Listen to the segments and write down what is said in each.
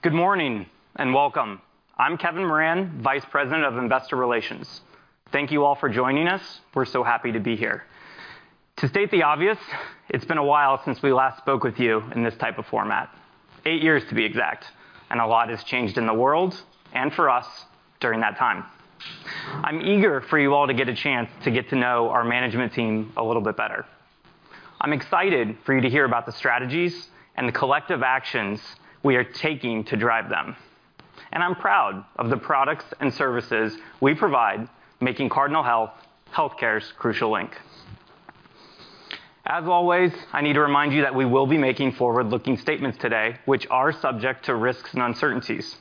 Good morning, and welcome. I'm Kevin Moran, Vice President of Investor Relations. Thank you all for joining us. We're so happy to be here. To state the obvious, it's been a while since we last spoke with you in this type of format. Eight years, to be exact. A lot has changed in the world and for us during that time. I'm eager for you all to get a chance to get to know our management team a little bit better. I'm excited for you to hear about the strategies and the collective actions we are taking to drive them. I'm proud of the products and services we provide, making Cardinal Health, healthcare's crucial link. As always, I need to remind you that we will be making forward-looking statements today, which are subject to risks and uncertainties.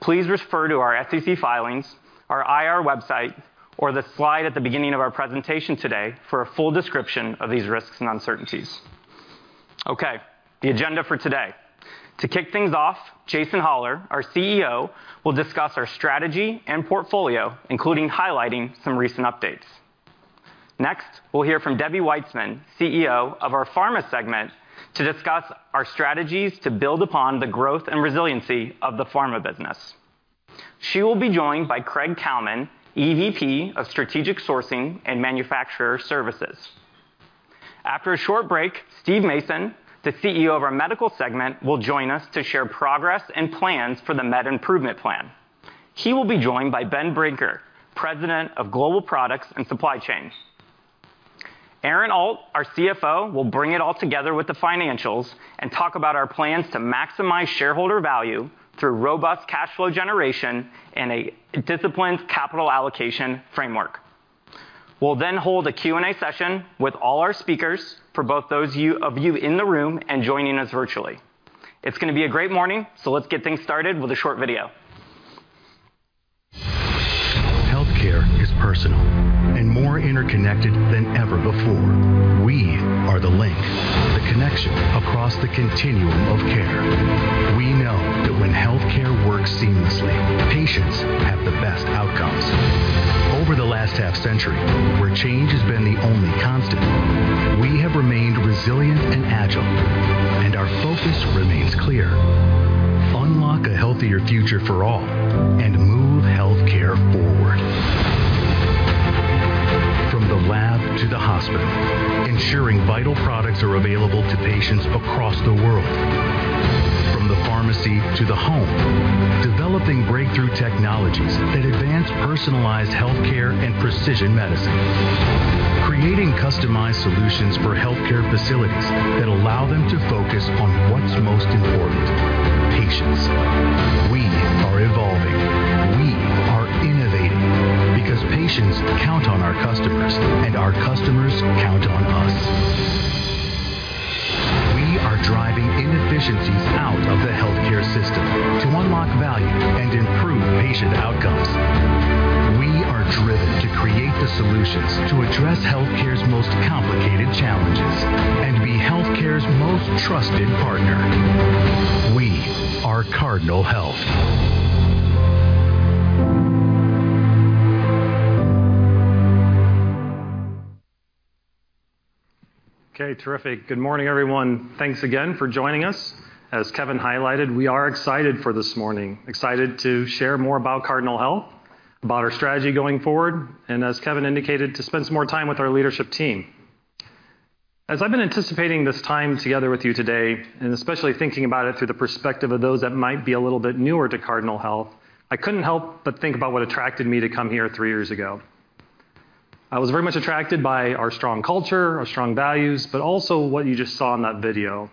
Please refer to our SEC filings, our IR website, or the slide at the beginning of our presentation today for a full description of these risks and uncertainties. Okay, the agenda for today. To kick things off, Jason Hollar, our CEO, will discuss our strategy and portfolio, including highlighting some recent updates. We'll hear from Debbie Weitzman, CEO of our Pharma segment, to discuss our strategies to build upon the growth and resiliency of the Pharma business. She will be joined by Craig Cowman, EVP of Strategic Sourcing and Manufacturer Services. After a short break, Steve Mason, the CEO of our Medical segment, will join us to share progress and plans for the Medical Improvement Plan. He will be joined by Ben Brinker, President of Global Products and Supply Chain. Aaron Alt, our CFO, will bring it all together with the financials and talk about our plans to maximize shareholder value through robust cash flow generation and a disciplined capital allocation framework. We'll then hold a Q&A session with all our speakers for both those of you in the room and joining us virtually. It's gonna be a great morning, so let's get things started with a short video. Healthcare is personal and more interconnected than ever before. We are the link, the connection across the continuum of care. We know that when healthcare works seamlessly, patients have the best outcomes. Over the last half century, where change has been the only constant, we have remained resilient and agile. Our focus remains clear: unlock a healthier future for all and move healthcare forward. From the lab to the hospital, ensuring vital products are available to patients across the world. From the pharmacy to the home, developing breakthrough technologies that advance personalized healthcare and precision medicine. Creating customized solutions for healthcare facilities that allow them to focus on what's most important: patients. We are evolving, we are innovating, because patients count on our customers, and our customers count on us. We are driving inefficiencies out of the healthcare system to unlock value and improve patient outcomes. We are driven to create the solutions to address healthcare's most complicated challenges and be healthcare's most trusted partner. We are Cardinal Health. Okay, terrific. Good morning, everyone. Thanks again for joining us. As Kevin highlighted, we are excited for this morning, excited to share more about Cardinal Health, about our strategy going forward, and as Kevin indicated, to spend some more time with our leadership team. As I've been anticipating this time together with you today, and especially thinking about it through the perspective of those that might be a little bit newer to Cardinal Health, I couldn't help but think about what attracted me to come here three years ago. I was very much attracted by our strong culture, our strong values, but also what you just saw in that video,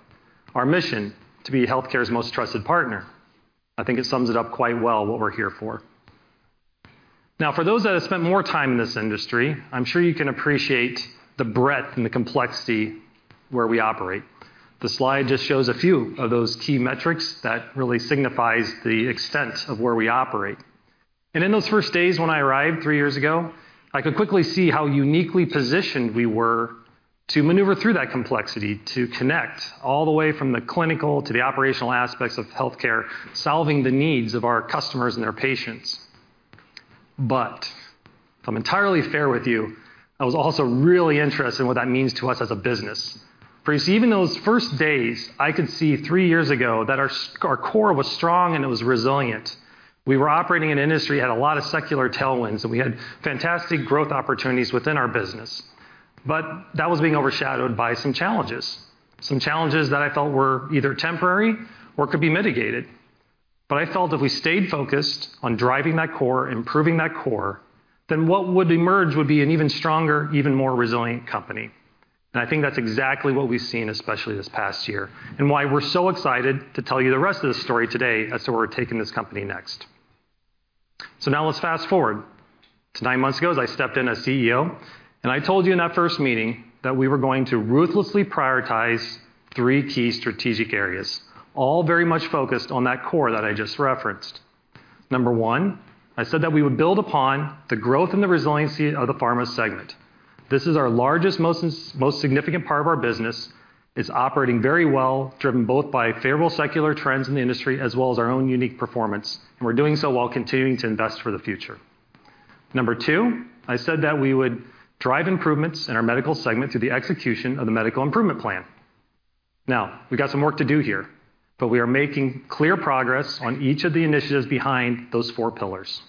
our mission: to be healthcare's most trusted partner. I think it sums it up quite well, what we're here for. For those that have spent more time in this industry, I'm sure you can appreciate the breadth and the complexity where we operate. The slide just shows a few of those key metrics that really signifies the extent of where we operate. In those first days when I arrived three years ago, I could quickly see how uniquely positioned we were to maneuver through that complexity, to connect all the way from the clinical to the operational aspects of healthcare, solving the needs of our customers and their patients. If I'm entirely fair with you, I was also really interested in what that means to us as a business. You see, even those first days, I could see three years ago that our core was strong and it was resilient. We were operating in an industry, had a lot of secular tailwinds, and we had fantastic growth opportunities within our business. That was being overshadowed by some challenges, some challenges that I felt were either temporary or could be mitigated. I felt if we stayed focused on driving that core, improving that core, then what would emerge would be an even stronger, even more resilient company. I think that's exactly what we've seen, especially this past year, and why we're so excited to tell you the rest of the story today as to where we're taking this company next. Now let's fast-forward to nine months ago, as I stepped in as CEO, and I told you in that first meeting that we were going to ruthlessly prioritize three key strategic areas, all very much focused on that core that I just referenced. Number one, I said that we would build upon the growth and the resiliency of the Pharma segment. This is our largest, most significant part of our business. It's operating very well, driven both by favorable secular trends in the industry, as well as our own unique performance, and we're doing so while continuing to invest for the future. Number two, I said that we would drive improvements in our Medical Segment through the execution of the Medical Improvement Plan. Now, we've got some work to do here, but we are making clear progress on each of the initiatives behind those four pillars.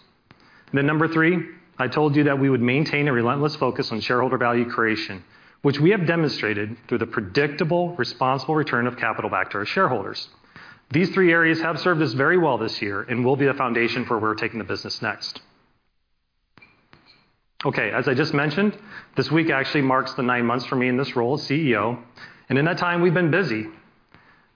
Number three, I told you that we would maintain a relentless focus on shareholder value creation, which we have demonstrated through the predictable, responsible return of capital back to our shareholders. These three areas have served us very well this year and will be the foundation for where we're taking the business next. Okay, as I just mentioned, this week actually marks the nine months for me in this role as CEO. In that time, we've been busy.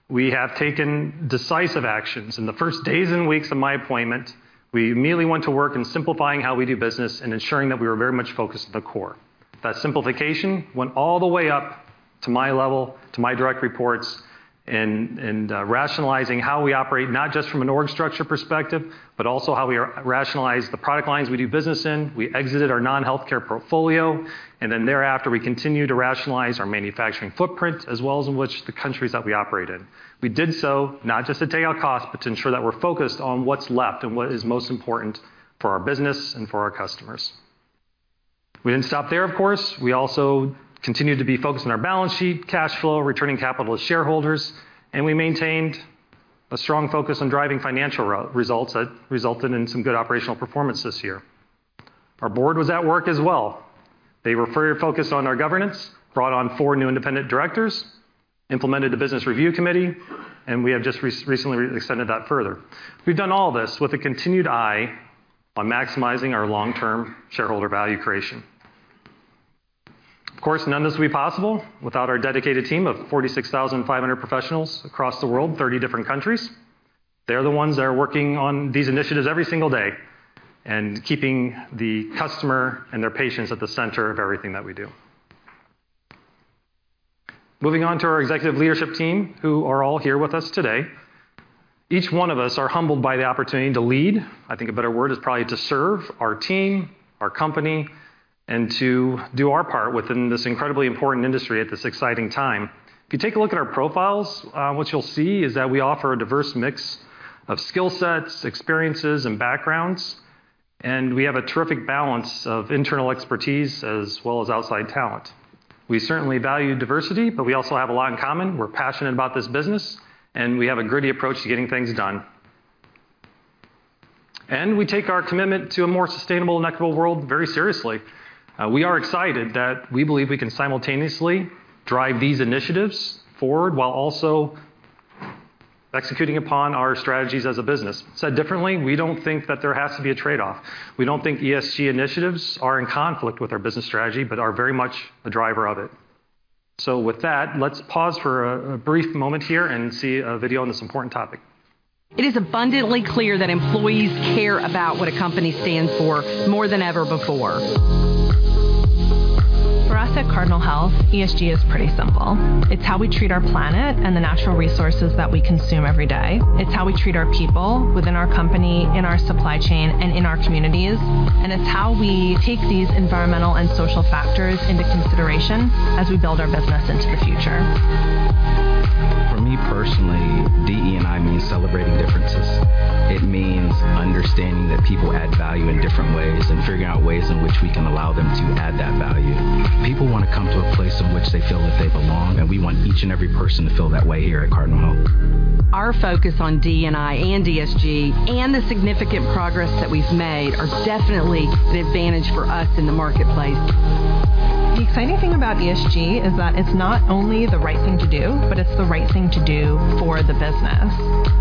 We have taken decisive actions. In the first days and weeks of my appointment, we immediately went to work in simplifying how we do business and ensuring that we were very much focused on the core. That simplification went all the way up to my level, to my direct reports, and rationalizing how we operate, not just from an org structure perspective, but also how we rationalize the product lines we do business in. We exited our non-healthcare portfolio, then thereafter, we continued to rationalize our manufacturing footprint, as well as in which the countries that we operate in. We did so not just to take out costs, to ensure that we're focused on what's left and what is most important for our business and for our customers. We didn't stop there, of course. We also continued to be focused on our balance sheet, cash flow, returning capital to shareholders, and we maintained a strong focus on driving financial results that resulted in some good operational performance this year. Our Board was at work as well. They were very focused on our governance, brought on four new independent directors, implemented the Business Review Committee, and we have just recently extended that further. We've done all this with a continued eye on maximizing our long-term shareholder value creation. Of course, none of this would be possible without our dedicated team of 46,500 professionals across the world, 30 different countries. They're the ones that are working on these initiatives every single day and keeping the customer and their patients at the center of everything that we do. Moving on to our executive leadership team, who are all here with us today. Each one of us are humbled by the opportunity to lead, I think a better word is probably to serve our team, our company, and to do our part within this incredibly important industry at this exciting time. If you take a look at our profiles, what you'll see is that we offer a diverse mix of skill sets, experiences, and backgrounds, and we have a terrific balance of internal expertise as well as outside talent. We certainly value diversity, but we also have a lot in common. We're passionate about this business, and we have a gritty approach to getting things done. We take our commitment to a more sustainable and equitable world very seriously. We are excited that we believe we can simultaneously drive these initiatives forward while also executing upon our strategies as a business. Said differently, we don't think that there has to be a trade-off. We don't think ESG initiatives are in conflict with our business strategy, but are very much a driver of it. With that, let's pause for a brief moment here and see a video on this important topic. It is abundantly clear that employees care about what a company stands for more than ever before. For us at Cardinal Health, ESG is pretty simple. It's how we treat our planet and the natural resources that we consume every day. It's how we treat our people within our company, in our supply chain, and in our communities. It's how we take these environmental and social factors into consideration as we build our business into the future. For me, personally, DE&I means celebrating differences. It means understanding that people add value in different ways. Figuring out ways in which we can allow them to add that value. People want to come to a place in which they feel that they belong. We want each and every person to feel that way here at Cardinal Health. Our focus on DE&I and ESG and the significant progress that we've made are definitely an advantage for us in the marketplace. The exciting thing about ESG is that it's not only the right thing to do, but it's the right thing to do for the business.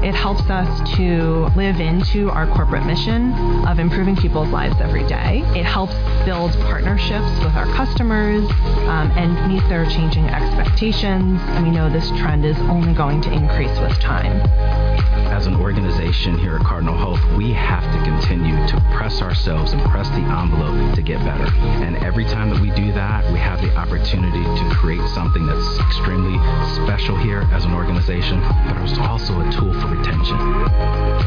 It helps us to live into our corporate mission of improving people's lives every day. It helps build partnerships with our customers, and meets their changing expectations, and we know this trend is only going to increase with time. As an organization here at Cardinal Health, we have to continue to press ourselves and press the envelope to get better. Every time that we do that, we have the opportunity to create something that's extremely special here as an organization, but it's also a tool for retention.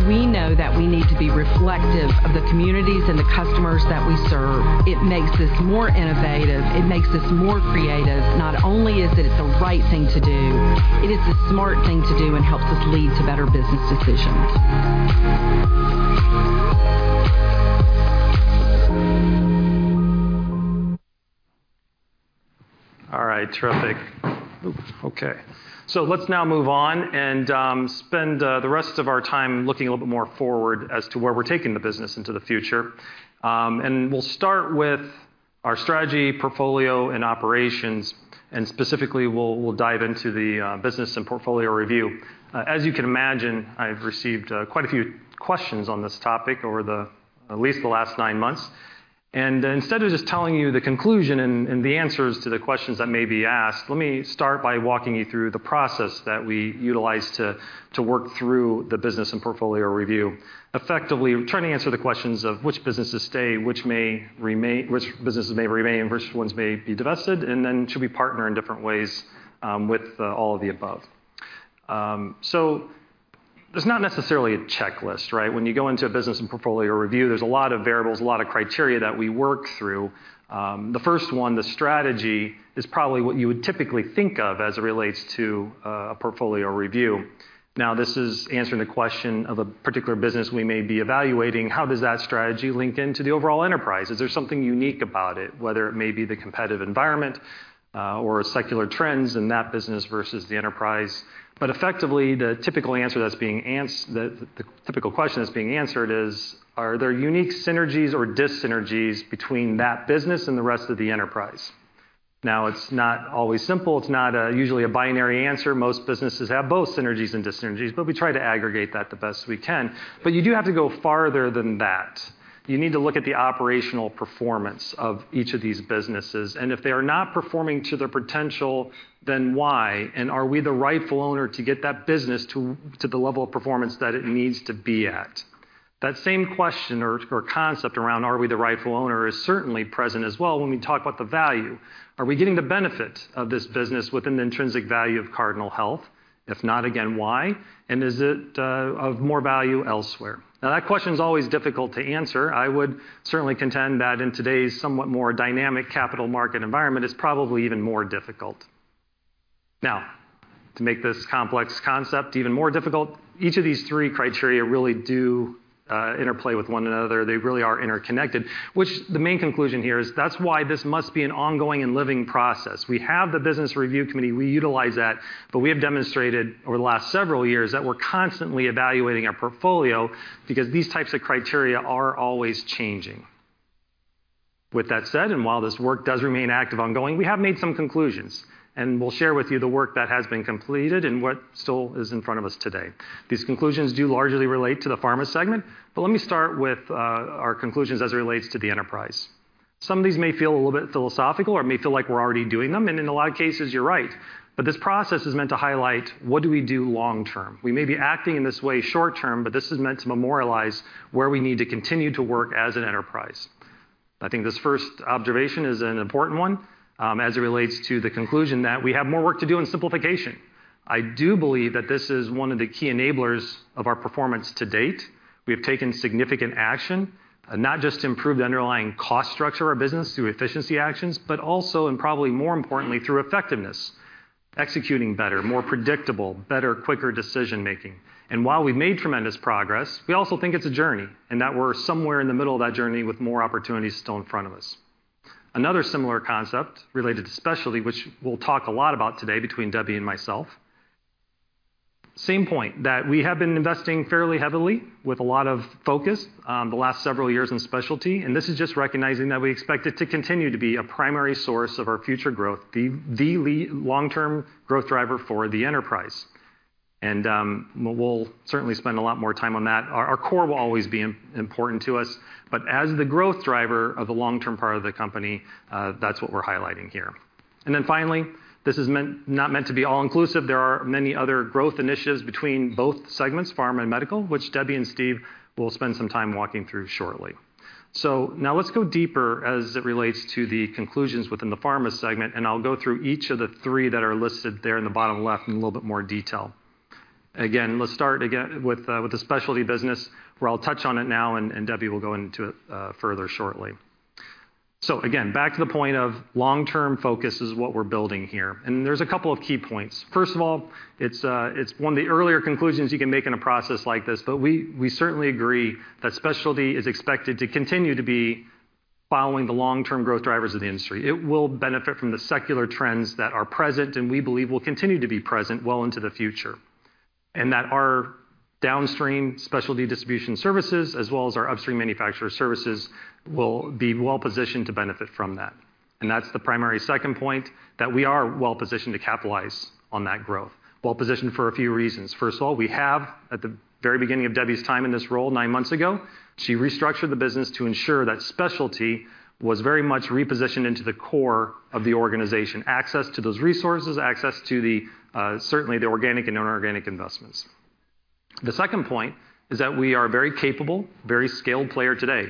We know that we need to be reflective of the communities and the customers that we serve. It makes us more innovative. It makes us more creative. Not only is it the right thing to do, it is the smart thing to do and helps us lead to better business decisions. All right, terrific. Okay. Let's now move on and spend the rest of our time looking a little bit more forward as to where we're taking the business into the future. We'll start with our strategy, portfolio, and operations, and specifically, we'll dive into the business and portfolio review. As you can imagine, I've received quite a few questions on this topic over the at least the last nine months. Instead of just telling you the conclusion and the answers to the questions that may be asked, let me start by walking you through the process that we utilized to work through the business and portfolio review, effectively trying to answer the questions of which businesses stay, which businesses may remain, and which ones may be divested, and then should we partner in different ways with all of the above? There's not necessarily a checklist, right? When you go into a business and portfolio review, there's a lot of variables, a lot of criteria that we work through. The first one, the strategy, is probably what you would typically think of as it relates to a portfolio review. Now, this is answering the question of a particular business we may be evaluating. How does that strategy link into the overall enterprise? Is there something unique about it, whether it may be the competitive environment, or secular trends in that business versus the enterprise? Effectively, the typical question that's being answered is: are there unique synergies or dis-synergies between that business and the rest of the enterprise? It's not always simple. It's not a usually a binary answer. Most businesses have both synergies and dis-synergies, but we try to aggregate that the best we can. You do have to go farther than that. You need to look at the operational performance of each of these businesses, and if they are not performing to their potential, then why? Are we the rightful owner to get that business to the level of performance that it needs to be at? That same question or concept around, "Are we the rightful owner?" is certainly present as well when we talk about the value. Are we getting the benefit of this business within the intrinsic value of Cardinal Health? If not, again, why? Is it of more value elsewhere? That question is always difficult to answer. I would certainly contend that in today's somewhat more dynamic capital market environment, it's probably even more difficult. To make this complex concept even more difficult, each of these three criteria really do interplay with one another. They really are interconnected, which the main conclusion here is that's why this must be an ongoing and living process. We have the Business Review Committee. We utilize that, but we have demonstrated over the last several years that we're constantly evaluating our portfolio because these types of criteria are always changing. With that said, while this work does remain active ongoing, we have made some conclusions, and we'll share with you the work that has been completed and what still is in front of us today. These conclusions do largely relate to the Pharma segment, but let me start with our conclusions as it relates to the enterprise. Some of these may feel a little bit philosophical or may feel like we're already doing them, and in a lot of cases, you're right. This process is meant to highlight what do we do long term? We may be acting in this way short term, but this is meant to memorialize where we need to continue to work as an enterprise. I think this first observation is an important one as it relates to the conclusion that we have more work to do in simplification. I do believe that this is one of the key enablers of our performance to date. We have taken significant action, not just to improve the underlying cost structure of our business through efficiency actions, but also, probably more importantly, through effectiveness. Executing better, more predictable, better, quicker decision-making. While we've made tremendous progress, we also think it's a journey, that we're somewhere in the middle of that journey with more opportunities still in front of us. Another similar concept related to Specialty, which we'll talk a lot about today between Debbie and myself. Same point, that we have been investing fairly heavily with a lot of focus, the last several years in Specialty, this is just recognizing that we expect it to continue to be a primary source of our future growth, the long-term growth driver for the enterprise. We'll certainly spend a lot more time on that. Our core will always be important to us, but as the growth driver of the long-term part of the company, that's what we're highlighting here. Finally, this is not meant to be all-inclusive. There are many other growth initiatives between both segments, Pharma and Medical, which Debbie and Steve will spend some time walking through shortly. Now let's go deeper as it relates to the conclusions within the Pharma segment, and I'll go through each of the three that are listed there in the bottom left in a little bit more detail. Again, let's start with the Specialty business, where I'll touch on it now, and Debbie will go into it further shortly. Again, back to the point of long-term focus is what we're building here, and there's a couple of key points. First of all, it's one of the earlier conclusions you can make in a process like this, but we certainly agree that Specialty is expected to continue to be following the long-term growth drivers of the industry. It will benefit from the secular trends that are present, and we believe will continue to be present well into the future. Our downstream Specialty distribution services, as well as our upstream manufacturer services, will be well positioned to benefit from that. That's the primary second point, that we are well positioned to capitalize on that growth. Well positioned for a few reasons. First of all, we have, at the very beginning of Debbie's time in this role, 9 months ago, she restructured the business to ensure that Specialty was very much repositioned into the core of the organization. Access to those resources, access to the certainly the organic and non-organic investments. The second point is that we are a very capable, very scaled player today,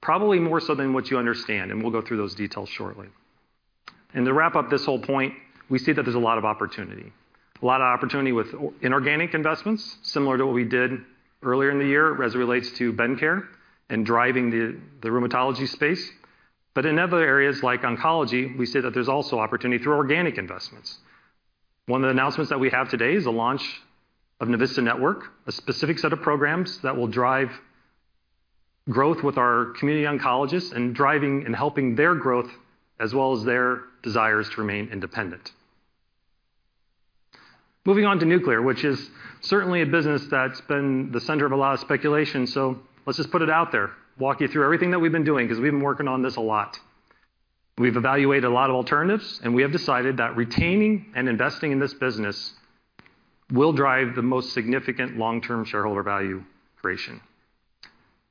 probably more so than what you understand, and we'll go through those details shortly. To wrap up this whole point, we see that there's a lot of opportunity. A lot of opportunity with inorganic investments, similar to what we did earlier in the year as it relates to Bendcare and driving the rheumatology space. In other areas like oncology, we see that there's also opportunity through organic investments. One of the announcements that we have today is the launch of Navista Network, a specific set of programs that will drive growth with our community oncologists and driving and helping their growth as well as their desires to remain independent. Moving on to Nuclear, which is certainly a business that's been the center of a lot of speculation, so let's just put it out there, walk you through everything that we've been doing, because we've been working on this a lot. We've evaluated a lot of alternatives, and we have decided that retaining and investing in this business will drive the most significant long-term shareholder value creation.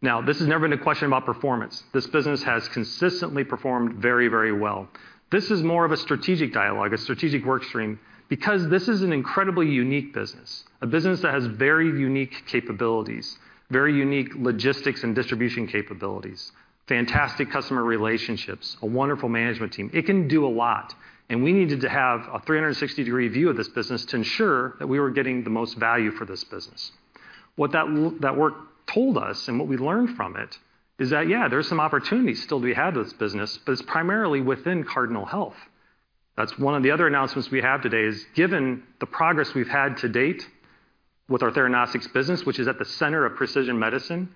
This has never been a question about performance. This business has consistently performed very, very well. This is more of a strategic dialogue, a strategic work stream, because this is an incredibly unique business, a business that has very unique capabilities, very unique logistics and distribution capabilities, fantastic customer relationships, a wonderful management team. It can do a lot, and we needed to have a 360 degree view of this business to ensure that we were getting the most value for this business. What that work told us, and what we learned from it, is that, yeah, there are some opportunities still to be had with this business, but it's primarily within Cardinal Health. That's one of the other announcements we have today, is given the progress we've had to date with our Theranostics business, which is at the center of precision medicine,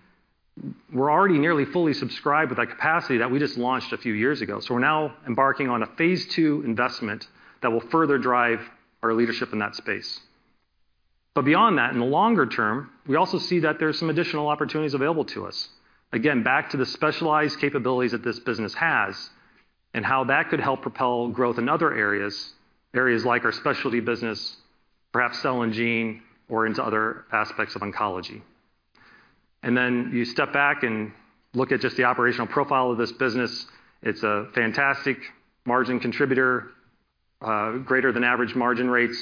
we're already nearly fully subscribed with that capacity that we just launched a few years ago. We're now embarking on a phase two investment that will further drive our leadership in that space. Beyond that, in the longer term, we also see that there are some additional opportunities available to us. Again, back to the specialized capabilities that this business has and how that could help propel growth in other areas like our Specialty business, perhaps cell and gene, or into other aspects of oncology. Then you step back and look at just the operational profile of this business. It's a fantastic margin contributor, greater than average margin rates,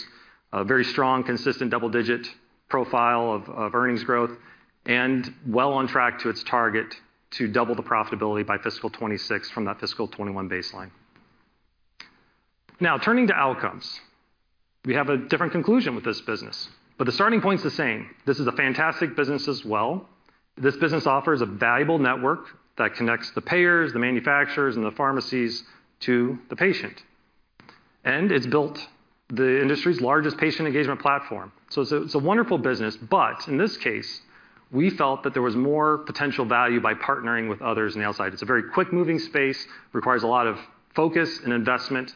a very strong, consistent double-digit profile of earnings growth, and well on track to its target to double the profitability by fiscal 2026 from that fiscal 2021 baseline. Turning to Outcomes, we have a different conclusion with this business, but the starting point's the same. This is a fantastic business as well. This business offers a valuable network that connects the payers, the manufacturers, and the pharmacies to the patient. It's built the industry's largest patient engagement platform. It's a wonderful business, but in this case, we felt that there was more potential value by partnering with others on the outside. It's a very quick-moving space, requires a lot of focus and investment,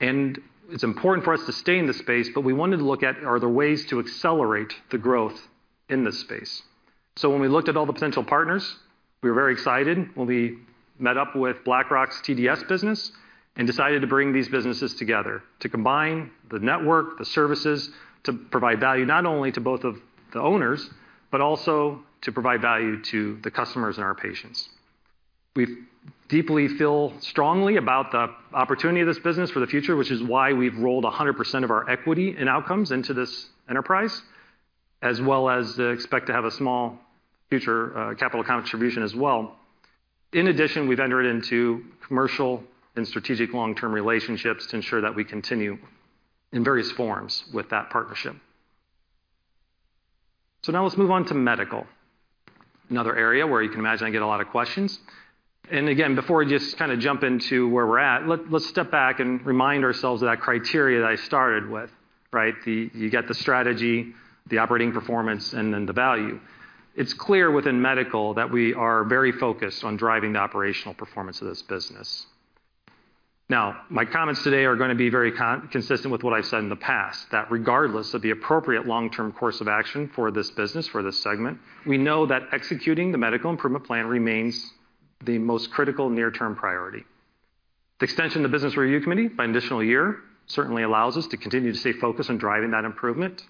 and it's important for us to stay in the space, but we wanted to look at, are there ways to accelerate the growth in this space? When we looked at all the potential partners, we were very excited when we met up with BlackRock's TDS business and decided to bring these businesses together to combine the network, the services, to provide value not only to both of the owners, but also to provide value to the customers and our patients. We deeply feel strongly about the opportunity of this business for the future, which is why we've rolled 100% of our equity and Outcomes into this enterprise, as well as expect to have a small future capital contribution as well. In addition, we've entered into commercial and strategic long-term relationships to ensure that we continue in various forms with that partnership. Now let's move on to Medical, another area where you can imagine I get a lot of questions. Again, before I just kinda jump into where we're at, let's step back and remind ourselves of that criteria that I started with, right? You get the strategy, the operating performance, and then the value. It's clear within Medical that we are very focused on driving the operational performance of this business. Now, my comments today are gonna be very consistent with what I've said in the past, that regardless of the appropriate long-term course of action for this business, for this segment, we know that executing the Medical Improvement Plan remains the most critical near-term priority. The extension of the Business Review Committee by an additional year certainly allows us to continue to stay focused on driving that improvement.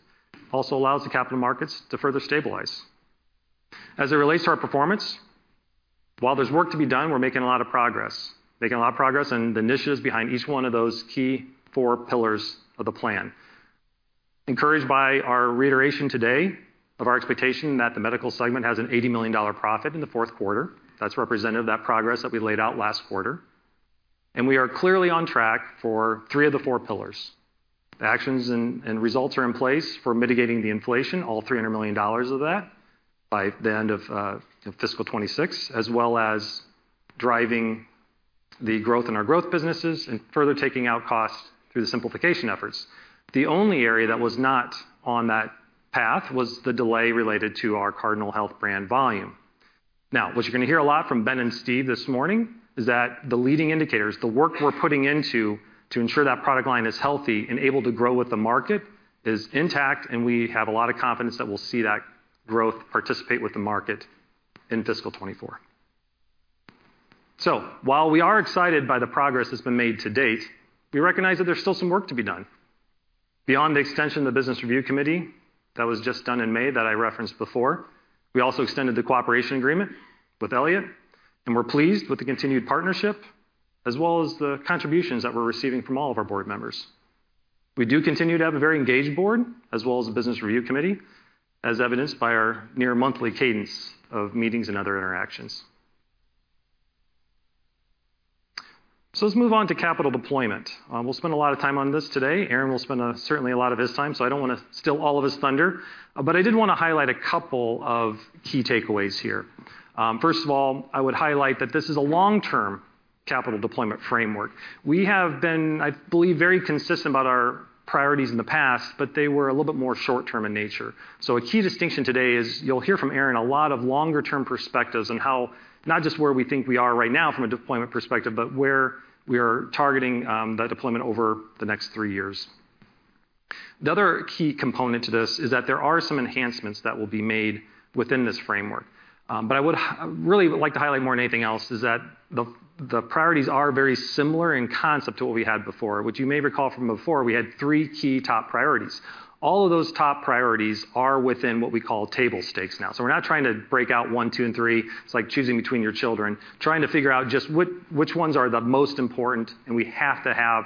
Also allows the capital markets to further stabilize. As it relates to our performance, while there's work to be done, we're making a lot of progress. Making a lot of progress in the initiatives behind each one of those key four pillars of the plan. Encouraged by our reiteration today of our expectation that the Medical segment has an $80 million profit in the fourth quarter, that's representative of that progress that we laid out last quarter. We are clearly on track for three of the four pillars. Actions and results are in place for mitigating the inflation, all $300 million of that, by the end of fiscal 2026, as well as driving the growth in our growth businesses and further taking out costs through the simplification efforts. The only area that was not on that path was the delay related to our Cardinal Health brand volume. What you're gonna hear a lot from Ben and Steve this morning is that the leading indicators, the work we're putting into to ensure that product line is healthy and able to grow with the market, is intact, and we have a lot of confidence that we'll see that growth participate with the market in fiscal 2024. While we are excited by the progress that's been made to date, we recognize that there's still some work to be done. Beyond the extension of the Business Review Committee that was just done in May, that I referenced before, we also extended the cooperation agreement with Elliott, and we're pleased with the continued partnership, as well as the contributions that we're receiving from all of our Board members. We do continue to have a very engaged board, as well as a Business Review Committee, as evidenced by our near monthly cadence of meetings and other interactions. Let's move on to capital deployment. We'll spend a lot of time on this today. Aaron will spend certainly a lot of his time, so I don't want to steal all of his thunder, but I did want to highlight a couple of key takeaways here. First of all, I would highlight that this is a long-term capital deployment framework. We have been, I believe, very consistent about our priorities in the past, but they were a little bit more short-term in nature. A key distinction today is, you'll hear from Aaron, a lot of longer term perspectives on how not just where we think we are right now from a deployment perspective, but where we are targeting that deployment over the next three years. The other key component to this is that there are some enhancements that will be made within this framework. I really would like to highlight more than anything else, is that the priorities are very similar in concept to what we had before, which you may recall from before, we had three key top priorities. All of those top priorities are within what we call table stakes now. We're not trying to break out one, two, and three. It's like choosing between your children, trying to figure out just which ones are the most important, and we have to have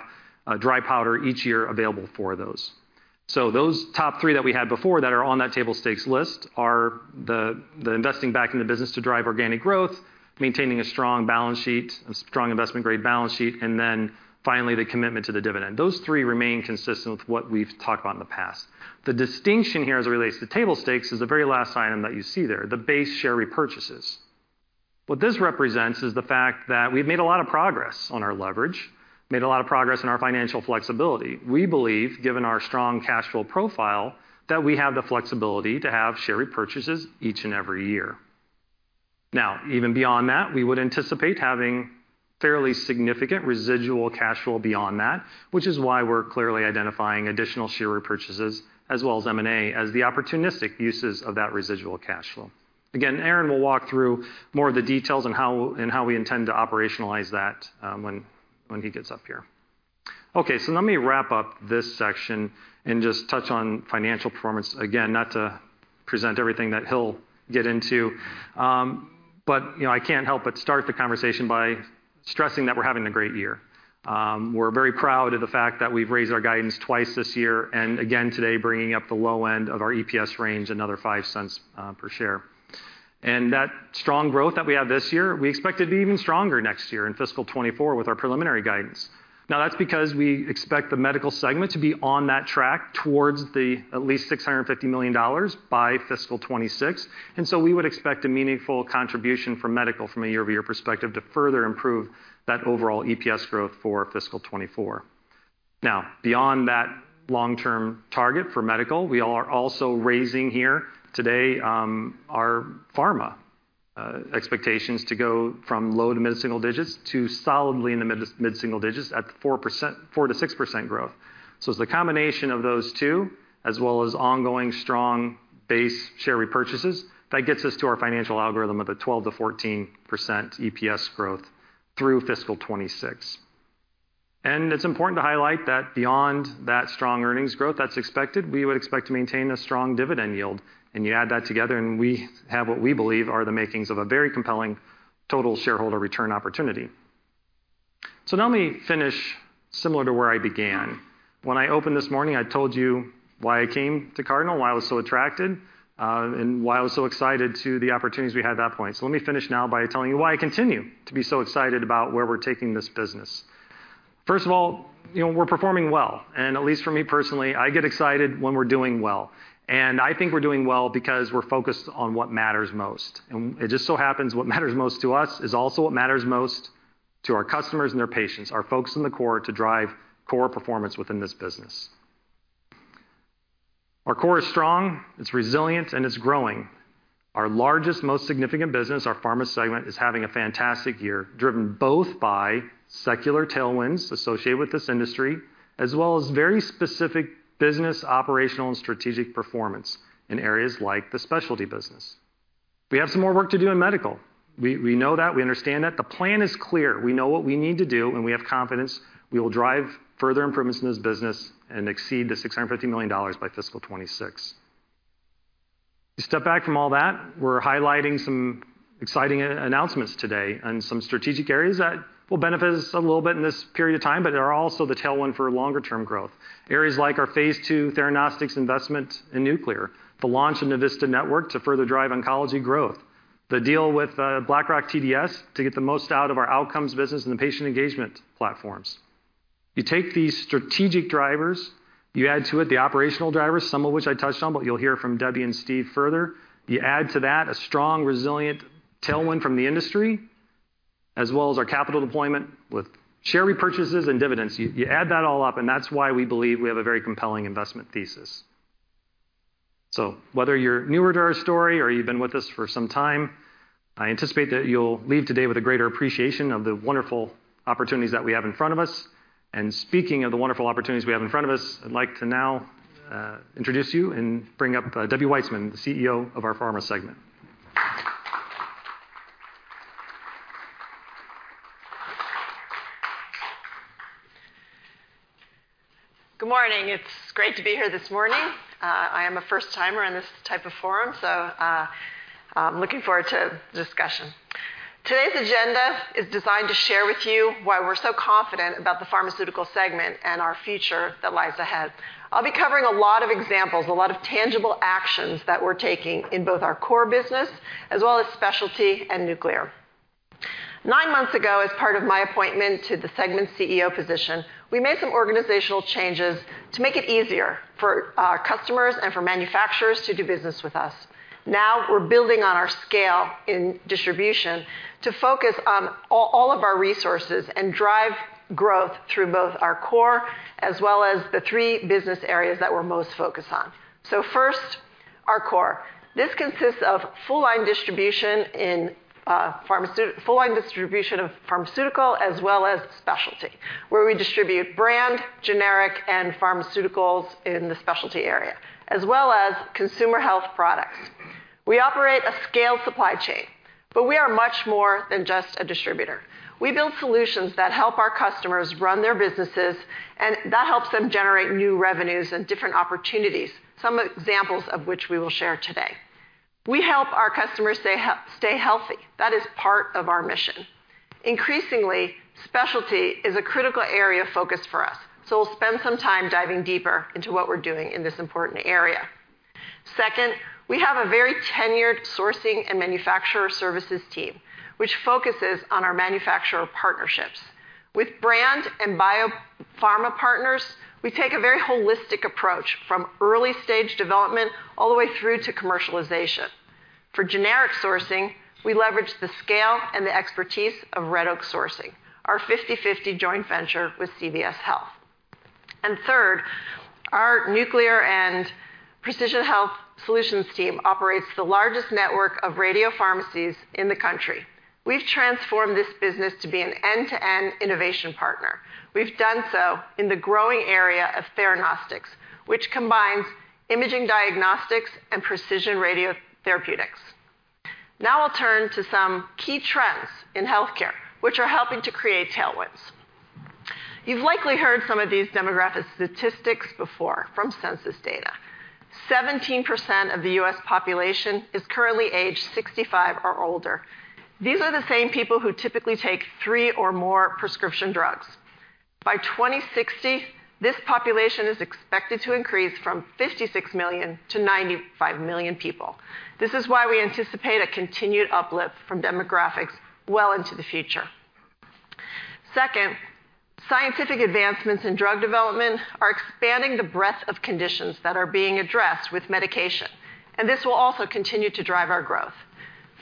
dry powder each year available for those. Those top three that we had before that are on that table stakes list are the investing back in the business to drive organic growth, maintaining a strong balance sheet, a strong investment-grade balance sheet, and then finally, the commitment to the dividend. Those three remain consistent with what we've talked about in the past. The distinction here, as it relates to table stakes, is the very last item that you see there, the base share repurchases. What this represents is the fact that we've made a lot of progress on our leverage, made a lot of progress in our financial flexibility. We believe, given our strong cash flow profile, that we have the flexibility to have share repurchases each and every year. Even beyond that, we would anticipate having fairly significant residual cash flow beyond that, which is why we're clearly identifying additional share repurchases as well as M&A as the opportunistic uses of that residual cash flow. Aaron will walk through more of the details on how, and how we intend to operationalize that, when he gets up here. Let me wrap up this section and just touch on financial performance. Not to present everything that he'll get into, you know, I can't help but start the conversation by stressing that we're having a great year. We're very proud of the fact that we've raised our guidance twice this year, and again, today, bringing up the low end of our EPS range, another $0.05 per share. That strong growth that we have this year, we expect it to be even stronger next year in fiscal 2024 with our preliminary guidance. That's because we expect the Medical segment to be on that track towards at least $650 million by fiscal 2026, so we would expect a meaningful contribution from Medical from a year-over-year perspective to further improve that overall EPS growth for fiscal 2024. Beyond that long-term target for Medical, we are also raising here today our Pharma expectations to go from low-to-mid single digits to solidly in the mid-single digits at 4%, 4%-6% growth. It's the combination of those two, as well as ongoing strong base share repurchases, that gets us to our financial algorithm of a 12%-14% EPS growth through fiscal 2026. It's important to highlight that beyond that strong earnings growth that's expected, we would expect to maintain a strong dividend yield. You add that together, and we have what we believe are the makings of a very compelling total shareholder return opportunity. Now let me finish similar to where I began. When I opened this morning, I told you why I came to Cardinal, why I was so attracted, and why I was so excited to the opportunities we had at that point. Let me finish now by telling you why I continue to be so excited about where we're taking this business. First of all, you know, we're performing well, and at least for me personally, I get excited when we're doing well. I think we're doing well because we're focused on what matters most. It just so happens, what matters most to us is also what matters most to our customers and their patients, our folks in the core to drive core performance within this business. Our core is strong, it's resilient, and it's growing. Our largest, most significant business, our Pharma segment, is having a fantastic year, driven both by secular tailwinds associated with this industry, as well as very specific business, operational, and strategic performance in areas like the Specialty business. We have some more work to do in Medical. We know that, we understand that. The plan is clear. We know what we need to do, and we have confidence we will drive further improvements in this business and exceed the $650 million by fiscal 2026. You step back from all that, we're highlighting some exciting announcements today and some strategic areas that will benefit us a little bit in this period of time, but they are also the tailwind for longer-term growth. Areas like our phase two Theranostics investment in Nuclear, the launch of Navista Network to further drive oncology growth, the deal with BlackRock TDS to get the most out of our Outcomes business and the patient engagement platforms. You take these strategic drivers, you add to it the operational drivers, some of which I touched on, but you'll hear from Debbie and Steve further. You add to that a strong, resilient tailwind from the industry, as well as our capital deployment with share repurchases and dividends. You add that all up, and that's why we believe we have a very compelling investment thesis. Whether you're newer to our story or you've been with us for some time, I anticipate that you'll leave today with a greater appreciation of the wonderful opportunities that we have in front of us. Speaking of the wonderful opportunities we have in front of us, I'd like to now introduce you and bring up Debbie Weitzman, the CEO of our Pharma segment. Good morning. It's great to be here this morning. I am a first-timer in this type of forum, I'm looking forward to the discussion. Today's agenda is designed to share with you why we're so confident about the Pharmaceutical segment and our future that lies ahead. I'll be covering a lot of examples, a lot of tangible actions that we're taking in both our core business as well as Specialty and Nuclear. Nine months ago, as part of my appointment to the segment CEO position, we made some organizational changes to make it easier for our customers and for manufacturers to do business with us. Now, we're building on our scale in distribution to focus on all of our resources and drive growth through both our core as well as the 3 business areas that we're most focused on. First, our core. This consists of full line distribution in full line distribution of Pharmaceutical as well as Specialty, where we distribute brand, generic, and Pharmaceuticals in the Specialty area, as well as consumer health products. We operate a scaled supply chain. We are much more than just a distributor. We build solutions that help our customers run their businesses. That helps them generate new revenues and different opportunities, some examples of which we will share today. We help our customers stay healthy. That is part of our mission. Increasingly, Specialty is a critical area of focus for us. We'll spend some time diving deeper into what we're doing in this important area. Second, we have a very tenured sourcing and manufacturer services team, which focuses on our manufacturer partnerships. With brand and biopharma partners, we take a very holistic approach, from early-stage development all the way through to commercialization. For generic sourcing, we leverage the scale and the expertise of Red Oak Sourcing, our 50/50 joint venture with CVS Health. Third, our Nuclear and Precision Health Solutions team operates the largest network of radio pharmacies in the country. We've transformed this business to be an end-to-end innovation partner. We've done so in the growing area of Theranostics, which combines imaging diagnostics and precision radio therapeutics. We'll turn to some key trends in healthcare, which are helping to create tailwinds. You've likely heard some of these demographic statistics before from census data. 17% of the U.S. population is currently aged 65 or older. These are the same people who typically take three or more prescription drugs. By 2060, this population is expected to increase from 56 million to 95 million people. This is why we anticipate a continued uplift from demographics well into the future. Second, scientific advancements in drug development are expanding the breadth of conditions that are being addressed with medication, and this will also continue to drive our growth.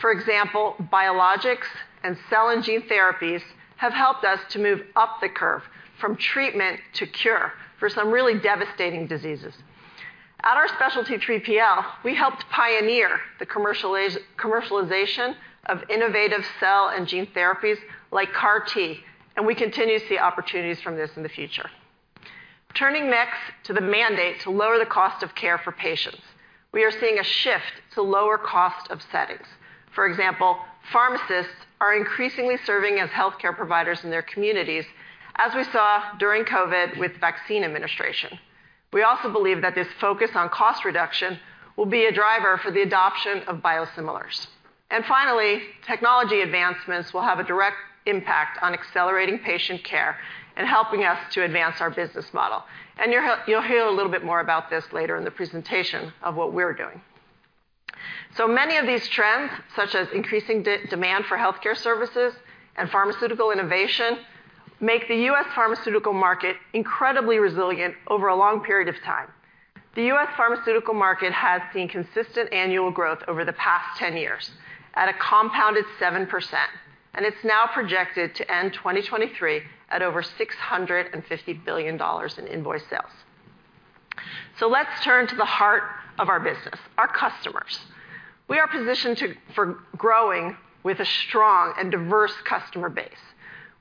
For example, biologics and cell, and gene therapies have helped us to move up the curve from treatment to cure for some really devastating diseases. At our Specialty 3PL, we helped pioneer the commercialization of innovative cell and gene therapies like CAR T, and we continue to see opportunities from this in the future. Turning next to the mandate to lower the cost of care for patients. We are seeing a shift to lower cost of settings. For example, pharmacists are increasingly serving as healthcare providers in their communities, as we saw during COVID with vaccine administration. We also believe that this focus on cost reduction will be a driver for the adoption of biosimilars. Finally, technology advancements will have a direct impact on accelerating patient care and helping us to advance our business model. You'll hear a little bit more about this later in the presentation of what we're doing. Many of these trends, such as increasing demand for healthcare services and pharmaceutical innovation, make the U.S. pharmaceutical market incredibly resilient over a long period of time. The U.S. pharmaceutical market has seen consistent annual growth over the past 10 years at a compounded 7%, and it's now projected to end 2023 at over $650 billion in invoice sales. Let's turn to the heart of our business, our customers. We are positioned for growing with a strong and diverse customer base.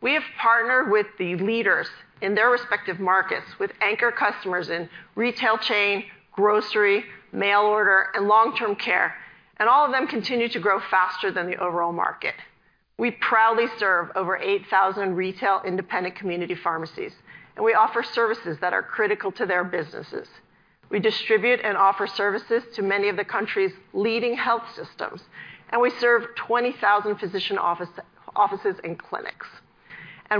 We have partnered with the leaders in their respective markets, with anchor customers in retail chain, grocery, mail order, and long-term care. All of them continue to grow faster than the overall market. We proudly serve over 8,000 retail independent community pharmacies. We offer services that are critical to their businesses. We distribute and offer services to many of the country's leading health systems. We serve 20,000 physician offices and clinics.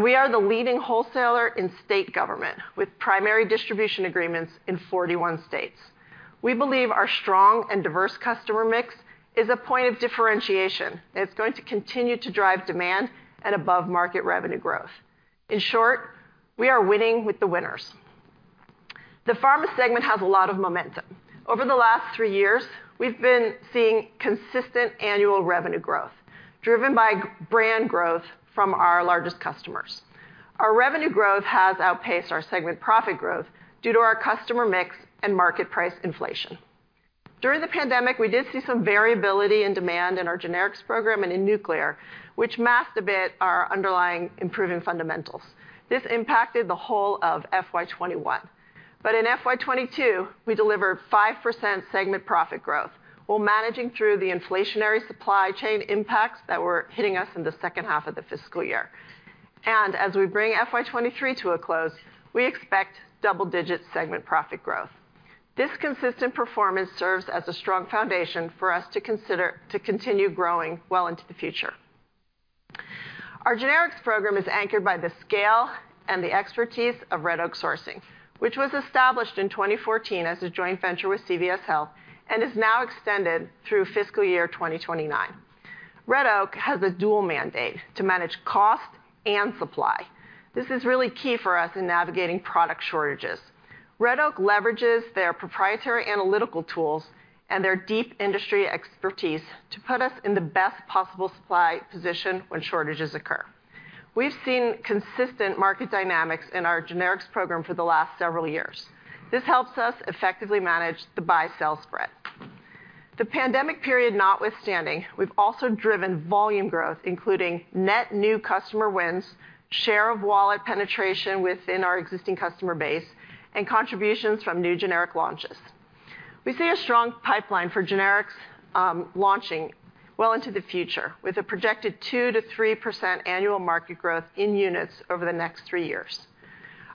We are the leading wholesaler in state government, with primary distribution agreements in 41 states. We believe our strong and diverse customer mix is a point of differentiation. It's going to continue to drive demand and above-market revenue growth. In short, we are winning with the winners. The Pharma segment has a lot of momentum. Over the last three years, we've been seeing consistent annual revenue growth, driven by brand growth from our largest customers. Our revenue growth has outpaced our segment profit growth due to our customer mix and market price inflation. During the pandemic, we did see some variability in demand in our Generics program and in Nuclear, which masked a bit our underlying improving fundamentals. This impacted the whole of FY 2021. In FY 2022, we delivered 5% segment profit growth while managing through the inflationary supply chain impacts that were hitting us in the second half of the fiscal year. As we bring FY 2023 to a close, we expect double-digit segment profit growth. This consistent performance serves as a strong foundation for us to consider to continue growing well into the future. Our Generics program is anchored by the scale and the expertise of Red Oak Sourcing, which was established in 2014 as a joint venture with CVS Health and is now extended through fiscal year 2029. Red Oak has a dual mandate: to manage cost and supply. This is really key for us in navigating product shortages. Red Oak leverages their proprietary analytical tools and their deep industry expertise to put us in the best possible supply position when shortages occur. We've seen consistent market dynamics in our generics program for the last several years. This helps us effectively manage the buy-sell spread. The pandemic period notwithstanding, we've also driven volume growth, including net new customer wins, share of wallet penetration within our existing customer base, and contributions from new generic launches. We see a strong pipeline for generics, launching well into the future, with a projected 2%-3% annual market growth in units over the next three years.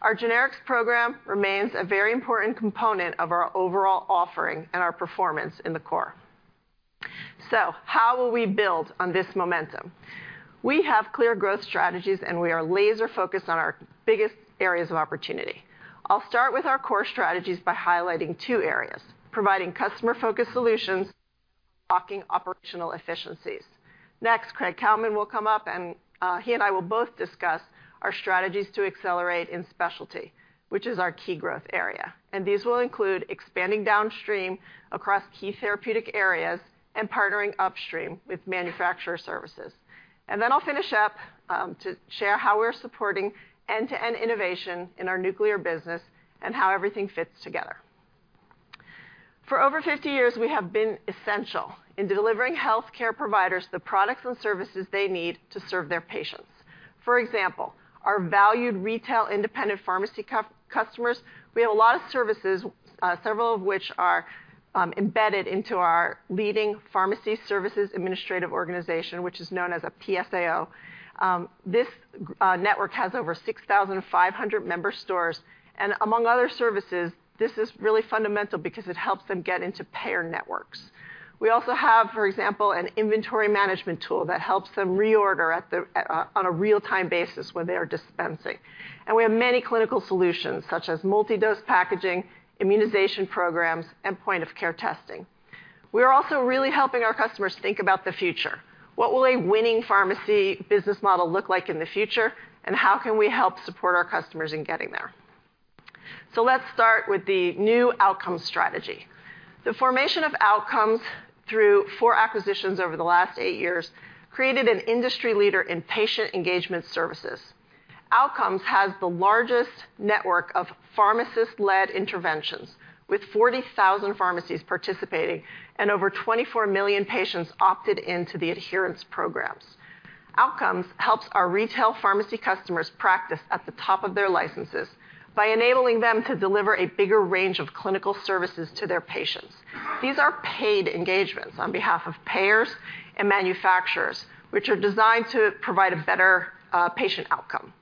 Our Generics program remains a very important component of our overall offering and our performance in the core. How will we build on this momentum? We have clear growth strategies, and we are laser-focused on our biggest areas of opportunity. I'll start with our core strategies by highlighting two areas: providing customer-focused solutions-... talking operational efficiencies. Next, Craig Cowman will come up, and he and I will both discuss our strategies to accelerate in Specialty, which is our key growth area. These will include expanding downstream across key therapeutic areas and partnering upstream with manufacturer services. I'll finish up to share how we're supporting end-to-end innovation in our Nuclear business and how everything fits together. For over 50 years, we have been essential in delivering healthcare providers the products and services they need to serve their patients. For example, our valued retail independent pharmacy customers, we have a lot of services, several of which are embedded into our leading Pharmacy Services Administrative Organization, which is known as a PSAO. This network has over 6,500 member stores, and among other services, this is really fundamental because it helps them get into payer networks. We also have, for example, an inventory management tool that helps them reorder on a real-time basis when they are dispensing. We have many clinical solutions, such as multi-dose packaging, immunization programs, and point-of-care testing. We are also really helping our customers think about the future. What will a winning pharmacy business model look like in the future, and how can we help support our customers in getting there? Let's start with the new Outcomes strategy. The formation of Outcomes through four acquisitions over the last eight years created an industry leader in patient engagement services. Outcomes has the largest network of pharmacist-led interventions, with 40,000 pharmacies participating and over 24 million patients opted into the adherence programs. Outcomes helps our retail pharmacy customers practice at the top of their licenses by enabling them to deliver a bigger range of clinical services to their patients. These are paid engagements on behalf of payers and manufacturers, which are designed to provide a better patient outcome.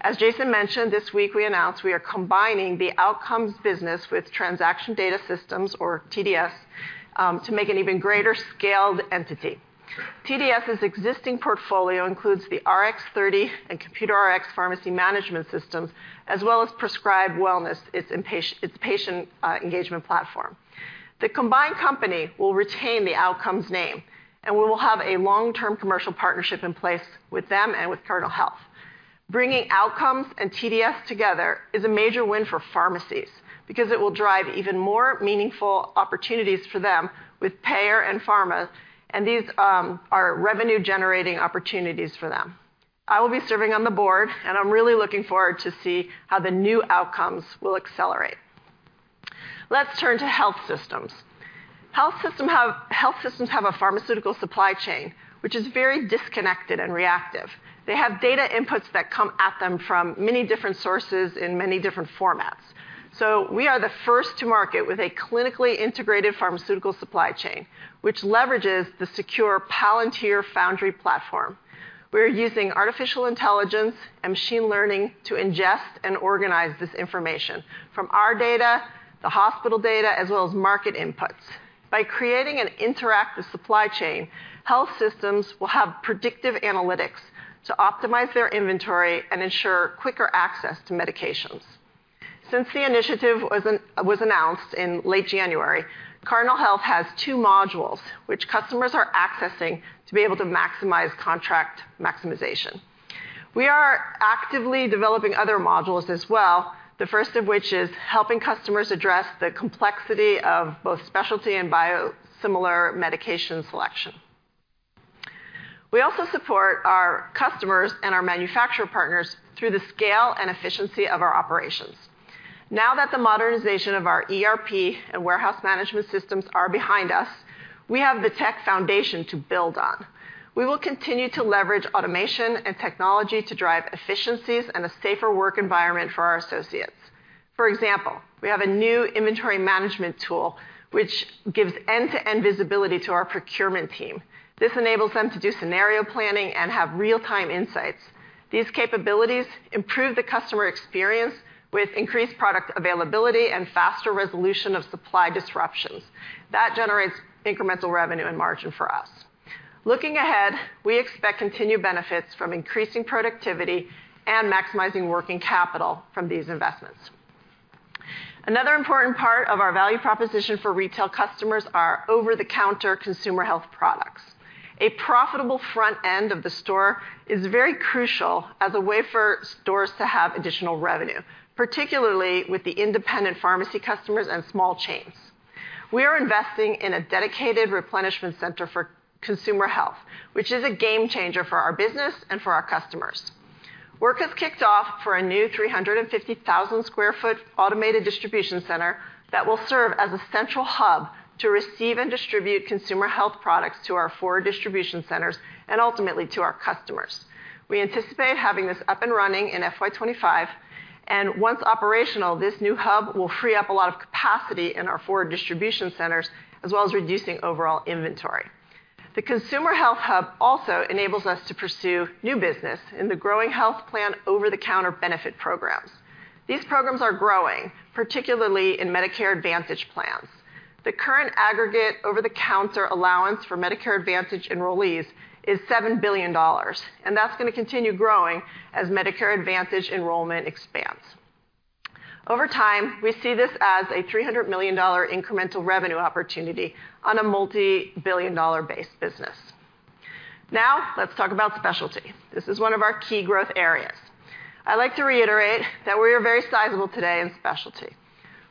As Jason mentioned, this week, we announced we are combining the Outcomes business with Transaction Data Systems, or TDS, to make an even greater scaled entity. TDS's existing portfolio includes the Rx30 and Computer-Rx pharmacy management systems, as well as PrescribeWellness, its patient engagement platform. The combined company will retain the Outcomes name, and we will have a long-term commercial partnership in place with them and with Cardinal Health. Bringing Outcomes and TDS together is a major win for pharmacies because it will drive even more meaningful opportunities for them with Payer and Pharma, and these are revenue-generating opportunities for them. I will be serving on the Board, and I'm really looking forward to see how the new Outcomes will accelerate. Let's turn to Health Systems. Health systems have a pharmaceutical supply chain, which is very disconnected and reactive. They have data inputs that come at them from many different sources in many different formats. We are the first to market with a clinically integrated pharmaceutical supply chain, which leverages the secure Palantir Foundry platform. We're using artificial intelligence and machine learning to ingest and organize this information from our data, the hospital data, as well as market inputs. By creating an interactive supply chain, Health Systems will have predictive analytics to optimize their inventory and ensure quicker access to medications. Since the initiative was announced in late January, Cardinal Health has two modules, which customers are accessing to be able to maximize contract maximization. We are actively developing other modules as well, the first of which is helping customers address the complexity of both Specialty and biosimilar medication selection. We also support our customers and our manufacturer partners through the scale and efficiency of our operations. Now that the modernization of our ERP and warehouse management systems are behind us, we have the tech foundation to build on. We will continue to leverage automation and technology to drive efficiencies and a safer work environment for our associates. For example, we have a new inventory management tool, which gives end-to-end visibility to our procurement team. This enables them to do scenario planning and have real-time insights. These capabilities improve the customer experience with increased product availability and faster resolution of supply disruptions. That generates incremental revenue and margin for us. Looking ahead, we expect continued benefits from increasing productivity and maximizing working capital from these investments. Another important part of our value proposition for retail customers are over-the-counter consumer health products. A profitable front end of the store is very crucial as a way for stores to have additional revenue, particularly with the independent pharmacy customers and small chains. We are investing in a dedicated replenishment center for consumer health, which is a game changer for our business and for our customers. Work has kicked off for a new 350,000 sq ft automated distribution center that will serve as a central hub to receive and distribute consumer health products to our four distribution centers and ultimately to our customers. We anticipate having this up and running in FY 2025, and once operational, this new hub will free up a lot of capacity in our four distribution centers, as well as reducing overall inventory. The consumer health hub also enables us to pursue new business in the growing health plan over-the-counter benefit programs. These programs are growing, particularly in Medicare Advantage plans. The current aggregate over-the-counter allowance for Medicare Advantage enrollees is $7 billion, and that's going to continue growing as Medicare Advantage enrollment expands. Over time, we see this as a $300 million incremental revenue opportunity on a multi-billion dollar base business. Now, let's talk about Specialty. This is one of our key growth areas. I'd like to reiterate that we are very sizable today in Specialty.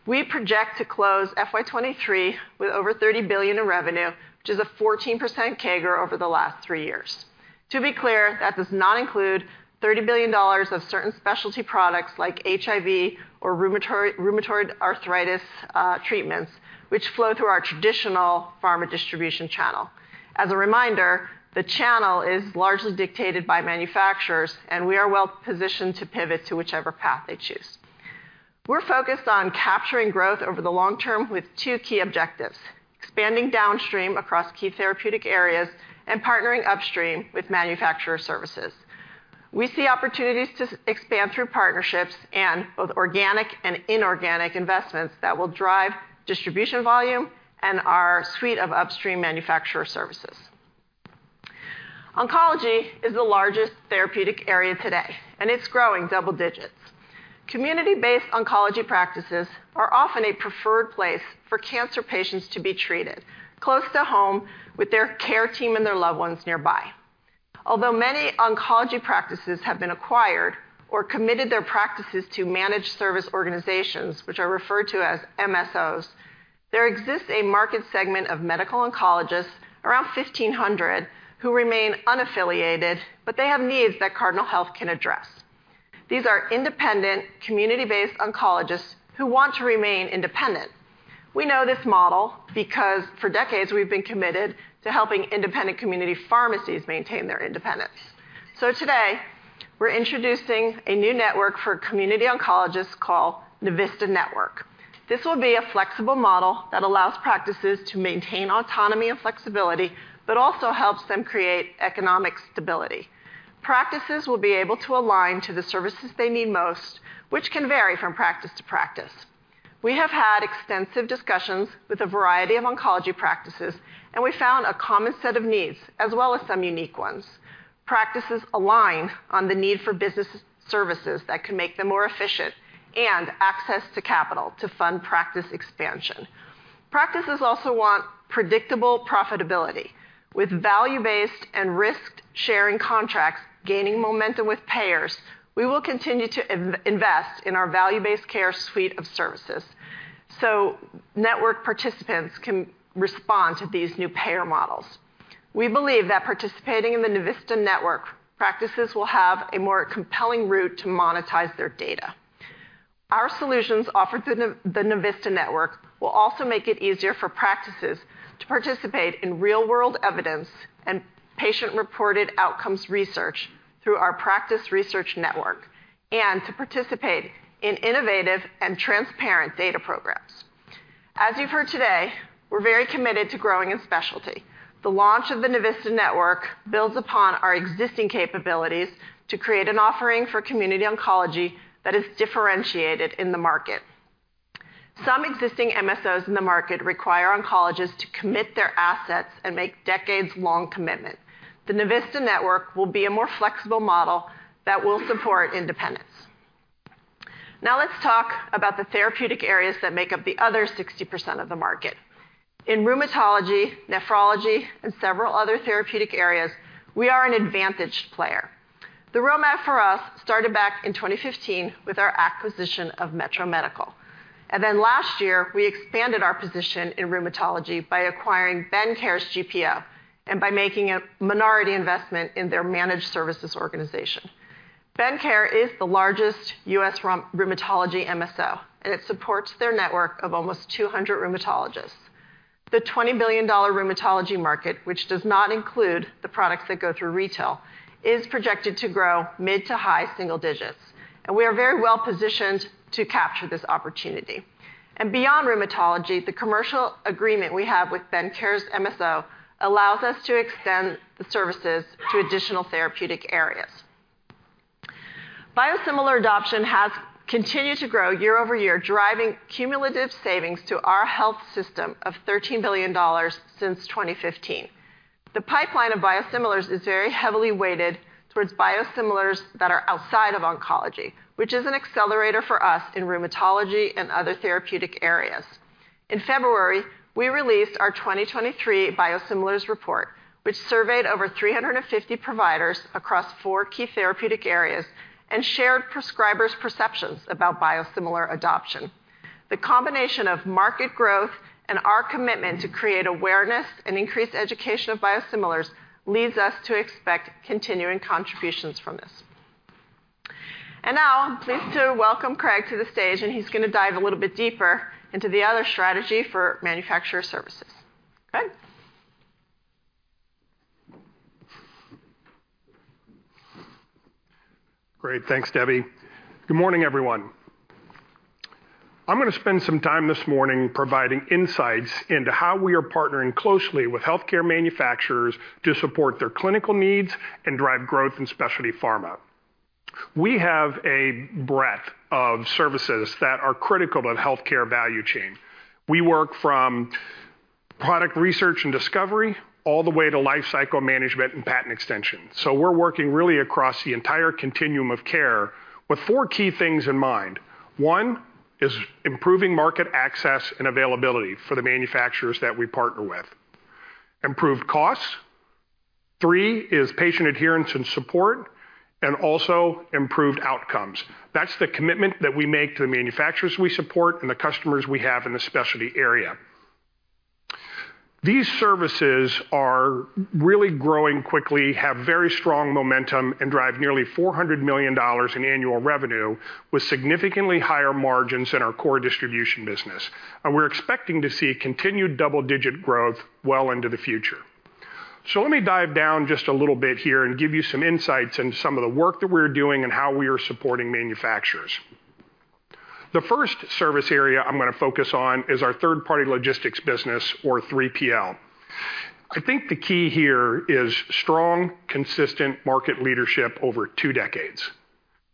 We project to close FY 2023 with over $30 billion in revenue, which is a 14% CAGR over the last three years. To be clear, that does not include $30 billion of certain Specialty products like HIV or rheumatoid arthritis treatments, which flow through our traditional Pharma distribution channel. As a reminder, the channel is largely dictated by manufacturers, and we are well positioned to pivot to whichever path they choose. We're focused on capturing growth over the long term with two key objectives: expanding downstream across key therapeutic areas and partnering upstream with manufacturer services. We see opportunities to expand through partnerships and both organic and inorganic investments that will drive distribution volume and our suite of upstream manufacturer services. Oncology is the largest therapeutic area today, and it's growing double digits. Community-based oncology practices are often a preferred place for cancer patients to be treated, close to home with their care team and their loved ones nearby. Although many oncology practices have been acquired or committed their practices to managed service organizations, which are referred to as MSOs, there exists a market segment of medical oncologists, around 1,500, who remain unaffiliated. They have needs that Cardinal Health can address. These are independent, community-based oncologists who want to remain independent. We know this model because for decades, we've been committed to helping independent community pharmacies maintain their independence. Today, we're introducing a new network for community oncologists called Navista Network. This will be a flexible model that allows practices to maintain autonomy and flexibility, but also helps them create economic stability. Practices will be able to align to the services they need most, which can vary from practice to practice. We have had extensive discussions with a variety of oncology practices. We found a common set of needs, as well as some unique ones. Practices align on the need for business services that can make them more efficient and access to capital to fund practice expansion. Practices also want predictable profitability. With value-based and risk-sharing contracts gaining momentum with payers, we will continue to invest in our value-based care suite of services, so network participants can respond to these new payer models. We believe that participating in the Navista Network, practices will have a more compelling route to monetize their data. Our solutions offered to the Navista Network will also make it easier for practices to participate in real-world evidence and patient-reported outcomes research through our Practice Research Network, and to participate in innovative and transparent data programs. As you've heard today, we're very committed to growing in Specialty. The launch of the Navista Network builds upon our existing capabilities to create an offering for community oncology that is differentiated in the market. Some existing MSOs in the market require oncologists to commit their assets and make decades-long commitment. The Navista Network will be a more flexible model that will support independence. Now, let's talk about the therapeutic areas that make up the other 60% of the market. In rheumatology, nephrology, and several other therapeutic areas, we are an advantaged player. The roadmap for us started back in 2015 with our acquisition of Metro Medical. Then last year, we expanded our position in rheumatology by acquiring Bendcare's GPO and by making a minority investment in their managed services organization. Bendcare is the largest U.S. rheumatology MSO, and it supports their network of almost 200 rheumatologists. The $20 billion rheumatology market, which does not include the products that go through retail, is projected to grow mid to high single digits, and we are very well positioned to capture this opportunity. Beyond rheumatology, the commercial agreement we have with Bendcare's MSO allows us to extend the services to additional therapeutic areas. Biosimilar adoption has continued to grow year-over-year, driving cumulative savings to our health system of $13 billion since 2015. The pipeline of biosimilars is very heavily weighted towards biosimilars that are outside of oncology, which is an accelerator for us in rheumatology and other therapeutic areas. In February, we released our 2023 Biosimilars Report, which surveyed over 350 providers across four key therapeutic areas and shared prescribers' perceptions about biosimilar adoption. The combination of market growth and our commitment to create awareness and increase education of biosimilars leads us to expect continuing contributions from this. Now, I'm pleased to welcome Craig to the stage, and he's going to dive a little bit deeper into the other strategy for manufacturer services. Craig? Great. Thanks, Debbie. Good morning, everyone. I'm going to spend some time this morning providing insights into how we are partnering closely with healthcare manufacturers to support their clinical needs and drive growth in Specialty pharma. We have a breadth of services that are critical to the healthcare value chain. We work product research and discovery, all the way to life cycle management and patent extension. We're working really across the entire continuum of care with four key things in mind. One, is improving market access and availability for the manufacturers that we partner with. Improved costs. Three, is patient adherence and support, and also improved outcomes. That's the commitment that we make to the manufacturers we support and the customers we have in the specialty area. These services are really growing quickly, have very strong momentum, and drive nearly $400 million in annual revenue, with significantly higher margins than our core distribution business. We're expecting to see continued double-digit growth well into the future. Let me dive down just a little bit here and give you some insights into some of the work that we're doing and how we are supporting manufacturers. The first service area I'm gonna focus on is our third-party logistics business, or 3PL. I think the key here is strong, consistent market leadership over two decades.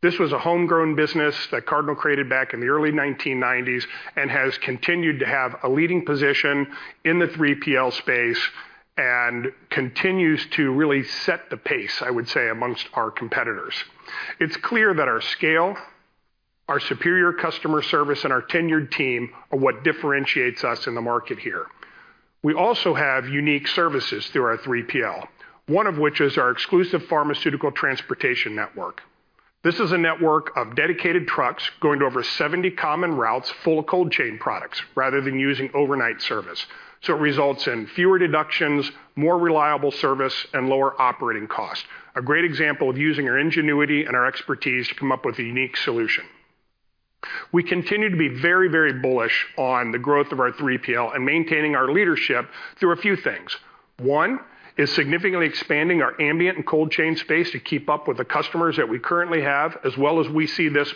This was a homegrown business that Cardinal created back in the early 1990s, and has continued to have a leading position in the 3PL space, and continues to really set the pace, I would say, amongst our competitors. It's clear that our scale, our superior customer service, and our tenured team are what differentiates us in the market here. We also have unique services through our 3PL, one of which is our Exclusive Pharmaceutical Transportation Network. This is a network of dedicated trucks going to over 70 common routes full of cold chain products, rather than using overnight service. It results in fewer deductions, more reliable service, and lower operating costs. A great example of using our ingenuity and our expertise to come up with a unique solution. We continue to be very, very bullish on the growth of our 3PL and maintaining our leadership through a few things. One, is significantly expanding our ambient and cold chain space to keep up with the customers that we currently have, as well as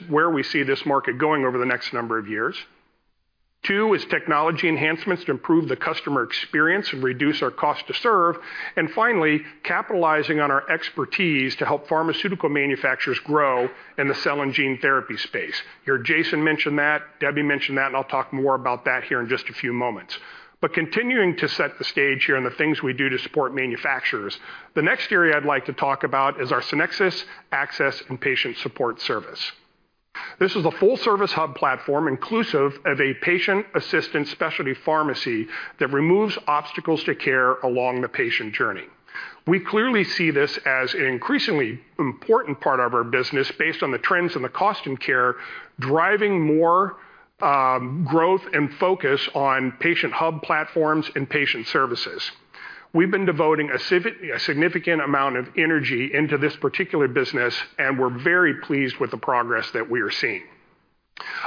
where we see this market going over the next number of years. Two, is technology enhancements to improve the customer experience and reduce our cost to serve. Capitalizing on our expertise to help pharmaceutical manufacturers grow in the cell and gene therapy space. Here, Jason mentioned that, Debbie mentioned that, and I'll talk more about that here in just a few moments. Continuing to set the stage here and the things we do to support manufacturers, the next area I'd like to talk about is our Sonexus Access and Patient Support service. This is a full-service hub platform, inclusive of a patient assistance specialty pharmacy, that removes obstacles to care along the patient journey. We clearly see this as an increasingly important part of our business, based on the trends in the cost and care, driving more growth and focus on patient hub platforms and patient services. We've been devoting a significant amount of energy into this particular business. We're very pleased with the progress that we are seeing.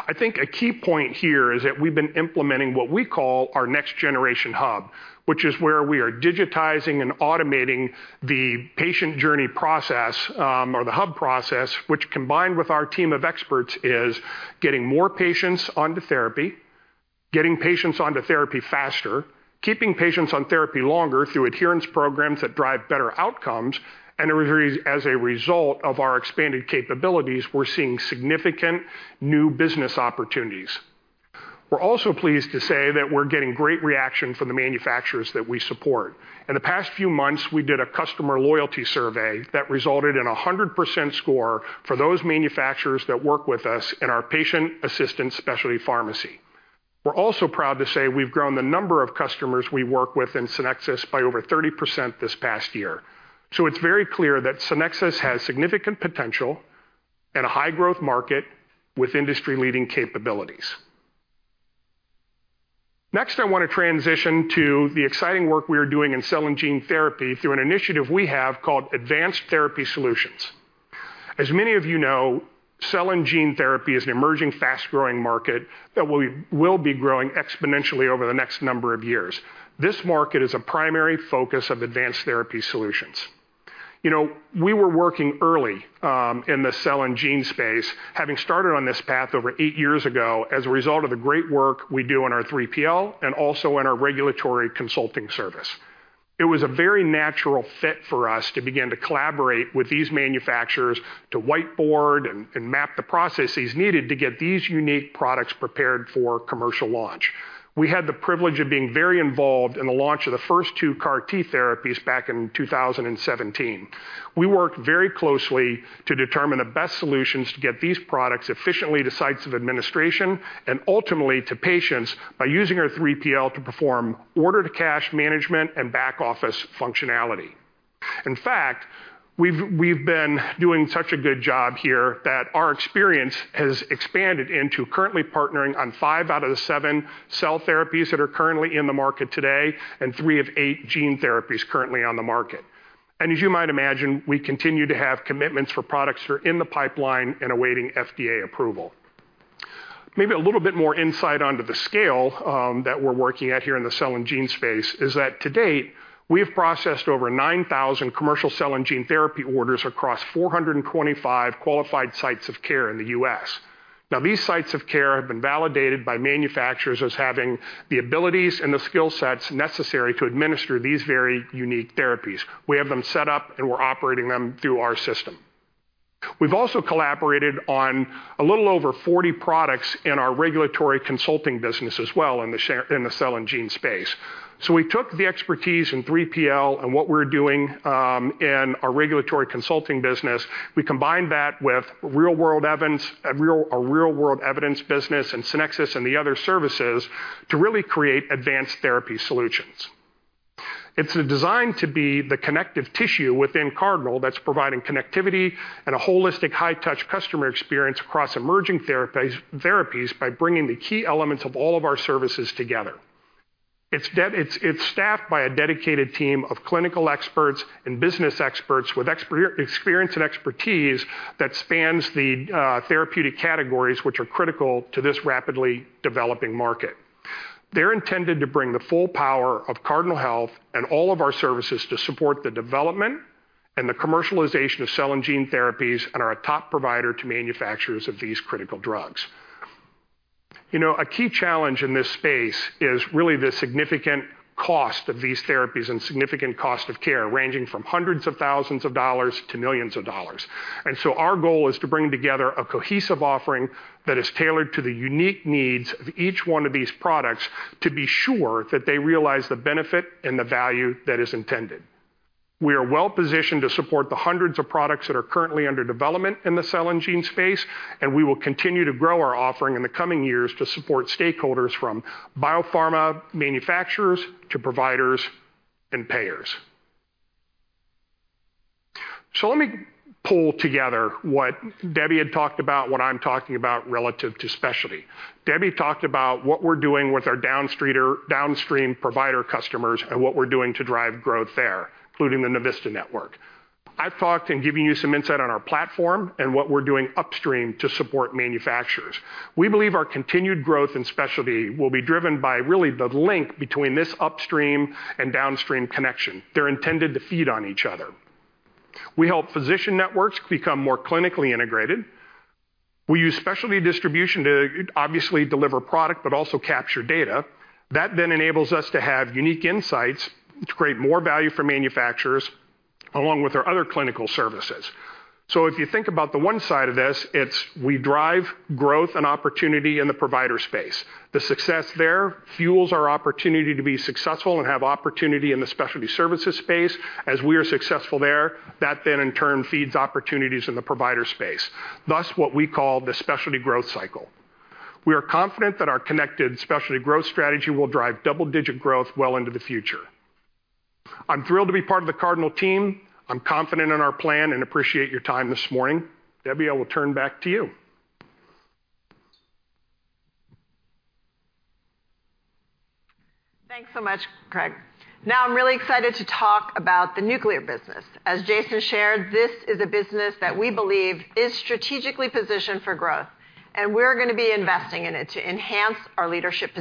I think a key point here is that we've been implementing what we call our next generation hub, which is where we are digitizing and automating the patient journey process, or the hub process, which, combined with our team of experts, is getting more patients onto therapy, getting patients onto therapy faster, keeping patients on therapy longer through adherence programs that drive better outcomes. As a result of our expanded capabilities, we're seeing significant new business opportunities. We're also pleased to say that we're getting great reaction from the manufacturers that we support. In the past few months, we did a customer loyalty survey that resulted in a 100% score for those manufacturers that work with us in our patient assistance specialty pharmacy. We're also proud to say we've grown the number of customers we work with in Sonexus by over 30% this past year. It's very clear that Sonexus has significant potential and a high-growth market with industry-leading capabilities. Next, I want to transition to the exciting work we are doing in cell and gene therapy through an initiative we have called Advanced Therapy Solutions. As many of you know, cell and gene therapy is an emerging, fast-growing market that will be growing exponentially over the next number of years. This market is a primary focus of Advanced Therapy Solutions. You know, we were working early in the cell and gene space, having started on this path over eight years ago, as a result of the great work we do in our 3PL and also in our regulatory consulting service. It was a very natural fit for us to begin to collaborate with these manufacturers to whiteboard and map the processes needed to get these unique products prepared for commercial launch. We had the privilege of being very involved in the launch of the first two CAR T therapies back in 2017. We worked very closely to determine the best solutions to get these products efficiently to sites of administration and ultimately to patients by using our 3PL to perform order-to-cash management and back-office functionality. In fact, we've been doing such a good job here that our experience has expanded into currently partnering on five out of the seven cell therapies that are currently in the market today, and three of eight gene therapies currently on the market. As you might imagine, we continue to have commitments for products that are in the pipeline and awaiting FDA approval. A little bit more insight onto the scale that we're working at here in the cell and gene space is that to date, we have processed over 9,000 commercial cell and gene therapy orders across 425 qualified sites of care in the U.S. Now, these sites of care have been validated by manufacturers as having the abilities and the skill sets necessary to administer these very unique therapies. We have them set up, we're operating them through our system. We've also collaborated on a little over 40 products in our regulatory consulting business as well, in the cell and gene space. We took the expertise in 3PL and what we're doing in our regulatory consulting business. We combined that with a real world evidence business, and Sonexus and the other services, to really create Advanced Therapy Solutions. It's designed to be the connective tissue within Cardinal that's providing connectivity and a holistic, high-touch customer experience across emerging therapies, by bringing the key elements of all of our services together. It's staffed by a dedicated team of clinical experts and business experts with experience and expertise that spans the therapeutic categories, which are critical to this rapidly developing market. They're intended to bring the full power of Cardinal Health and all of our services to support the development and the commercialization of cell and gene therapies, and are a top provider to manufacturers of these critical drugs. You know, a key challenge in this space is really the significant cost of these therapies and significant cost of care, ranging from hundreds of thousands of dollars to millions of dollars. Our goal is to bring together a cohesive offering that is tailored to the unique needs of each one of these products, to be sure that they realize the benefit and the value that is intended. We are well-positioned to support the hundreds of products that are currently under development in the cell and gene space, and we will continue to grow our offering in the coming years to support stakeholders, from biopharma manufacturers to providers and payers. Let me pull together what Debbie had talked about, what I'm talking about relative to Specialty. Debbie talked about what we're doing with our downstream provider customers and what we're doing to drive growth there, including the Navista Network. I've talked in giving you some insight on our platform and what we're doing upstream to support manufacturers. We believe our continued growth in Specialty will be driven by really the link between this upstream and downstream connection. They're intended to feed on each other. We help physician networks become more clinically integrated. We use Specialty distribution to, obviously, deliver product, but also capture data. That then enables us to have unique insights to create more value for manufacturers, along with our other clinical services. If you think about the one side of this, it's we drive growth and opportunity in the provider space. The success there fuels our opportunity to be successful and have opportunity in the specialty services space. As we are successful there, that then, in turn, feeds opportunities in the provider space, thus, what we call the specialty growth cycle. We are confident that our connected specialty growth strategy will drive double-digit growth well into the future. I'm thrilled to be part of the Cardinal team. I'm confident in our plan and appreciate your time this morning. Debbie, I will turn back to you. Thanks so much, Craig. I'm really excited to talk about the Nuclear business. As Jason shared, this is a business that we believe is strategically positioned for growth, and we're going to be investing in it to enhance our leadership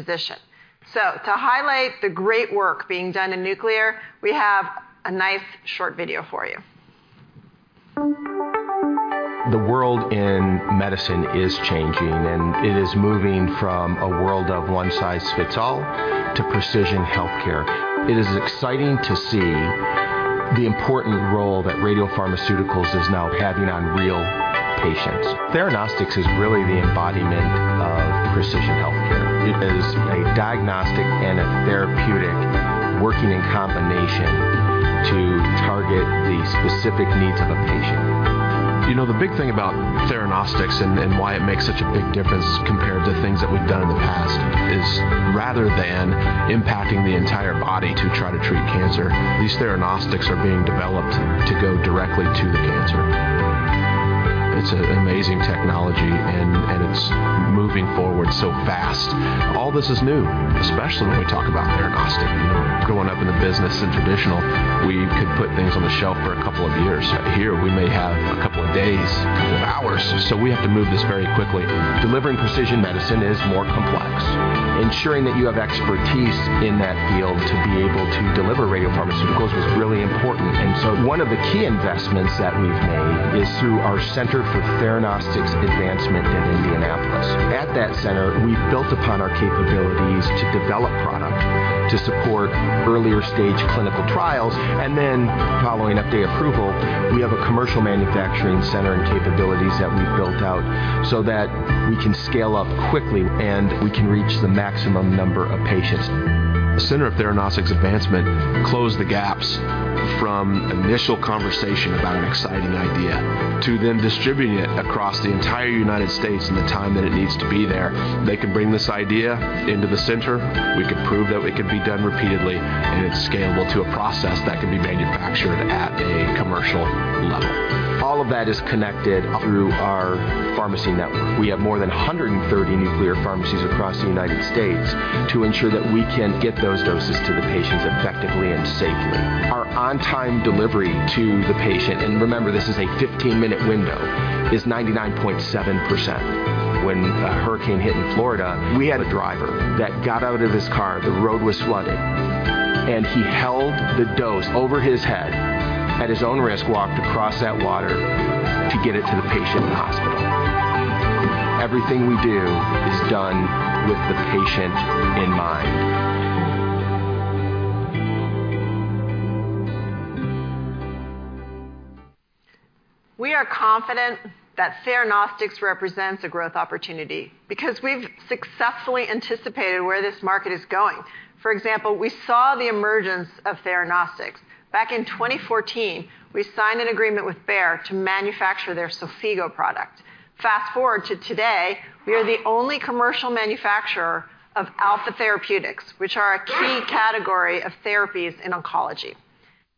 position. To highlight the great work being done in Nuclear, we have a nice, short video for you. The world in medicine is changing, and it is moving from a world of one size fits all to precision healthcare. It is exciting to see the important role that radiopharmaceuticals is now having on real patients. Theranostics is really the embodiment of precision healthcare. It is a diagnostic and a therapeutic working in combination to target the specific needs of a patient. You know, the big thing about theranostics and why it makes such a big difference compared to things that we've done in the past, is rather than impacting the entire body to try to treat cancer, these theranostics are being developed to go directly to the cancer. It's an amazing technology, and it's moving forward so fast. All this is new, especially when we talk about theranostics. Growing up in the business, in traditional, we could put things on the shelf for a couple of years. Here, we may have a couple of days or hours, so we have to move this very quickly. Delivering precision medicine is more complex. Ensuring that you have expertise in that field to be able to deliver radiopharmaceuticals was really important. One of the key investments that we've made is through our Center for Theranostics Advancement in Indianapolis. At that center, we've built upon our capabilities to develop product, to support earlier-stage clinical trials, and then following FDA approval, we have a commercial manufacturing center and capabilities that we've built out so that we can scale up quickly, and we can reach the maximum number of patients. The Center of Theranostics Advancement closed the gaps from initial conversation about an exciting idea, to then distributing it across the entire United States in the time that it needs to be there. They can bring this idea into the center. We can prove that it can be done repeatedly, and it's scalable to a process that can be manufactured at a commercial level. All of that is connected through our pharmacy network. We have more than 130 Nuclear pharmacies across the United States to ensure that we can get those doses to the patients effectively and safely. Our on-time delivery to the patient, and remember, this is a 15-minute window, is 99.7%. When a hurricane hit in Florida, we had a driver that got out of his car, the road was flooded, and he held the dose over his head, at his own risk, walked across that water to get it to the patient in the hospital. Everything we do is done with the patient in mind. We are confident that Theranostics represents a growth opportunity because we've successfully anticipated where this market is going. For example, we saw the emergence of Theranostics. Back in 2014, we signed an agreement with Bayer to manufacture their XOFIGO product. Fast-forward to today, we are the only commercial manufacturer of alpha therapeutics, which are a key category of therapies in oncology.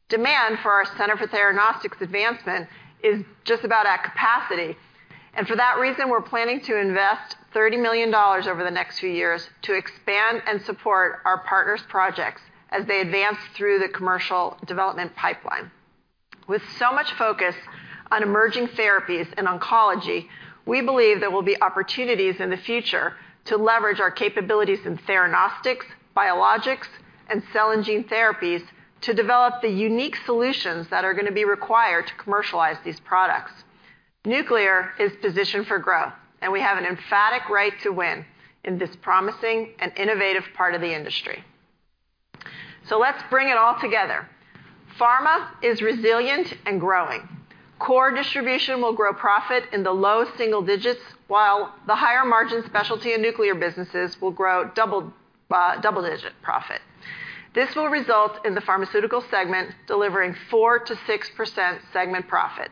Demand for our Center for Theranostics Advancement is just about at capacity, and for that reason, we're planning to invest $30 million over the next few years to expand and support our partners' projects as they advance through the commercial development pipeline. With so much focus on emerging therapies in oncology, we believe there will be opportunities in the future to leverage our capabilities in Theranostics, biologics, and cell and gene therapies to develop the unique solutions that are going to be required to commercialize these products. Nuclear is positioned for growth, we have an emphatic right to win in this promising and innovative part of the industry. Let's bring it all together. Pharma is resilient and growing. Core distribution will grow profit in the low single digits, while the higher-margin Specialty and Nuclear businesses will grow double-digit profit. This will result in the Pharmaceutical segment delivering 4%-6% segment profit.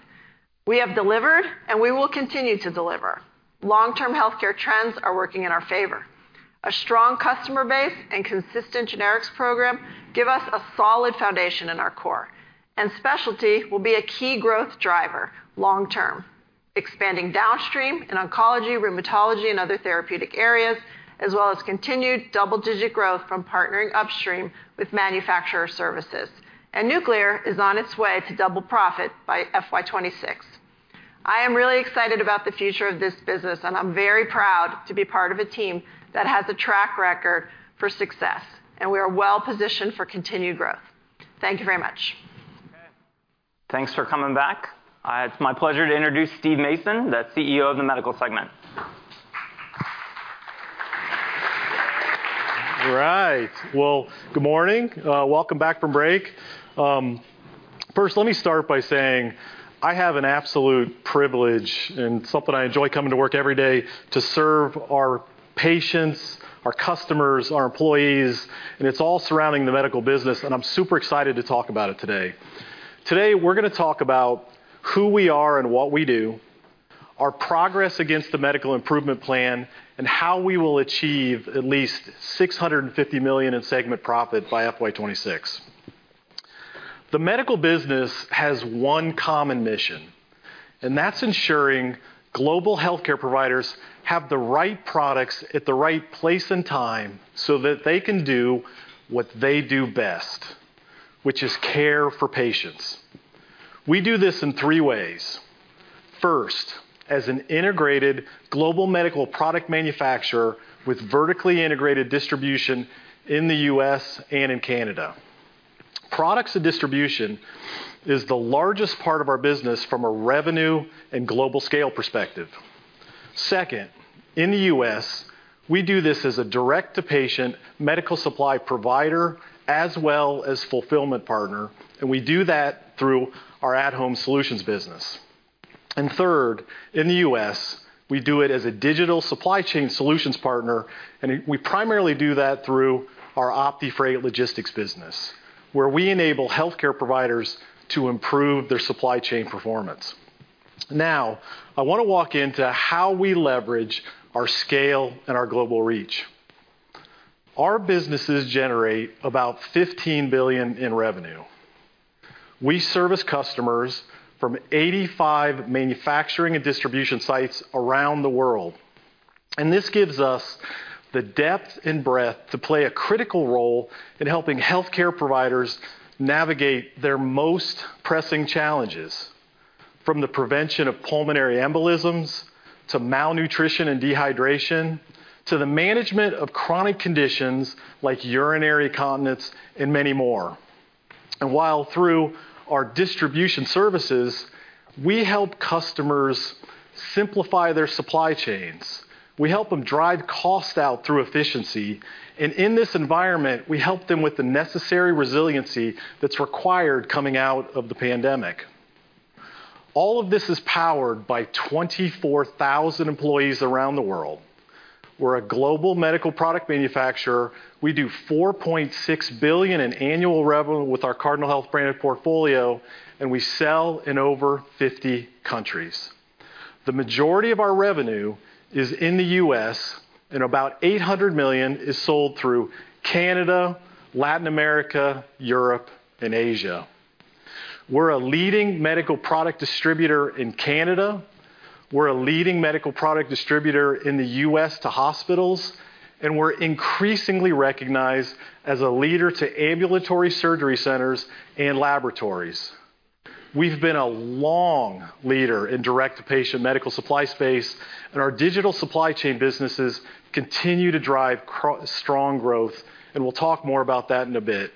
We have delivered, we will continue to deliver. Long-term healthcare trends are working in our favor. A strong customer base and consistent Generics program give us a solid foundation in our core, and Specialty will be a key growth driver long term, expanding downstream in oncology, rheumatology, and other therapeutic areas, as well as continued double-digit growth from partnering upstream with manufacturer services. Nuclear is on its way to double profit by FY 2026. I am really excited about the future of this business, and I'm very proud to be part of a team that has a track record for success, and we are well positioned for continued growth. Thank you very much. Thanks for coming back. It's my pleasure to introduce Steve Mason, the CEO of the Medical segment. All right. Well, good morning. Welcome back from break. First, let me start by saying I have an absolute privilege and something I enjoy coming to work every day to serve our patients, our customers, our employees, and it's all surrounding the Medical business, and I'm super excited to talk about it today. Today, we're going to talk about who we are and what we do, our progress against the Medical Improvement Plan, and how we will achieve at least $650 million in segment profit by FY 2026. The Medical business has one common mission, and that's ensuring global healthcare providers have the right products at the right place and time so that they can do what they do best, which is care for patients. We do this in three ways. First, as an integrated global medical product manufacturer with vertically integrated distribution in the U.S. and in Canada. Products and distribution is the largest part of our business from a revenue and global scale perspective. Second, in the U.S., we do this as a direct-to-patient medical supply provider as well as fulfillment partner, and we do that through our at-Home Solutions business. Third, in the U.S., we do it as a digital supply chain solutions partner, and we primarily do that through our OptiFreight logistics business, where we enable healthcare providers to improve their supply chain performance. Now, I want to walk into how we leverage our scale and our global reach. Our businesses generate about $15 billion in revenue. We service customers from 85 manufacturing and distribution sites around the world. This gives us the depth and breadth to play a critical role in helping healthcare providers navigate their most pressing challenges, from the prevention of pulmonary embolisms, to malnutrition and dehydration, to the management of chronic conditions like urinary incontinence and many more. While through our distribution services, we help customers simplify their supply chains, we help them drive costs out through efficiency, and in this environment, we help them with the necessary resiliency that's required coming out of the pandemic. All of this is powered by 24,000 employees around the world. We're a global medical product manufacturer. We do $4.6 billion in annual revenue with our Cardinal Health branded portfolio. We sell in over 50 countries. The majority of our revenue is in the U.S., about $800 million is sold through Canada, Latin America, Europe, and Asia. We're a leading medical product distributor in Canada, we're a leading medical product distributor in the U.S. to hospitals, we're increasingly recognized as a leader to ambulatory surgery centers and laboratories. We've been a long leader in direct-to-patient medical supply space, our digital supply chain businesses continue to drive strong growth, we'll talk more about that in a bit.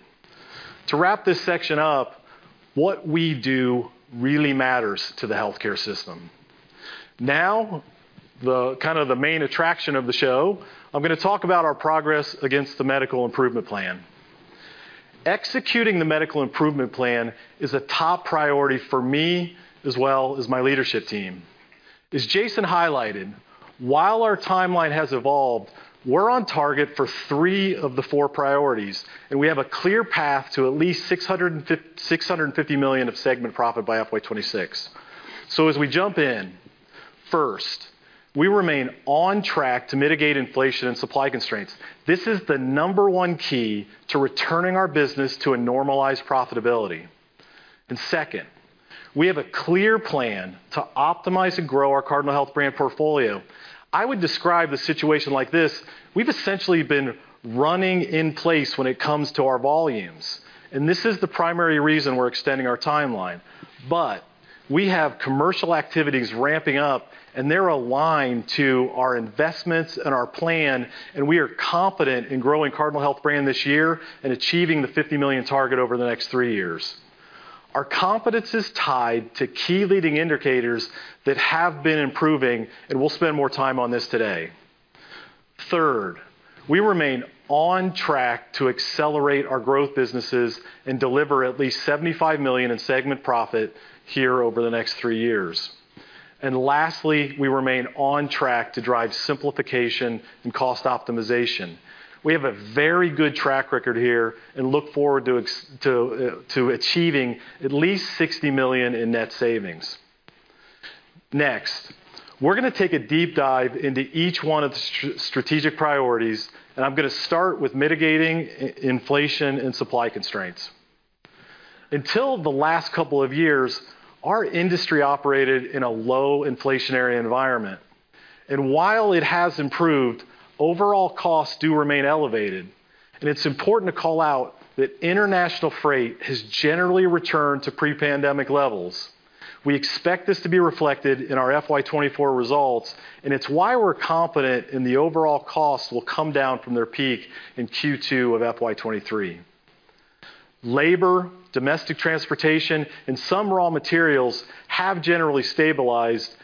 To wrap this section up, what we do really matters to the healthcare system. The kind of the main attraction of the show, I'm gonna talk about our progress against the Medical Improvement Plan. Executing the Medical Improvement Plan is a top priority for me, as well as my leadership team. As Jason highlighted, while our timeline has evolved, we're on target for three of the four priorities, and we have a clear path to at least $650 million of segment profit by FY 2026. As we jump in, first, we remain on track to mitigate inflation and supply constraints. This is the number one key to returning our business to a normalized profitability. Second, we have a clear plan to optimize and grow our Cardinal Health brand portfolio. I would describe the situation like this: we've essentially been running in place when it comes to our volumes, and this is the primary reason we're extending our timeline. We have commercial activities ramping up, and they're aligned to our investments and our plan, and we are confident in growing Cardinal Health brand this year and achieving the $50 million target over the next three years. Our confidence is tied to key leading indicators that have been improving, and we'll spend more time on this today. Third, we remain on track to accelerate our growth businesses and deliver at least $75 million in segment profit here over the next three years. Lastly, we remain on track to drive simplification and cost optimization. We have a very good track record here and look forward to achieving at least $60 million in net savings. Next, we're gonna take a deep dive into each one of the strategic priorities, and I'm gonna start with mitigating inflation and supply constraints. Until the last couple of years, our industry operated in a low inflationary environment, and while it has improved, overall costs do remain elevated. It's important to call out that international freight has generally returned to pre-pandemic levels. We expect this to be reflected in our FY 2024 results, and it's why we're confident in the overall cost will come down from their peak in Q2 of FY 2023. Labor, domestic transportation, and some raw materials have generally stabilized,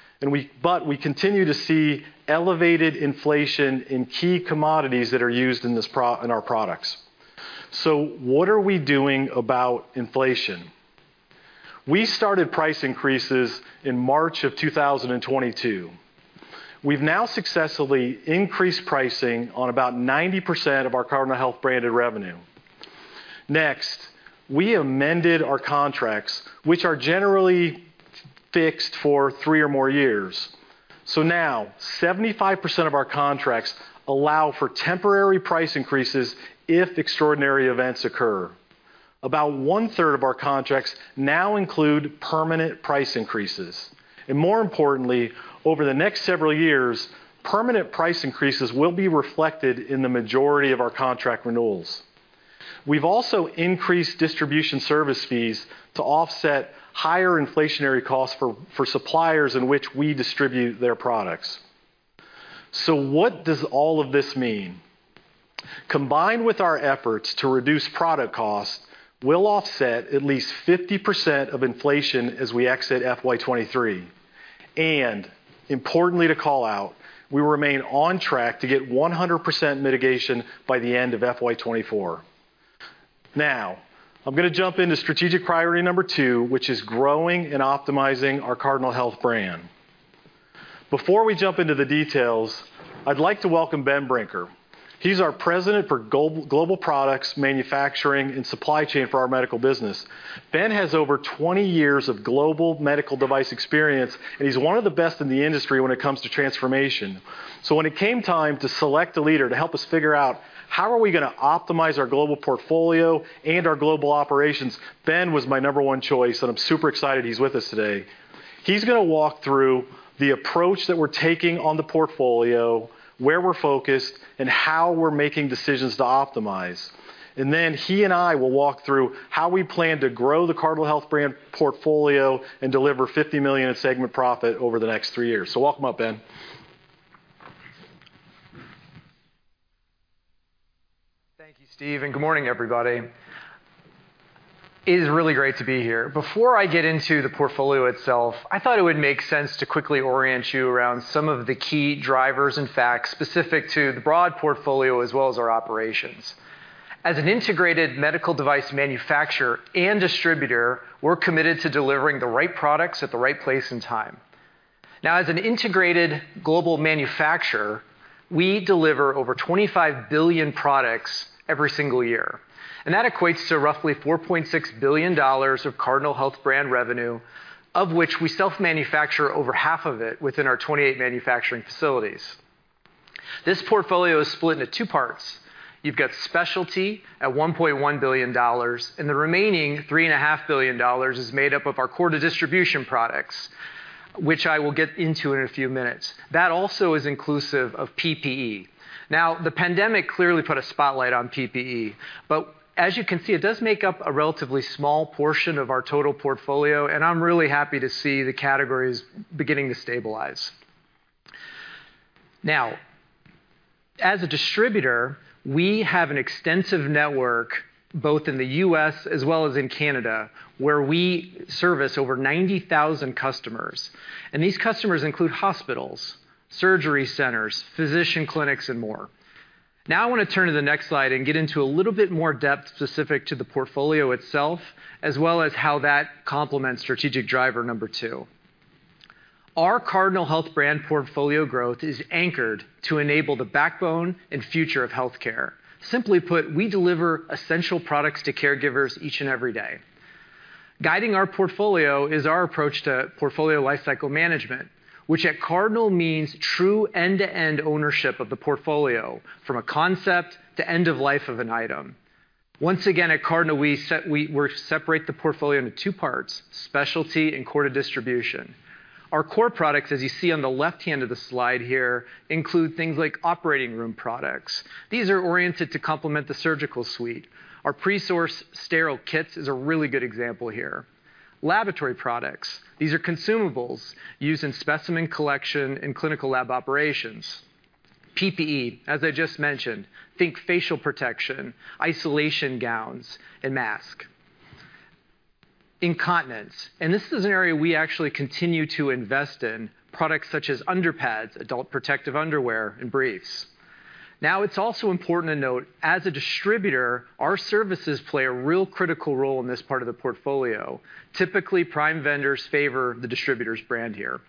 but we continue to see elevated inflation in key commodities that are used in our products. What are we doing about inflation? We started price increases in March 2022. We've now successfully increased pricing on about 90% of our Cardinal Health branded revenue. We amended our contracts, which are generally fixed for three or more years. Now, 75% of our contracts allow for temporary price increases if extraordinary events occur. About one-third of our contracts now include permanent price increases. More importantly, over the next several years, permanent price increases will be reflected in the majority of our contract renewals. We've also increased distribution service fees to offset higher inflationary costs for suppliers in which we distribute their products. What does all of this mean? Combined with our efforts to reduce product cost, we'll offset at least 50% of inflation as we exit FY 2023. Importantly, to call out, we remain on track to get 100% mitigation by the end of FY 2024. I'm gonna jump into strategic priority number two, which is growing and optimizing our Cardinal Health brand. Before we jump into the details, I'd like to welcome Ben Brinker. He's our president for Global Products, Manufacturing, and Supply Chain for our Medical business. Ben has over 20 years of global medical device experience, and he's one of the best in the industry when it comes to transformation. When it came time to select a leader to help us figure out how are we gonna optimize our global portfolio and our global operations, Ben was my number one choice, and I'm super excited he's with us today. He's gonna walk through the approach that we're taking on the portfolio, where we're focused, and how we're making decisions to optimize. He and I will walk through how we plan to grow the Cardinal Health brand portfolio and deliver $50 million in segment profit over the next three years. Welcome up, Ben. Thank you, Steve, and good morning, everybody. It is really great to be here. Before I get into the portfolio itself, I thought it would make sense to quickly orient you around some of the key drivers and facts specific to the broad portfolio, as well as our operations. As an integrated medical device manufacturer and distributor, we're committed to delivering the right products at the right place and time. Now, as an integrated global manufacturer, we deliver over 25 billion products every single year, and that equates to roughly $4.6 billion of Cardinal Health brand revenue, of which we self-manufacture over half of it within our 28 manufacturing facilities. This portfolio is split into two parts. You've got Specialty at $1.1 billion. The remaining $3.5 billion is made up of our core distribution products, which I will get into in a few minutes. That also is inclusive of PPE. The pandemic clearly put a spotlight on PPE. As you can see, it does make up a relatively small portion of our total portfolio. I'm really happy to see the categories beginning to stabilize. As a distributor, we have an extensive network, both in the U.S. as well as in Canada, where we service over 90,000 customers. These customers include hospitals, surgery centers, physician clinics, and more. I wanna turn to the next slide and get into a little bit more depth specific to the portfolio itself, as well as how that complements strategic driver number two. Our Cardinal Health brand portfolio growth is anchored to enable the backbone and future of healthcare. Simply put, we deliver essential products to caregivers each and every day. Guiding our portfolio is our approach to portfolio lifecycle management, which at Cardinal means true end-to-end ownership of the portfolio, from a concept to end of life of an item. At Cardinal, we separate the portfolio into two parts, Specialty and core distribution. Our core products, as you see on the left-hand of the slide here, include things like operating room products. These are oriented to complement the surgical suite. Our Presource sterile kits is a really good example here. Laboratory products, these are consumables used in specimen collection and clinical lab operations. PPE, as I just mentioned, think facial protection, isolation gowns, and mask. Incontinence, this is an area we actually continue to invest in, products such as underpads, adult protective underwear, and briefs. It's also important to note, as a distributor, our services play a real critical role in this part of the portfolio. Typically, prime vendors favor the distributor's brand here.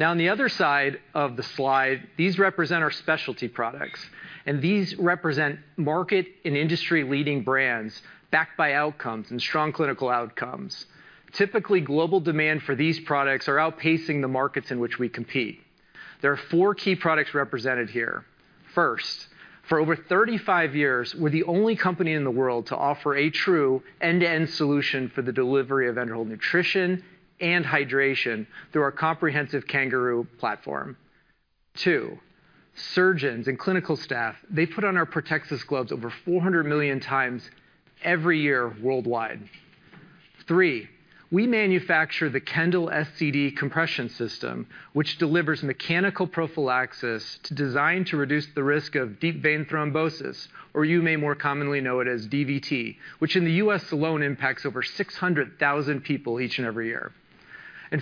On the other side of the slide, these represent our Specialty products, and these represent market and industry-leading brands backed by outcomes and strong clinical outcomes. Typically, global demand for these products are outpacing the markets in which we compete. There are four key products represented here. First, for over 35 years, we're the only company in the world to offer a true end-to-end solution for the delivery of enteral nutrition and hydration through our comprehensive Kangaroo platform. Two, surgeons and clinical staff, they put on our Protexis gloves over 400 million times every year worldwide. Three, we manufacture the Kendall SCD compression system, which delivers mechanical prophylaxis to design to reduce the risk of deep vein thrombosis, or you may more commonly know it as DVT, which in the U.S. alone, impacts over 600,000 people each and every year.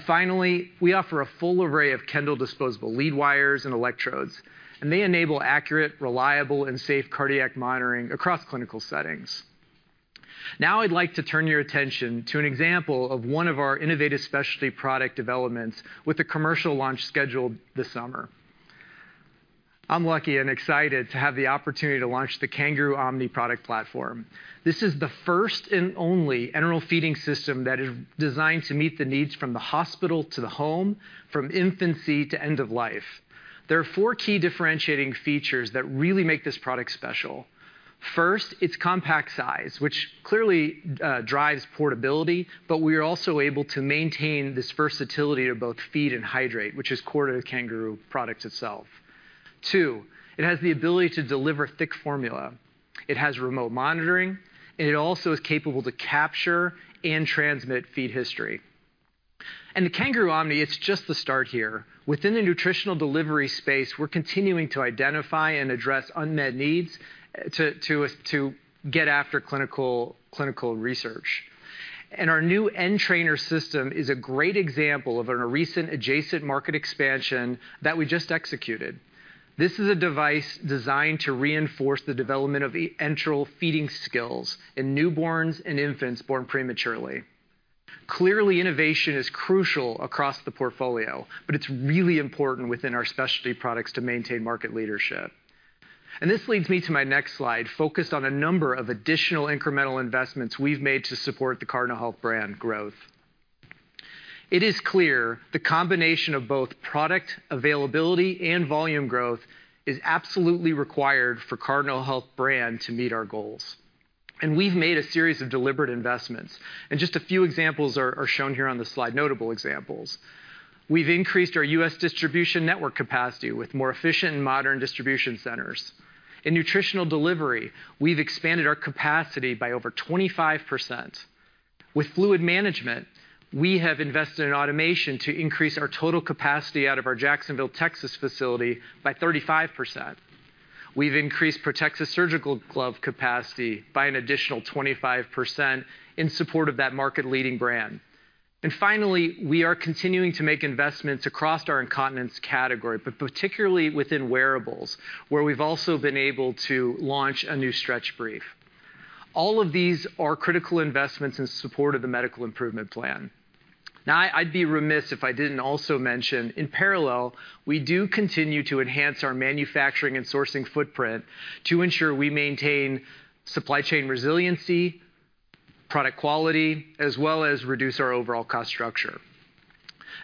Finally, we offer a full array of Kendall disposable lead wires and electrodes, and they enable accurate, reliable, and safe cardiac monitoring across clinical settings. I'd like to turn your attention to an example of one of our innovative Specialty product developments with a commercial launch scheduled this summer. I'm lucky and excited to have the opportunity to launch the Kangaroo OMNI product platform. This is the first and only enteral feeding system that is designed to meet the needs from the hospital to the home, from infancy to end of life. There are four key differentiating features that really make this product special. First, its compact size, which clearly drives portability, but we are also able to maintain this versatility to both feed and hydrate, which is core to the Kangaroo product itself. Two. It has the ability to deliver thick formula. It has remote monitoring, and it also is capable to capture and transmit feed history. The Kangaroo OMNI, it's just the start here. Within the nutritional delivery space, we're continuing to identify and address unmet needs to get after clinical research. Our new NTrainer system is a great example of a recent adjacent market expansion that we just executed. This is a device designed to reinforce the development of the enteral feeding skills in newborns and infants born prematurely. Clearly, innovation is crucial across the portfolio, but it's really important within our Specialty products to maintain market leadership. This leads me to my next slide, focused on a number of additional incremental investments we've made to support the Cardinal Health brand growth. It is clear the combination of both product availability and volume growth is absolutely required for Cardinal Health brand to meet our goals. We've made a series of deliberate investments, and just a few examples are shown here on the slide, notable examples. We've increased our U.S. distribution network capacity with more efficient and modern distribution centers. In nutritional delivery, we've expanded our capacity by over 25%. With fluid management, we have invested in automation to increase our total capacity out of our Jacksonville, Texas, facility by 35%. We've increased Protexis surgical glove capacity by an additional 25% in support of that market-leading brand. Finally, we are continuing to make investments across our incontinence category, but particularly within wearables, where we've also been able to launch a new stretch brief. All of these are critical investments in support of the Medical Improvement Plan. I'd be remiss if I didn't also mention, in parallel, we do continue to enhance our manufacturing and sourcing footprint to ensure we maintain supply chain resiliency, product quality, as well as reduce our overall cost structure.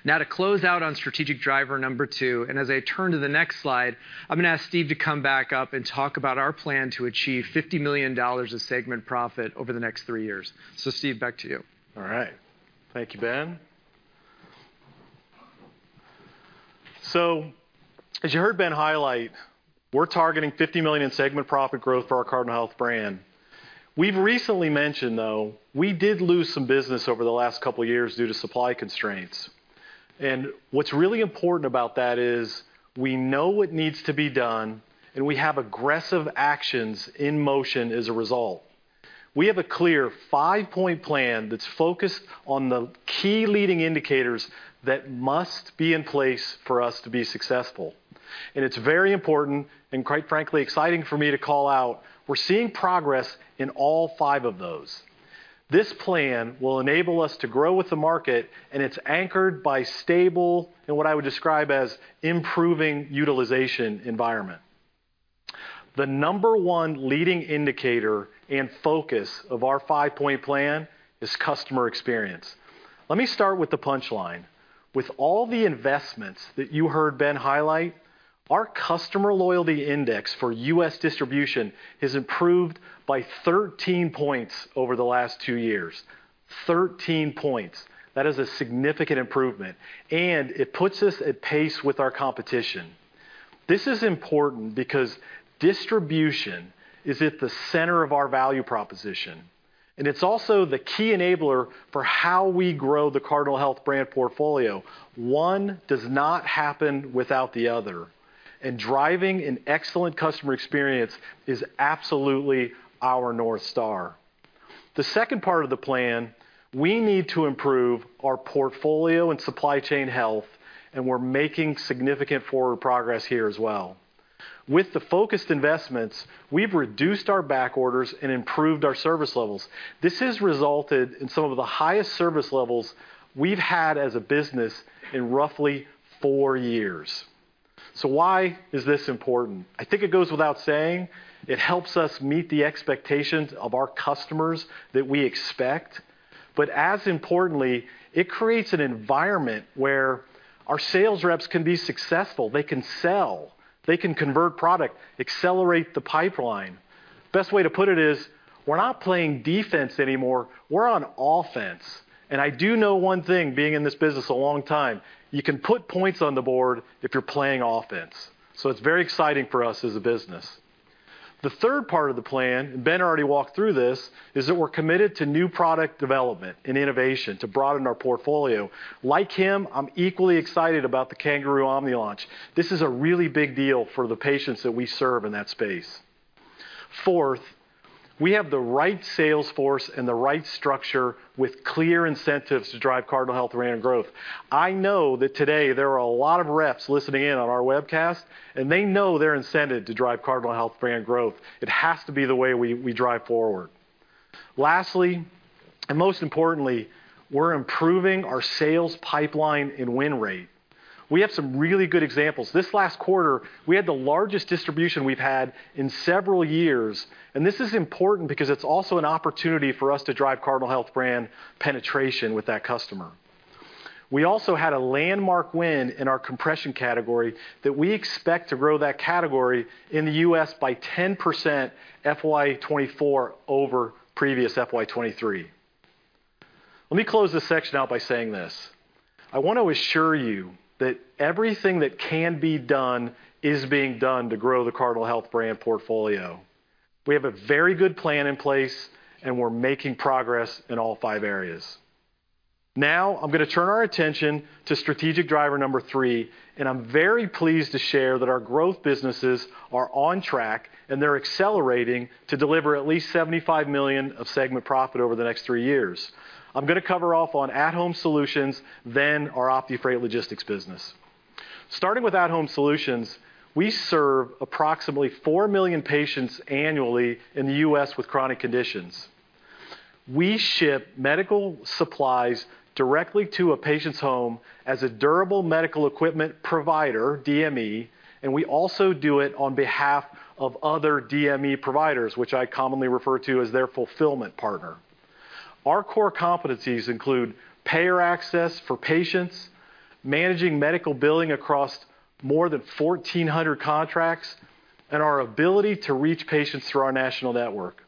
To close out on strategic driver number two, and as I turn to the next slide, I'm going to ask Steve to come back up and talk about our plan to achieve $50 million of segment profit over the next three years. Steve, back to you. All right. Thank you, Ben. As you heard Ben highlight, we're targeting $50 million in segment profit growth for our Cardinal Health brand. ... We've recently mentioned, though, we did lose some business over the last couple of years due to supply constraints. What's really important about that is we know what needs to be done, and we have aggressive actions in motion as a result. We have a clear five-point plan that's focused on the key leading indicators that must be in place for us to be successful. It's very important, and quite frankly, exciting for me to call out. We're seeing progress in all five of those. This plan will enable us to grow with the market, and it's anchored by stable, and what I would describe as, improving utilization environment. The number one leading indicator and focus of our five-point plan is customer experience. Let me start with the punchline. With all the investments that you heard Ben highlight, our customer loyalty index for U.S. distribution has improved by 13 points over the last two years. 13 points. That is a significant improvement. It puts us at pace with our competition. This is important because distribution is at the center of our value proposition, and it's also the key enabler for how we grow the Cardinal Health brand portfolio. One does not happen without the other. Driving an excellent customer experience is absolutely our North Star. The second part of the plan, we need to improve our portfolio and supply chain health. We're making significant forward progress here as well. With the focused investments, we've reduced our backorders and improved our service levels. This has resulted in some of the highest service levels we've had as a business in roughly four years. Why is this important? I think it goes without saying, it helps us meet the expectations of our customers that we expect, but as importantly, it creates an environment where our sales reps can be successful. They can sell, they can convert product, accelerate the pipeline. Best way to put it is, we're not playing defense anymore, we're on offense. I do know one thing, being in this business a long time, you can put points on the board if you're playing offense. It's very exciting for us as a business. The third part of the plan, Ben already walked through this, is that we're committed to new product development and innovation to broaden our portfolio. Like him, I'm equally excited about the Kangaroo OMNI launch. This is a really big deal for the patients that we serve in that space. We have the right sales force and the right structure with clear incentives to drive Cardinal Health brand growth. I know that today there are a lot of reps listening in on our webcast, they know they're incented to drive Cardinal Health brand growth. It has to be the way we drive forward. Most importantly, we're improving our sales pipeline and win rate. We have some really good examples. This last quarter, we had the largest distribution we've had in several years, this is important because it's also an opportunity for us to drive Cardinal Health brand penetration with that customer. We also had a landmark win in our compression category, that we expect to grow that category in the US by 10% FY 2024 over previous FY 2023. Let me close this section out by saying this: I want to assure you that everything that can be done is being done to grow the Cardinal Health brand portfolio. We have a very good plan in place. We're making progress in all five areas. I'm going to turn our attention to strategic driver number three. I'm very pleased to share that our growth businesses are on track. They're accelerating to deliver at least $75 million of segment profit over the next three years. I'm going to cover off on at-Home Solutions, then our OptiFreight Logistics business. Starting with at-Home Solutions, we serve approximately 4 million patients annually in the U.S. with chronic conditions. We ship medical supplies directly to a patient's home as a durable medical equipment provider, DME, and we also do it on behalf of other DME providers, which I commonly refer to as their fulfillment partner. Our core competencies include payer access for patients, managing medical billing across more than 1,400 contracts, and our ability to reach patients through our national network.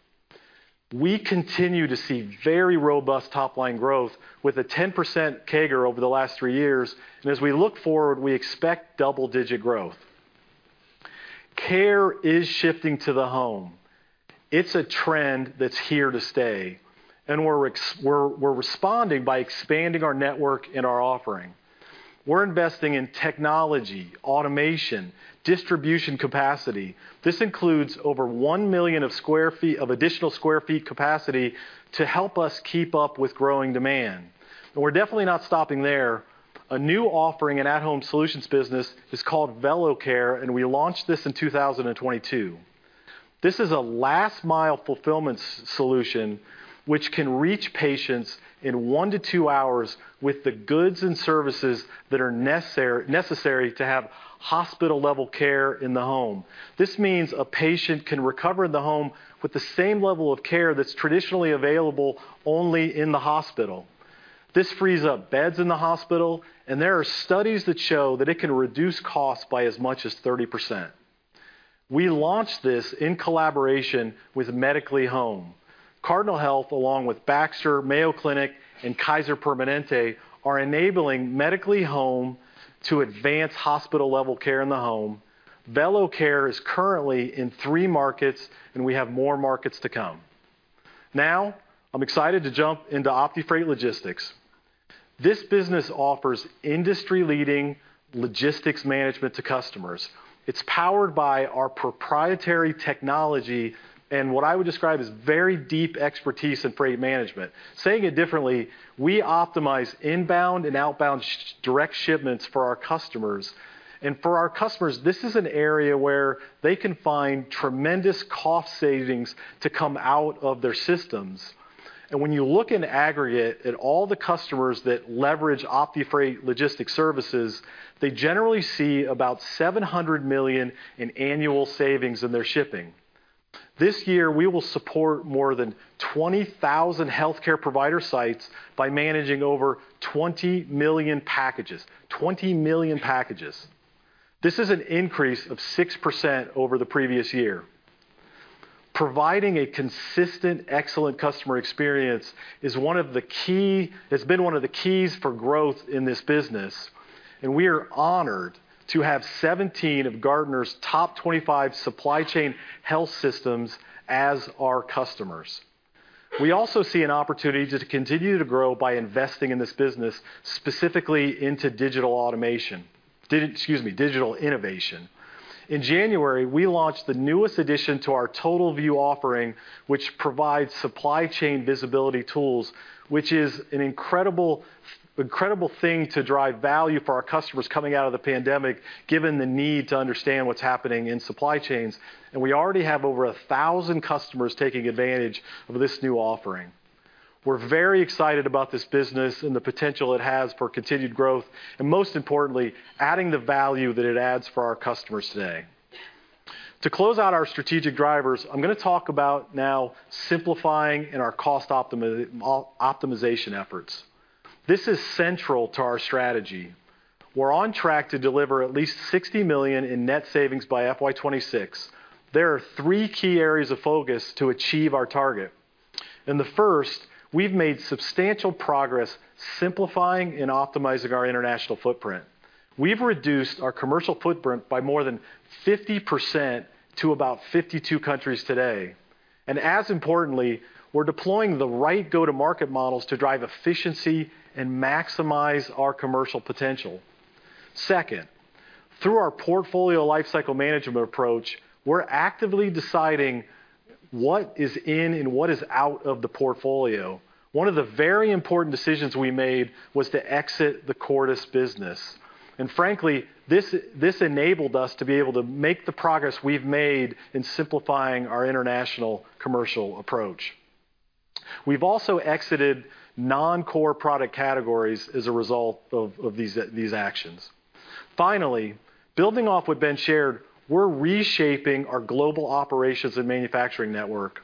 We continue to see very robust top-line growth with a 10% CAGR over the last three years, and as we look forward, we expect double-digit growth. Care is shifting to the home. It's a trend that's here to stay, and we're responding by expanding our network and our offering. We're investing in technology, automation, distribution capacity. This includes over 1 million sq ft of additional square feet capacity to help us keep up with growing demand. We're definitely not stopping there. A new offering in at-Home Solutions business is called Velocare, and we launched this in 2022. This is a last-mile fulfillment solution which can reach patients in one to two hours with the goods and services that are necessary to have hospital-level care in the home. This means a patient can recover in the home with the same level of care that's traditionally available only in the hospital. This frees up beds in the hospital, and there are studies that show that it can reduce costs by as much as 30%. We launched this in collaboration with Medically Home. Cardinal Health, along with Baxter, Mayo Clinic, and Kaiser Permanente, are enabling Medically Home to advance hospital-level care in the home. Velocare is currently in three markets, and we have more markets to come. Now, I'm excited to jump into OptiFreight Logistics. This business offers industry-leading logistics management to customers. It's powered by our proprietary technology and what I would describe as very deep expertise in freight management. Saying it differently, we optimize inbound and outbound direct shipments for our customers. For our customers, this is an area where they can find tremendous cost savings to come out of their systems. When you look in aggregate at all the customers that leverage OptiFreight Logistics Services, they generally see about $700 million in annual savings in their shipping. This year, we will support more than 20,000 healthcare provider sites by managing over 20 million packages. 20 million packages. This is an increase of 6% over the previous year. Providing a consistent, excellent customer experience has been one of the keys for growth in this business, and we are honored to have 17 of Gartner's top 25 supply chain health systems as our customers. We also see an opportunity to continue to grow by investing in this business, specifically into digital automation. Excuse me, digital innovation. In January, we launched the newest addition to our TotalVue offering, which provides supply chain visibility tools, which is an incredible thing to drive value for our customers coming out of the pandemic, given the need to understand what's happening in supply chains. We already have over 1,000 customers taking advantage of this new offering. We're very excited about this business and the potential it has for continued growth, and most importantly, adding the value that it adds for our customers today. To close out our strategic drivers, I'm going to talk about now simplifying and our cost optimization efforts. This is central to our strategy. We're on track to deliver at least $60 million in net savings by FY 2026. There are three key areas of focus to achieve our target. The first, we've made substantial progress simplifying and optimizing our international footprint. We've reduced our commercial footprint by more than 50% to about 52 countries today. As importantly, we're deploying the right go-to-market models to drive efficiency and maximize our commercial potential. Second, through our portfolio lifecycle management approach, we're actively deciding what is in and what is out of the portfolio. One of the very important decisions we made was to exit the Cordis business. Frankly, this enabled us to be able to make the progress we've made in simplifying our international commercial approach. We've also exited non-core product categories as a result of these actions. Finally, building off what's been shared, we're reshaping our global operations and manufacturing network.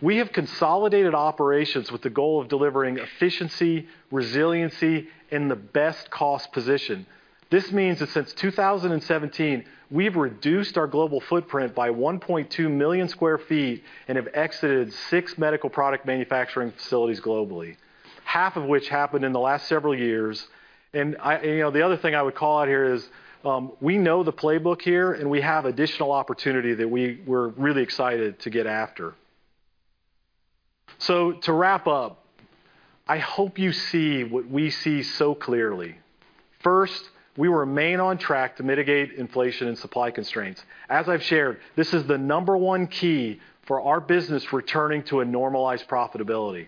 We have consolidated operations with the goal of delivering efficiency, resiliency, and the best cost position. This means that since 2017, we've reduced our global footprint by 1.2 million sq ft and have exited six medical product manufacturing facilities globally, half of which happened in the last several years. You know, the other thing I would call out here is, we know the playbook here, and we have additional opportunity that we're really excited to get after. To wrap up, I hope you see what we see so clearly. First, we remain on track to mitigate inflation and supply constraints. As I've shared, this is the number one key for our business returning to a normalized profitability.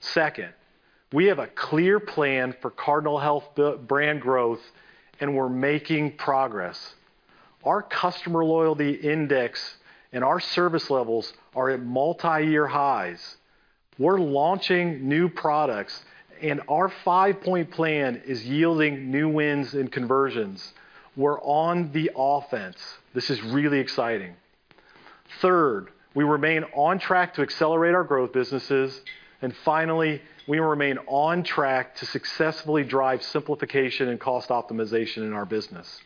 Second, we have a clear plan for Cardinal Health brand growth, and we're making progress. Our customer loyalty index and our service levels are at multiyear highs. We're launching new products, and our five-point plan is yielding new wins and conversions. We're on the offense. This is really exciting. Third, we remain on track to accelerate our growth businesses, and finally, we remain on track to successfully drive simplification and cost optimization in our business.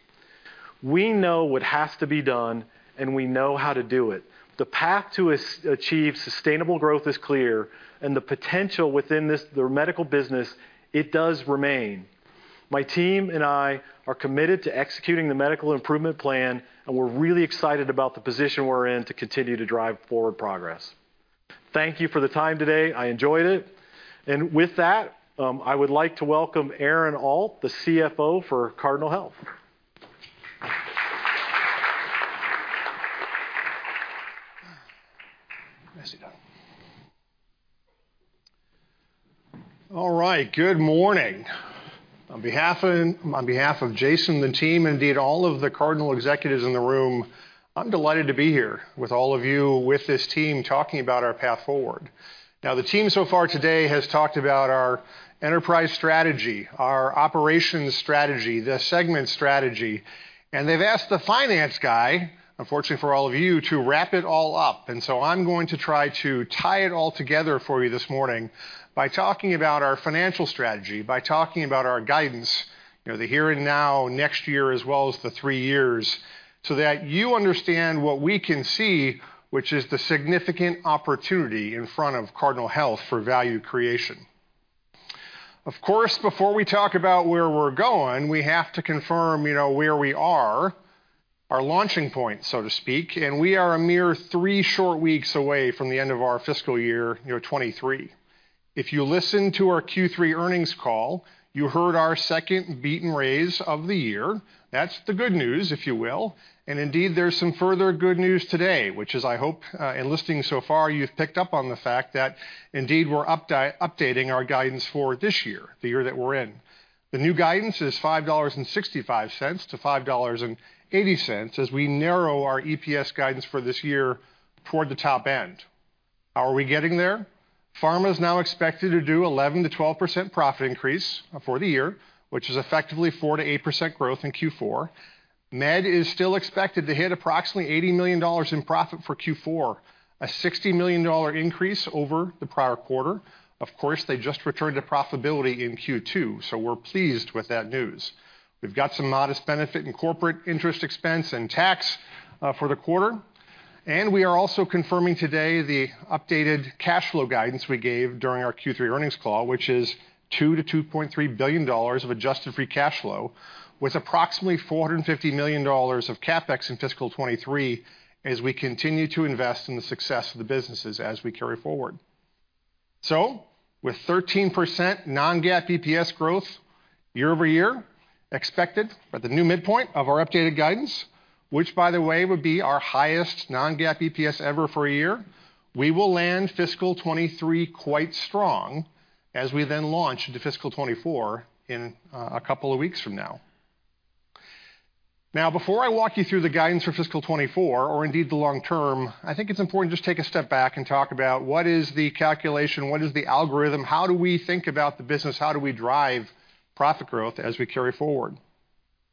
We know what has to be done, and we know how to do it. The path to achieve sustainable growth is clear, and the potential within this, the Medical business, it does remain. My team and I are committed to executing the Medical Improvement Plan, and we're really excited about the position we're in to continue to drive forward progress. Thank you for the time today. I enjoyed it. With that, I would like to welcome Aaron Alt, the CFO for Cardinal Health. All right. Good morning. On behalf of Jason and the team, indeed, all of the Cardinal executives in the room, I'm delighted to be here with all of you, with this team, talking about our path forward. Now, the team so far today has talked about our enterprise strategy, our operations strategy, the segment strategy, and they've asked the finance guy, unfortunately for all of you, to wrap it all up. So I'm going to try to tie it all together for you this morning by talking about our financial strategy, by talking about our guidance, you know, the here and now, next year, as well as the three years, so that you understand what we can see, which is the significant opportunity in front of Cardinal Health for value creation. Of course, before we talk about where we're going, we have to confirm, you know, where we are, our launching point, so to speak. We are a mere three short weeks away from the end of our fiscal year 2023. If you listened to our Q3 earnings call, you heard our second beat and raise of the year. That's the good news, if you will. Indeed, there's some further good news today, which is, I hope, in listening so far, you've picked up on the fact that indeed, we're updating our guidance for this year, the year that we're in. The new guidance is $5.65-$5.80, as we narrow our EPS guidance for this year toward the top end. Are we getting there? Pharma is now expected to do 11%-12% profit increase for the year, which is effectively 4%-8% growth in Q4. Med is still expected to hit approximately $80 million in profit for Q4, a $60 million increase over the prior quarter. Of course, they just returned to profitability in Q2, so we're pleased with that news. We've got some modest benefit in corporate interest expense and tax for the quarter, and we are also confirming today the updated cash flow guidance we gave during our Q3 earnings call, which is $2 billion-$2.3 billion of adjusted free cash flow, with approximately $450 million of CapEx in fiscal 2023, as we continue to invest in the success of the businesses as we carry forward. With 13% non-GAAP EPS growth year-over-year expected at the new midpoint of our updated guidance, which, by the way, would be our highest non-GAAP EPS ever for a year, we will land fiscal 2023 quite strong as we launch into fiscal 2024 in a couple of weeks from now. Before I walk you through the guidance for fiscal 2024, or indeed the long term, I think it's important to just take a step back and talk about what is the calculation, what is the algorithm, how do we think about the business? How do we drive profit growth as we carry forward?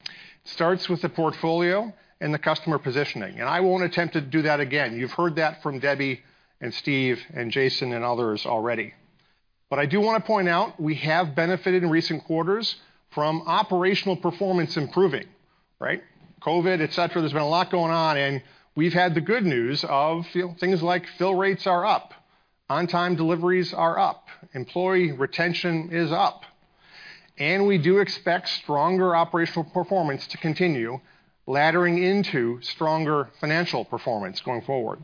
It starts with the portfolio and the customer positioning, and I won't attempt to do that again. You've heard that from Debbie and Steve and Jason and others already. I do want to point out, we have benefited in recent quarters from operational performance improving, right? COVID, et cetera, there's been a lot going on, and we've had the good news of things like fill rates are up, on-time deliveries are up, employee retention is up, and we do expect stronger operational performance to continue, laddering into stronger financial performance going forward.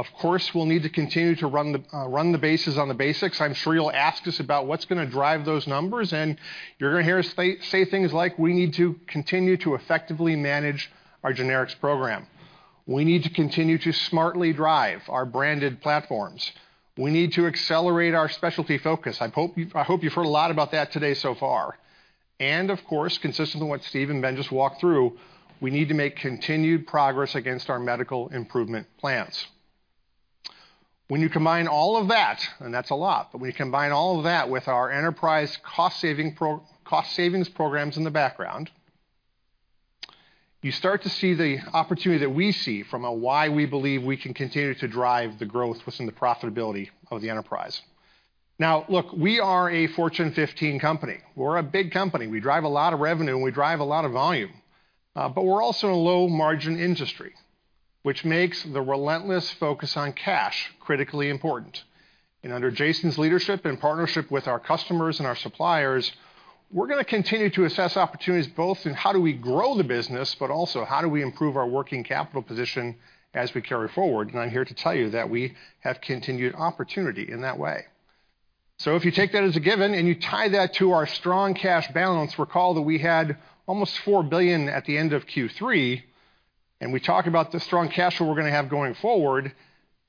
Of course, we'll need to continue to run the run the bases on the basics. I'm sure you'll ask us about what's going to drive those numbers, and you're going to hear us say things like, "We need to continue to effectively manage our Generics program. We need to continue to smartly drive our branded platforms. We need to accelerate our Specialty focus." I hope you've heard a lot about that today so far. Of course, consistent with what Steve and Ben just walked through, we need to make continued progress against our Medical Improvement Plan. When you combine all of that, and that's a lot, but when you combine all of that with our enterprise cost savings programs in the background, you start to see the opportunity that we see from a why we believe we can continue to drive the growth within the profitability of the enterprise. Look, we are a Fortune 15 company. We're a big company. We drive a lot of revenue, and we drive a lot of volume. We're also a low-margin industry, which makes the relentless focus on cash critically important. Under Jason's leadership and partnership with our customers and our suppliers, we're going to continue to assess opportunities, both in how do we grow the business, but also how do we improve our working capital position as we carry forward? I'm here to tell you that we have continued opportunity in that way. If you take that as a given and you tie that to our strong cash balance, recall that we had almost $4 billion at the end of Q3, and we talk about the strong cash flow we're going to have going forward,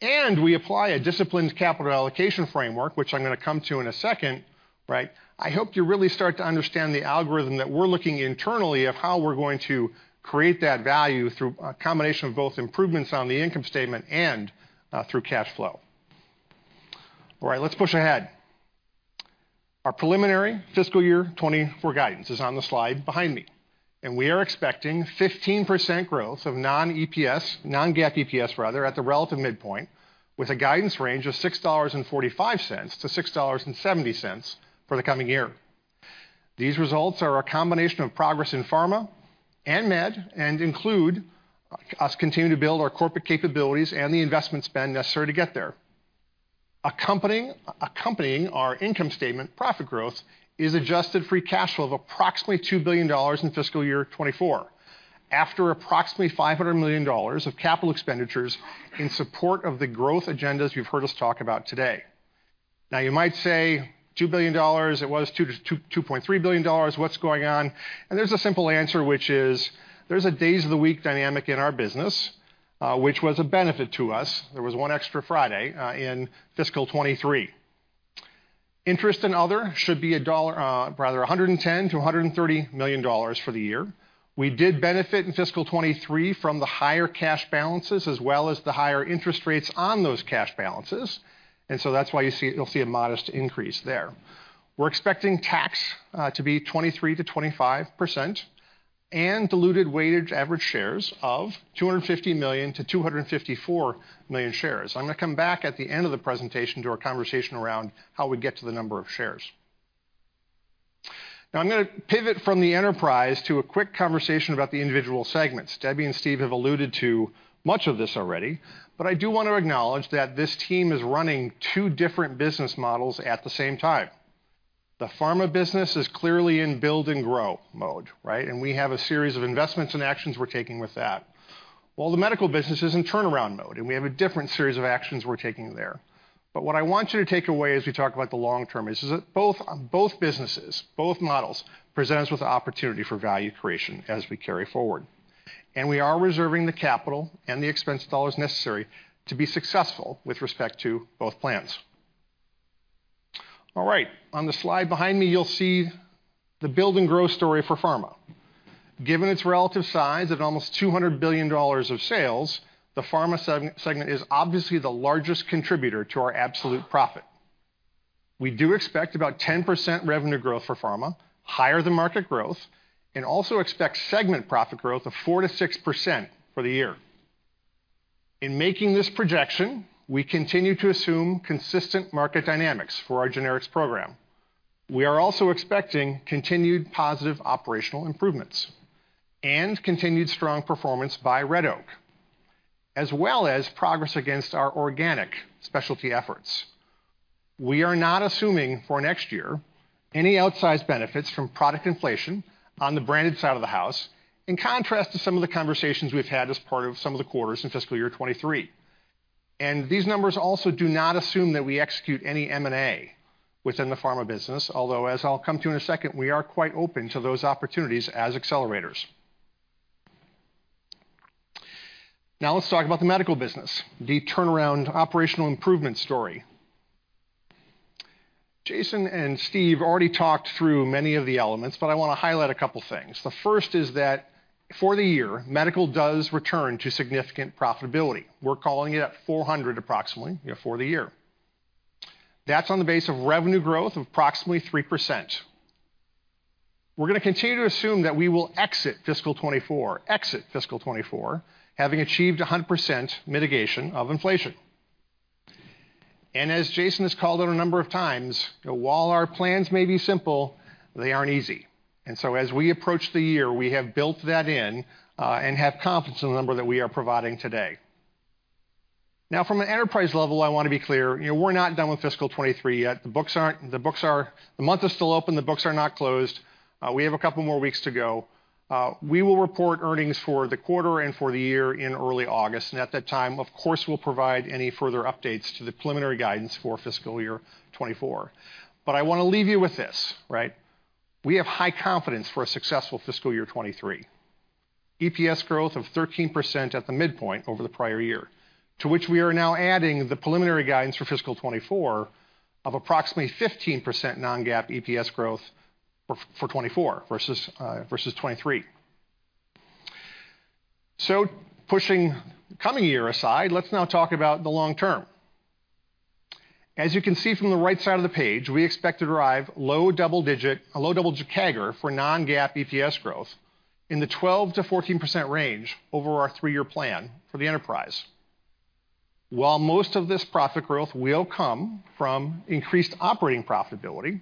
and we apply a disciplined capital allocation framework, which I'm going to come to in a second, right? I hope you really start to understand the algorithm that we're looking internally of how we're going to create that value through a combination of both improvements on the income statement and through cash flow. All right, let's push ahead. Our preliminary fiscal year 2024 guidance is on the slide behind me, and we are expecting 15% growth of non-GAAP EPS rather, at the relative midpoint, with a guidance range of $6.45-$6.70 for the coming year. These results are a combination of progress in Pharma and Med and include us continuing to build our corporate capabilities and the investment spend necessary to get there. Accompanying our income statement, profit growth is adjusted free cash flow of approximately $2 billion in fiscal year 2024, after approximately $500 million of capital expenditures in support of the growth agendas you've heard us talk about today. Now, you might say, $2 billion, it was $2 billion-$2.3 billion. What's going on? There's a simple answer, which is there's a days of the week dynamic in our business, which was a benefit to us. There was one extra Friday in fiscal 2023. Interest and other should be, rather, $110 million-$130 million for the year. We did benefit in fiscal 2023 from the higher cash balances, as well as the higher interest rates on those cash balances, that's why you'll see a modest increase there. We're expecting tax to be 23%-25% and diluted weighted average shares of 250 million-254 million shares. I'm going to come back at the end of the presentation to our conversation around how we get to the number of shares. I'm going to pivot from the enterprise to a quick conversation about the individual segments. Debbie and Steve have alluded to much of this already, I do want to acknowledge that this team is running two different business models at the same time. The Pharma business is clearly in build and grow mode, right? We have a series of investments and actions we're taking with that. While the Medical business is in turnaround mode, and we have a different series of actions we're taking there. What I want you to take away as we talk about the long term, is that both businesses, both models, present us with the opportunity for value creation as we carry forward. We are reserving the capital and the expense dollars necessary to be successful with respect to both plans. All right, on the slide behind me, you'll see the build and growth story for Pharma. Given its relative size at almost $200 billion of sales, the Pharma segment is obviously the largest contributor to our absolute profit. We do expect about 10% revenue growth for Pharma, higher than market growth, and also expect segment profit growth of 4%-6% for the year. In making this projection, we continue to assume consistent market dynamics for our Generics program. We are also expecting continued positive operational improvements and continued strong performance by Red Oak, as well as progress against our organic Specialty efforts. We are not assuming for next year, any outsized benefits from product inflation on the branded side of the house, in contrast to some of the conversations we've had as part of some of the quarters in fiscal year 2023. These numbers also do not assume that we execute any M&A within the Pharma business, although as I'll come to in a second, we are quite open to those opportunities as accelerators. Let's talk about the Medical business, the turnaround operational improvement story. Jason and Steve already talked through many of the elements, but I want to highlight a couple of things. The first is that for the year, Medical does return to significant profitability. We're calling it at $400 million, approximately, for the year. That's on the base of revenue growth of approximately 3%. We're gonna continue to assume that we will exit fiscal 2024, having achieved 100% mitigation of inflation. As Jason has called it a number of times, while our plans may be simple, they aren't easy. As we approach the year, we have built that in and have confidence in the number that we are providing today. Now, from an enterprise level, I want to be clear, you know, we're not done with fiscal 2023 yet. The month is still open. The books are not closed. We have a couple more weeks to go. We will report earnings for the quarter and for the year in early August. At that time, of course, we'll provide any further updates to the preliminary guidance for fiscal year 2024. I want to leave you with this, right? We have high confidence for a successful fiscal year 2023. EPS growth of 13% at the midpoint over the prior year, to which we are now adding the preliminary guidance for fiscal 2024 of approximately 15% non-GAAP EPS growth for 2024 versus 2023. Pushing coming year aside, let's now talk about the long term. As you can see from the right side of the page, we expect to derive a low double-digit CAGR for non-GAAP EPS growth in the 12%-14% range over our three-year plan for the enterprise. While most of this profit growth will come from increased operating profitability,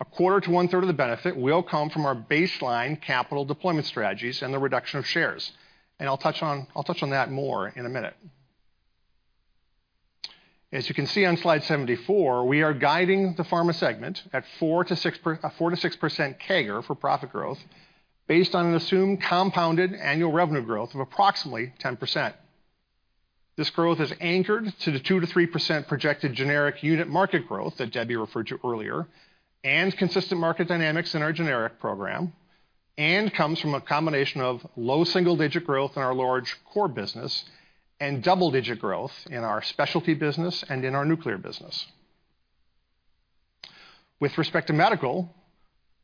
a quarter to one-third of the benefit will come from our baseline capital deployment strategies and the reduction of shares. I'll touch on that more in a minute. As you can see on slide 74, we are guiding the Pharma segment at a 4%-6% CAGR for profit growth based on an assumed compounded annual revenue growth of approximately 10%. This growth is anchored to the 2%-3% projected generic unit market growth that Debbie referred to earlier, and consistent market dynamics in our generic program, and comes from a combination of low single-digit growth in our large core business and double-digit growth in our Specialty business and in our Nuclear business. With respect to Medical,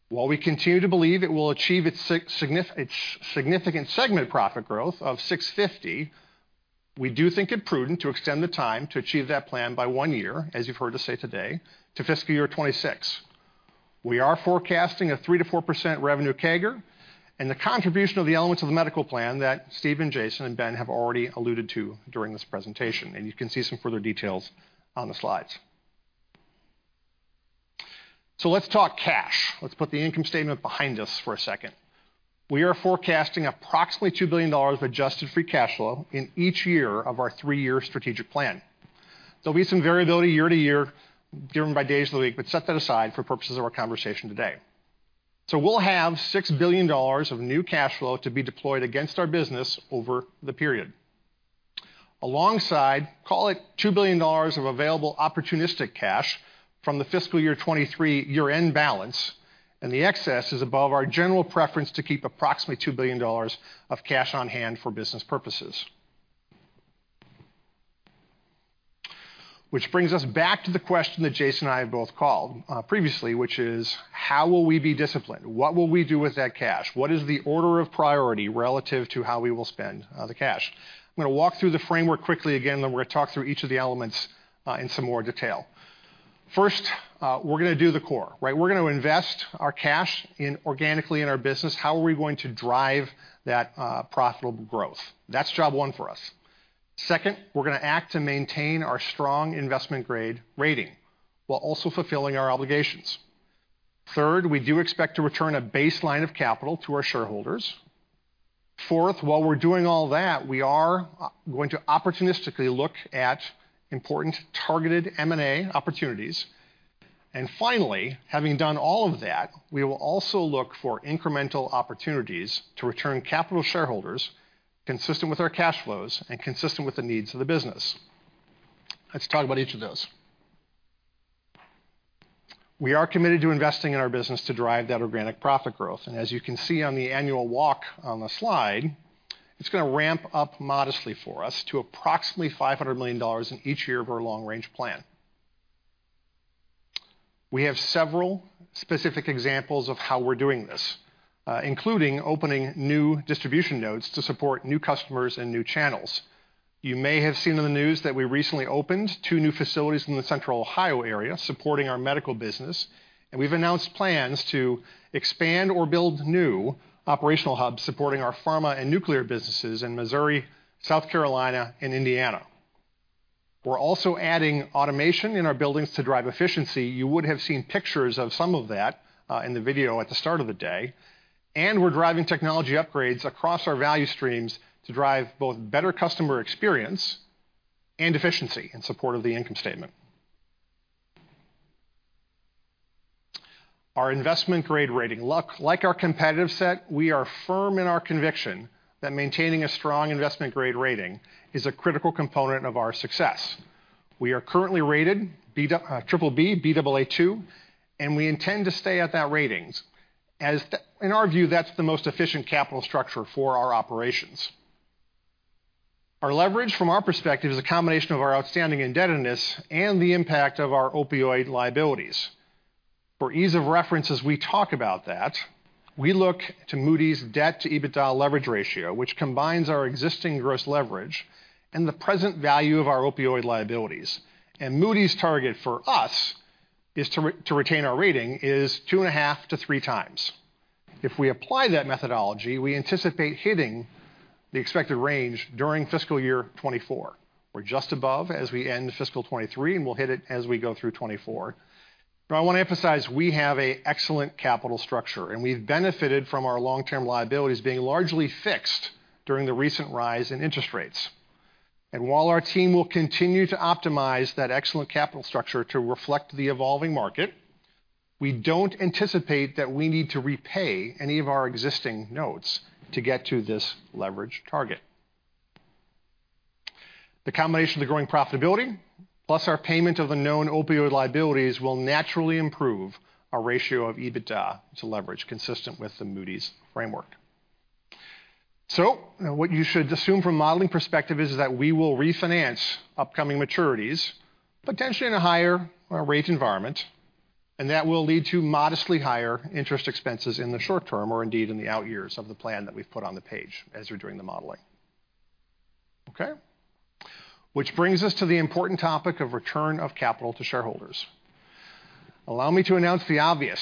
while we continue to believe it will achieve its significant segment profit growth of $650 million, we do think it prudent to extend the time to achieve that plan by one year, as you've heard us say today, to fiscal year 2026. We are forecasting a 3%-4% revenue CAGR and the contribution of the elements of the Medical Plan that Steve and Jason and Ben have already alluded to during this presentation, and you can see some further details on the slides. Let's talk cash. Let's put the income statement behind us for a second. We are forecasting approximately $2 billion of adjusted free cash flow in each year of our three-year strategic plan. There'll be some variability year to year, driven by days of the week, but set that aside for purposes of our conversation today. We'll have $6 billion of new cash flow to be deployed against our business over the period. Alongside, call it $2 billion of available opportunistic cash from the fiscal year 2023 year-end balance, and the excess is above our general preference to keep approximately $2 billion of cash on hand for business purposes. Brings us back to the question that Jason and I have both called previously, which is: How will we be disciplined? What will we do with that cash? What is the order of priority relative to how we will spend the cash? I'm gonna walk through the framework quickly again, then we're gonna talk through each of the elements in some more detail. First, we're gonna do the core, right? We're gonna invest our cash in organically in our business. How are we going to drive that profitable growth? That's job one for us. Second, we're gonna act to maintain our strong investment-grade rating while also fulfilling our obligations. Third, we do expect to return a baseline of capital to our shareholders. Fourth, while we're doing all that, we are going to opportunistically look at important targeted M&A opportunities. Finally, having done all of that, we will also look for incremental opportunities to return capital to shareholders, consistent with our cash flows and consistent with the needs of the business. Let's talk about each of those. We are committed to investing in our business to drive that organic profit growth, as you can see on the annual walk on the slide, it's gonna ramp up modestly for us to approximately $500 million in each year of our long-range plan. We have several specific examples of how we're doing this, including opening new distribution nodes to support new customers and new channels. You may have seen in the news that we recently opened two new facilities in the Central Ohio area, supporting our Medical business, we've announced plans to expand or build new operational hubs supporting our Pharma and Nuclear businesses in Missouri, South Carolina, and Indiana. We're also adding automation in our buildings to drive efficiency. You would have seen pictures of some of that, in the video at the start of the day. We're driving technology upgrades across our value streams to drive both better customer experience and efficiency in support of the income statement. Our investment grade rating. Look, like our competitive set, we are firm in our conviction that maintaining a strong investment grade rating is a critical component of our success. We are currently rated BBB, Baa2, and we intend to stay at that ratings. In our view, that's the most efficient capital structure for our operations. Our leverage, from our perspective, is a combination of our outstanding indebtedness and the impact of our opioid liabilities. For ease of reference, as we talk about that, we look to Moody's debt-to-EBITDA leverage ratio, which combines our existing gross leverage and the present value of our opioid liabilities. Moody's target for us, is to retain our rating, is 2.5x-3x. If we apply that methodology, we anticipate hitting the expected range during fiscal year 2024, or just above as we end fiscal 2023, and we'll hit it as we go through 2024. I want to emphasize, we have a excellent capital structure, and we've benefited from our long-term liabilities being largely fixed during the recent rise in interest rates. While our team will continue to optimize that excellent capital structure to reflect the evolving market, we don't anticipate that we need to repay any of our existing notes to get to this leverage target. The combination of the growing profitability, plus our payment of the known opioid liabilities, will naturally improve our ratio of EBITDA to leverage, consistent with the Moody's framework. What you should assume from a modeling perspective is that we will refinance upcoming maturities, potentially in a higher rate environment, and that will lead to modestly higher interest expenses in the short term, or indeed, in the out years of the plan that we've put on the page as you're doing the modeling. Okay? Brings us to the important topic of return of capital to shareholders. Allow me to announce the obvious: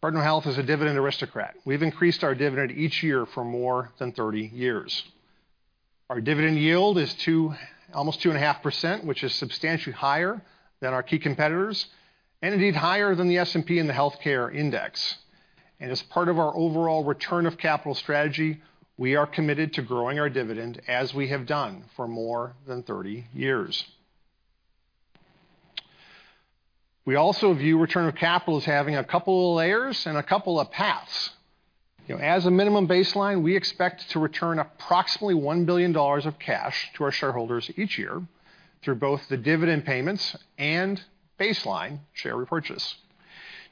Cardinal Health is a dividend aristocrat. We've increased our dividend each year for more than 30 years. Our dividend yield is almost 2.5%, which is substantially higher than our key competitors, and indeed higher than the S&P in the healthcare index. As part of our overall return of capital strategy, we are committed to growing our dividend, as we have done for more than 30 years. We also view return of capital as having a couple of layers and a couple of paths. You know, as a minimum baseline, we expect to return approximately $1 billion of cash to our shareholders each year through both the dividend payments and baseline share repurchase.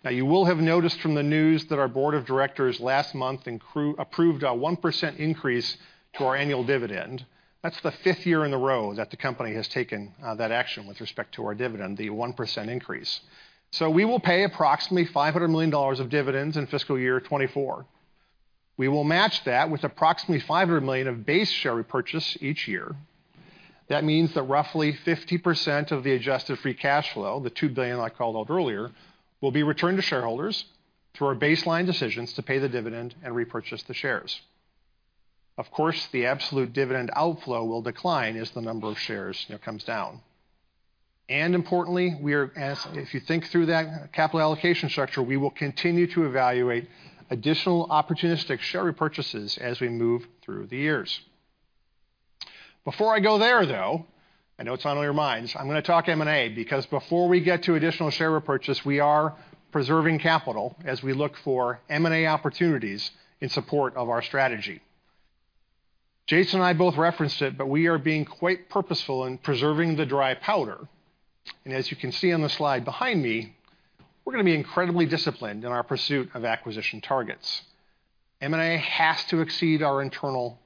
Now, you will have noticed from the news that our Board of Directors last month approved a 1% increase to our annual dividend. That's the 5th year in a row that the company has taken that action with respect to our dividend, the 1% increase. We will pay approximately $500 million of dividends in fiscal year 2024. We will match that with approximately $500 million of base share repurchase each year. That means that roughly 50% of the adjusted free cash flow, the $2 billion I called out earlier, will be returned to shareholders through our baseline decisions to pay the dividend and repurchase the shares. Of course, the absolute dividend outflow will decline as the number of shares, you know, comes down. Importantly, if you think through that capital allocation structure, we will continue to evaluate additional opportunistic share repurchases as we move through the years. Before I go there, though, I know it's on all your minds, I'm gonna talk M&A, because before we get to additional share repurchase, we are preserving capital as we look for M&A opportunities in support of our strategy. Jason and I both referenced it, but we are being quite purposeful in preserving the dry powder. As you can see on the slide behind me, we're gonna be incredibly disciplined in our pursuit of acquisition targets. M&A has to exceed our internal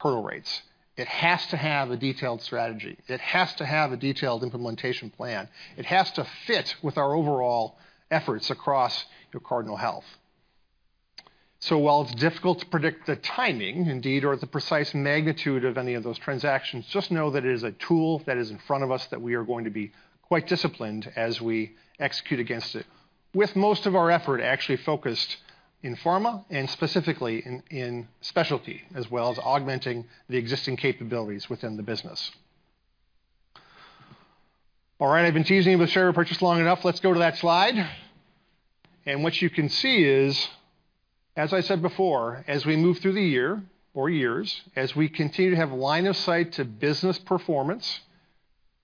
hurdle rates. It has to have a detailed strategy. It has to have a detailed implementation plan. It has to fit with our overall efforts across Cardinal Health. While it's difficult to predict the timing, indeed, or the precise magnitude of any of those transactions, just know that it is a tool that is in front of us that we are going to be quite disciplined as we execute against it, with most of our effort actually focused in Pharma and specifically in Specialty, as well as augmenting the existing capabilities within the business. All right, I've been teasing you with share repurchase long enough. Let's go to that slide. What you can see is, as I said before, as we move through the year or years, as we continue to have line of sight to business performance,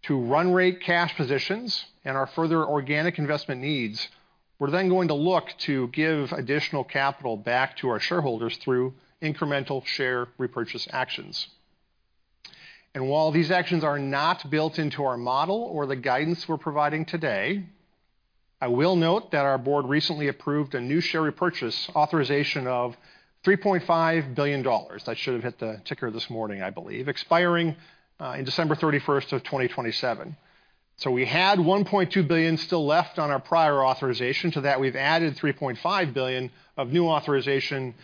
to run rate cash positions, and our further organic investment needs, we're then going to look to give additional capital back to our shareholders through incremental share repurchase actions. While these actions are not built into our model or the guidance we're providing today, I will note that our board recently approved a new share repurchase authorization of $3.5 billion. That should have hit the ticker this morning, I believe, expiring in December 31st, 2027. We had $1.2 billion still left on our prior authorization. To that, we've added $3.5 billion of new authorization,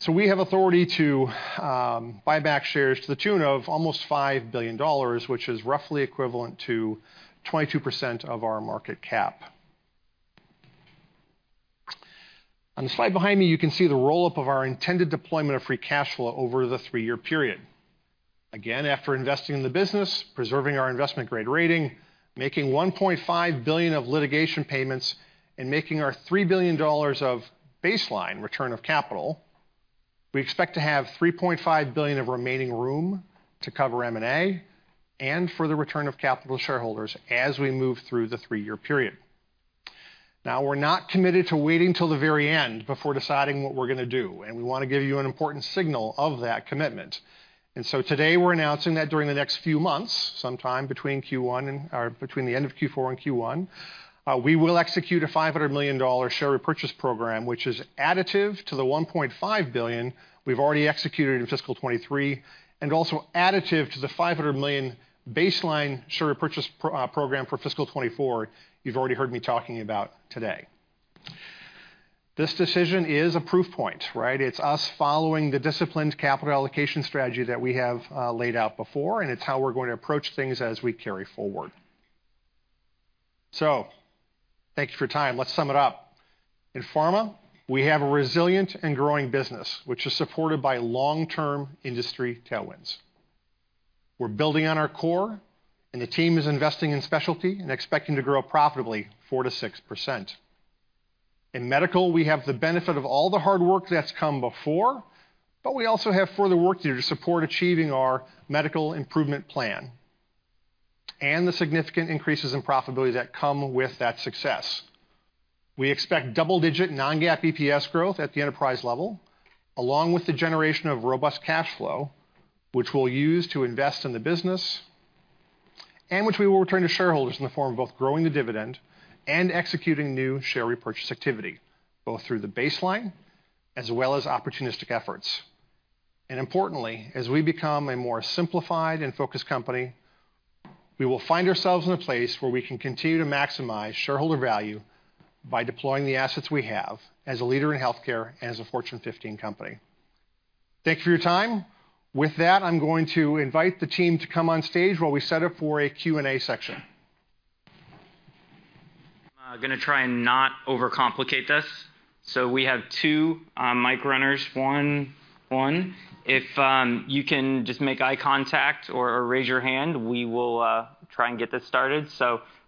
so we have authority to buy back shares to the tune of almost $5 billion, which is roughly equivalent to 22% of our market cap. On the slide behind me, you can see the roll-up of our intended deployment of free cash flow over the three-year period. Again, after investing in the business, preserving our investment-grade rating, making $1.5 billion of litigation payments, and making our $3 billion of baseline return of capital, we expect to have $3.5 billion of remaining room to cover M&A and for the return of capital to shareholders as we move through the three-year period. Now, we're not committed to waiting till the very end before deciding what we're gonna do, and we wanna give you an important signal of that commitment. Today, we're announcing that during the next few months, sometime between Q1 or between the end of Q4 and Q1, we will execute a $500 million share repurchase program, which is additive to the $1.5 billion we've already executed in fiscal 2023, and also additive to the $500 million baseline share repurchase program for fiscal 2024 you've already heard me talking about today. This decision is a proof point, right? It's us following the disciplined capital allocation strategy that we have, laid out before, and it's how we're going to approach things as we carry forward. Thanks for your time. Let's sum it up. In Pharma, we have a resilient and growing business, which is supported by long-term industry tailwinds. We're building on our core, and the team is investing in Specialty and expecting to grow profitably 4%-6%. In Medical, we have the benefit of all the hard work that's come before, but we also have further work to do to support achieving our Medical Improvement Plan and the significant increases in profitability that come with that success. We expect double-digit non-GAAP EPS growth at the enterprise level, along with the generation of robust cash flow, which we'll use to invest in the business, and which we will return to shareholders in the form of both growing the dividend and executing new share repurchase activity, both through the baseline as well as opportunistic efforts. Importantly, as we become a more simplified and focused company, we will find ourselves in a place where we can continue to maximize shareholder value by deploying the assets we have as a leader in healthcare and as a Fortune 15 company. Thank you for your time. With that, I'm going to invite the team to come on stage while we set up for a Q&A session. I'm gonna try and not overcomplicate this. We have two mic runners, one. If you can just make eye contact or raise your hand, we will try and get this started.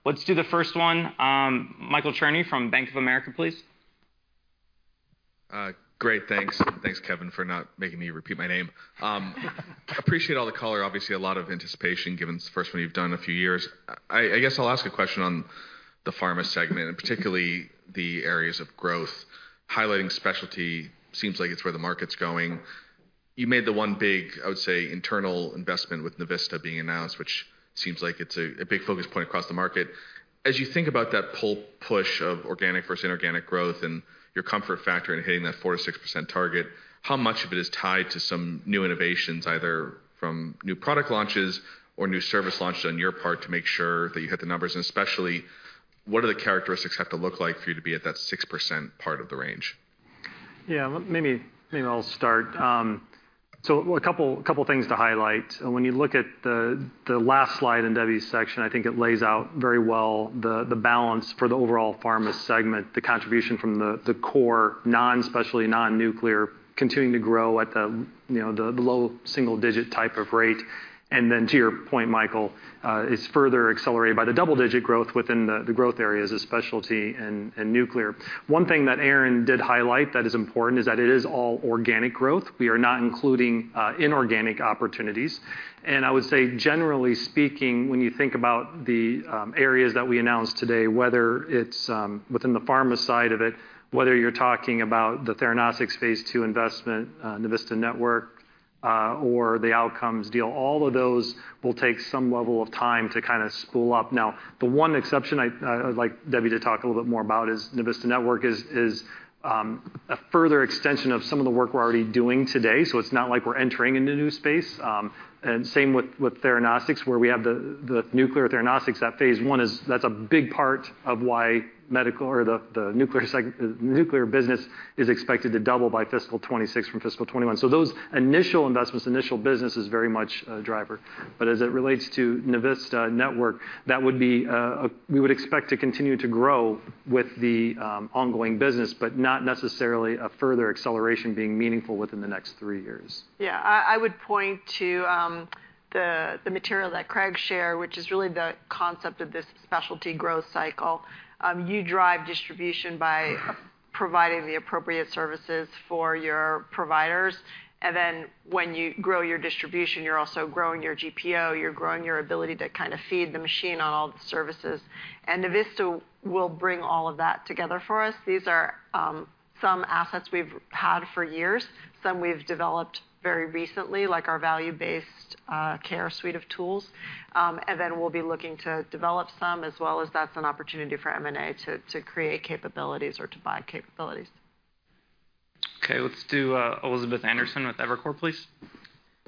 Let's do the first one. Michael Cherny from Bank of America, please. Great. Thanks. Thanks, Kevin, for not making me repeat my name. Appreciate all the color. Obviously, a lot of anticipation, given it's the first one you've done in a few years. I guess I'll ask a question on the Pharma segment, and particularly the areas of growth. Highlighting Specialty seems like it's where the market's going. You made the one big, I would say, internal investment with Navista being announced, which seems like it's a big focus point across the market. As you think about that pull-push of organic versus inorganic growth and your comfort factor in hitting that 4%-6% target, how much of it is tied to some new innovations, either from new product launches or new service launches on your part, to make sure that you hit the numbers? Especially, what do the characteristics have to look like for you to be at that 6% part of the range? Yeah, maybe I'll start. A couple things to highlight. When you look at the last slide in Debbie's section, I think it lays out very well the balance for the overall Pharma segment, the contribution from the core, non-Specialty, non-Nuclear, continuing to grow at the, you know, the low single-digit type of rate. To your point, Michael, it's further accelerated by the double-digit growth within the growth areas of Specialty and Nuclear. One thing that Aaron did highlight that is important is that it is all organic growth. We are not including inorganic opportunities. I would say, generally speaking, when you think about the areas that we announced today, whether it's within the Pharma side of it, whether you're talking about the Theranostics phase two investment, Navista Network, or the Outcomes deal, all of those will take some level of time to kind of spool up. The one exception I'd like Debbie to talk a little bit more about is Navista Network is a further extension of some of the work we're already doing today, so it's not like we're entering into a new space. Same with Theranostics, where we have the Nuclear Theranostics, that phase one is. That's a big part of why Medical or the Nuclear business is expected to double by fiscal 2026 from fiscal 2021. Those initial investments, initial business, is very much a driver. As it relates to Navista Network, that would be, we would expect to continue to grow with the ongoing business, but not necessarily a further acceleration being meaningful within the next three years. Yeah, I would point to the material that Craig shared, which is really the concept of this Specialty growth cycle. You drive distribution by providing the appropriate services for your providers, then when you grow your distribution, you're also growing your GPO, you're growing your ability to kind of feed the machine on all the services. Navista will bring all of that together for us. These are some assets we've had for years, some we've developed very recently, like our value-based care suite of tools. Then we'll be looking to develop some, as well as that's an opportunity for M&A to create capabilities or to buy capabilities. Let's do Elizabeth Anderson with Evercore, please.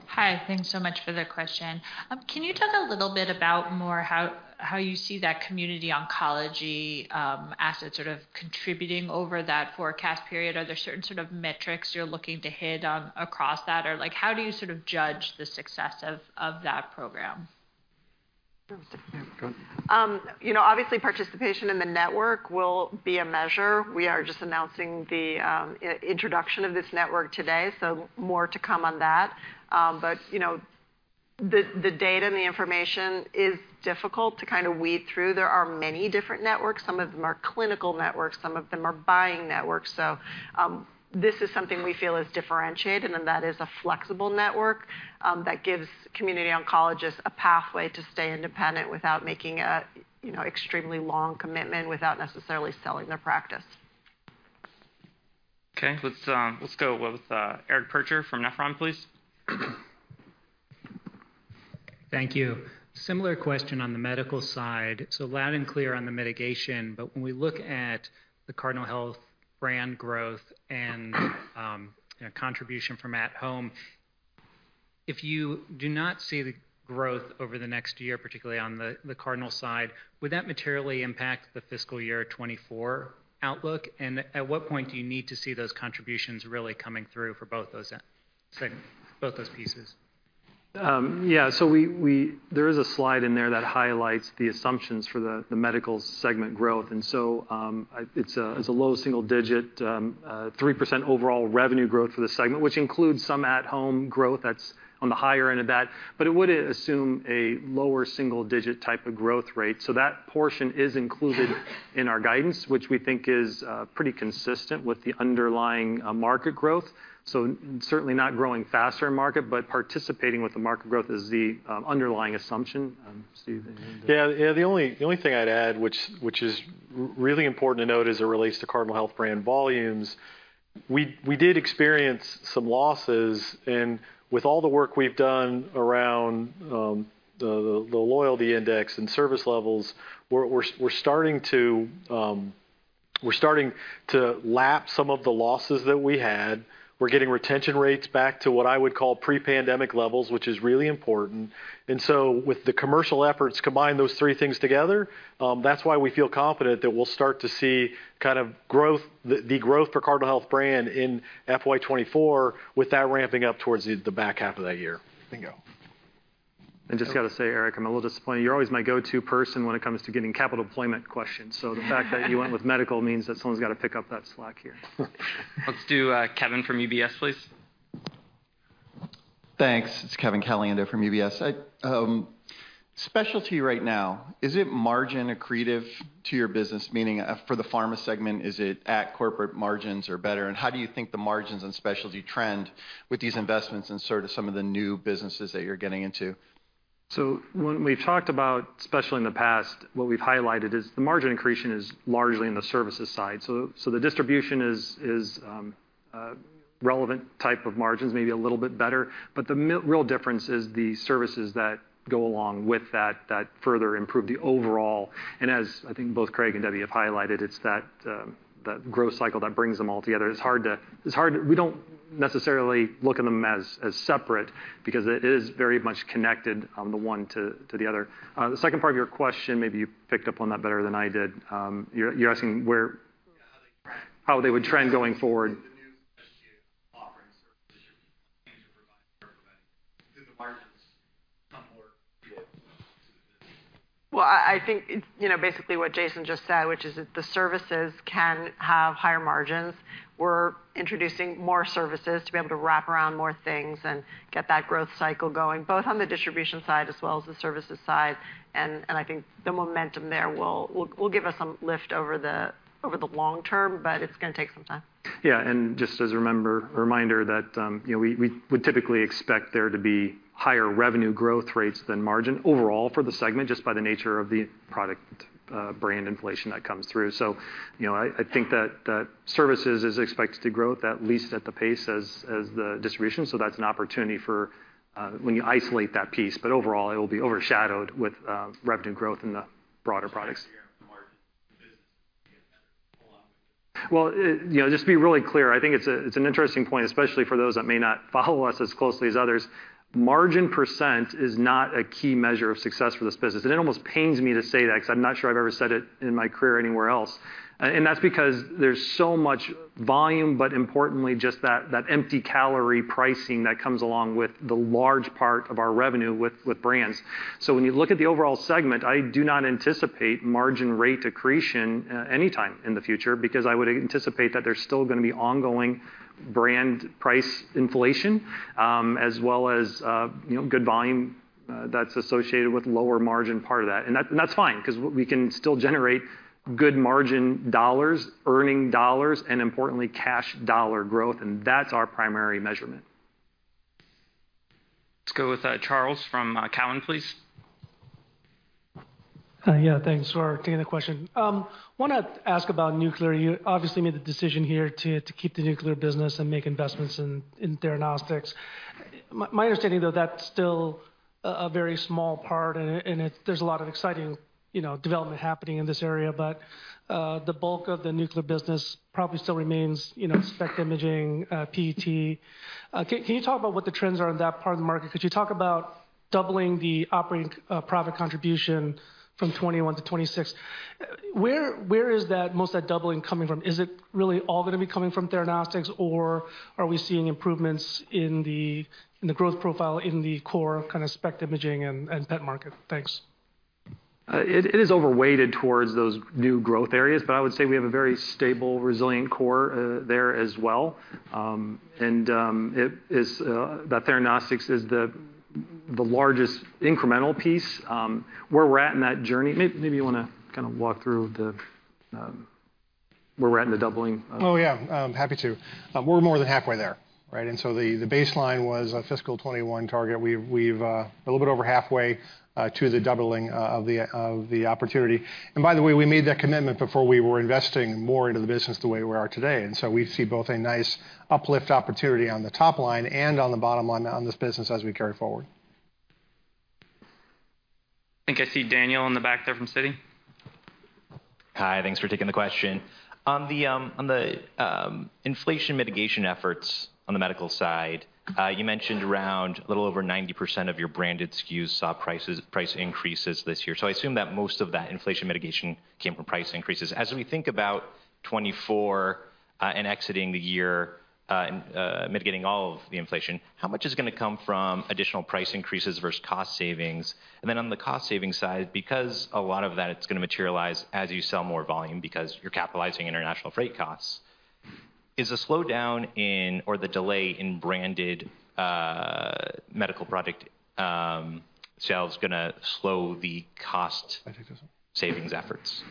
Hi, thanks so much for the question. Can you talk a little bit about more how you see that community oncology asset sort of contributing over that forecast period? Are there certain sort of metrics you're looking to hit on across that? Or, like, how do you sort of judge the success of that program? You know, obviously, participation in the network will be a measure. We are just announcing the introduction of this network today. More to come on that. You know, the data and the information is difficult to kind of weed through. There are many different networks. Some of them are clinical networks, some of them are buying networks. This is something we feel is differentiated, and then that is a flexible network that gives community oncologists a pathway to stay independent without making a, you know, extremely long commitment, without necessarily selling their practice. Okay, let's go with Eric Percher from Nephron, please. Thank you. Similar question on the Medical side. Loud and clear on the mitigation, but when we look at the Cardinal Health brand growth and, you know, contribution from at-Home Solutions, if you do not see the growth over the next year, particularly on the Cardinal side, would that materially impact the fiscal year 2024 outlook? At what point do you need to see those contributions really coming through for both those both those pieces? Yeah, there is a slide in there that highlights the assumptions for the Medical segment growth. It's a low single digit, 3% overall revenue growth for the segment, which includes some at-Home growth that's on the higher end of that, but it would assume a lower single digit type of growth rate. That portion is included in our guidance which we think is pretty consistent with the underlying market growth. Certainly not growing faster in market, but participating with the market growth is the underlying assumption. Steve? Yeah, the only thing I'd add, which is really important to note as it relates to Cardinal Health brand volumes, we did experience some losses, and with all the work we've done around the loyalty index and service levels, we're starting to lap some of the losses that we had. We're getting retention rates back to what I would call pre-pandemic levels, which is really important. With the commercial efforts, combine those three things together, that's why we feel confident that we'll start to see kind of growth for Cardinal Health brand in FY 2024, with that ramping up towards the back half of that year. Thank you. I just got to say, Eric, I'm a little disappointed. You're always my go-to person when it comes to getting capital deployment questions. The fact that you went with Medical means that someone's got to pick up that slack here. Let's do, Kevin from UBS, please. Thanks. It's Kevin Caliendo from UBS. I, Specialty right now, is it margin accretive to your business? Meaning, for the Pharma segment, is it at corporate margins or better? How do you think the margins on Specialty trend with these investments in sort of some of the new businesses that you're getting into? When we've talked about, especially in the past, what we've highlighted is the margin accretion is largely in the services side. So the distribution is relevant type of margins, maybe a little bit better, but the real difference is the services that go along with that further improve the overall. As I think both Craig and Debbie have highlighted, it's that growth cycle that brings them all together. It's hard... We don't necessarily look at them as separate because it is very much connected, the one to the other. The second part of your question, maybe you picked up on that better than I did. You're asking where... Yeah, how they trend. How they would trend going forward? The new Specialty offerings or distribution change or provide, do the margins come more to the business? Well, I think, it's, you know, basically what Jason just said, which is that the services can have higher margins. We're introducing more services to be able to wrap around more things and get that growth cycle going, both on the distribution side as well as the services side. I think the momentum there will give us some lift over the long term, but it's going to take some time. Yeah, just as a reminder that, you know, we would typically expect there to be higher revenue growth rates than margin overall for the segment, just by the nature of the product, brand inflation that comes through. You know, I think that services is expected to grow at least at the pace as the distribution. That's an opportunity for, when you isolate that piece, but overall, it will be overshadowed with, revenue growth in the broader products... It, you know, just to be really clear, I think it's a, it's an interesting point, especially for those that may not follow us as closely as others. Margin percent is not a key measure of success for this business. It almost pains me to say that because I'm not sure I've ever said it in my career anywhere else. That's because there's so much volume, but importantly, just that empty calorie pricing that comes along with the large part of our revenue with brands. When you look at the overall segment, I do not anticipate margin rate accretion anytime in the future, because I would anticipate that there's still gonna be ongoing brand price inflation, as well as, you know, good volume that's associated with lower margin part of that. That's fine, because we can still generate good margin dollars, earning dollars, and importantly, cash dollar growth, and that's our primary measurement. Let's go with Charles from Cowen, please. Yeah, thanks for taking the question. Want to ask about Nuclear. You obviously made the decision here to keep the Nuclear business and make investments in Theranostics. My understanding, though, that's still a very small part, and it... There's a lot of exciting, you know, development happening in this area, but the bulk of the Nuclear business probably still remains, you know, spec imaging, PET. Can you talk about what the trends are in that part of the market? Could you talk about doubling the operating profit contribution from 2021 to 2026? Where is that, most of that doubling coming from? Is it really all gonna be coming from Theranostics, or are we seeing improvements in the growth profile in the core kind of spec imaging and PET market? Thanks. It is overweighted towards those new growth areas, I would say we have a very stable, resilient core, there as well. It is, that Theranostics is the largest incremental piece. Where we're at in that journey. Maybe you wanna kind of walk through the, where we're at in the doubling? Oh, yeah, happy to. We're more than halfway there, right? The, the baseline was a fiscal 2021 target. We've a little bit over halfway to the doubling of the, of the opportunity. By the way, we made that commitment before we were investing more into the business the way we are today. We see both a nice uplift opportunity on the top line and on the bottom line on this business as we carry forward. I think I see Daniel in the back there from Citi. Hi, thanks for taking the question. On the inflation mitigation efforts on the Medical side, you mentioned around a little over 90% of your branded SKUs saw price increases this year. I assume that most of that inflation mitigation came from price increases. As we think about 2024, and exiting the year, and mitigating all of the inflation, how much is gonna come from additional price increases versus cost savings? On the cost savings side, because a lot of that is gonna materialize as you sell more volume because you're capitalizing international freight costs, is a slowdown in or the delay in branded medical product sales gonna slow the cost savings efforts?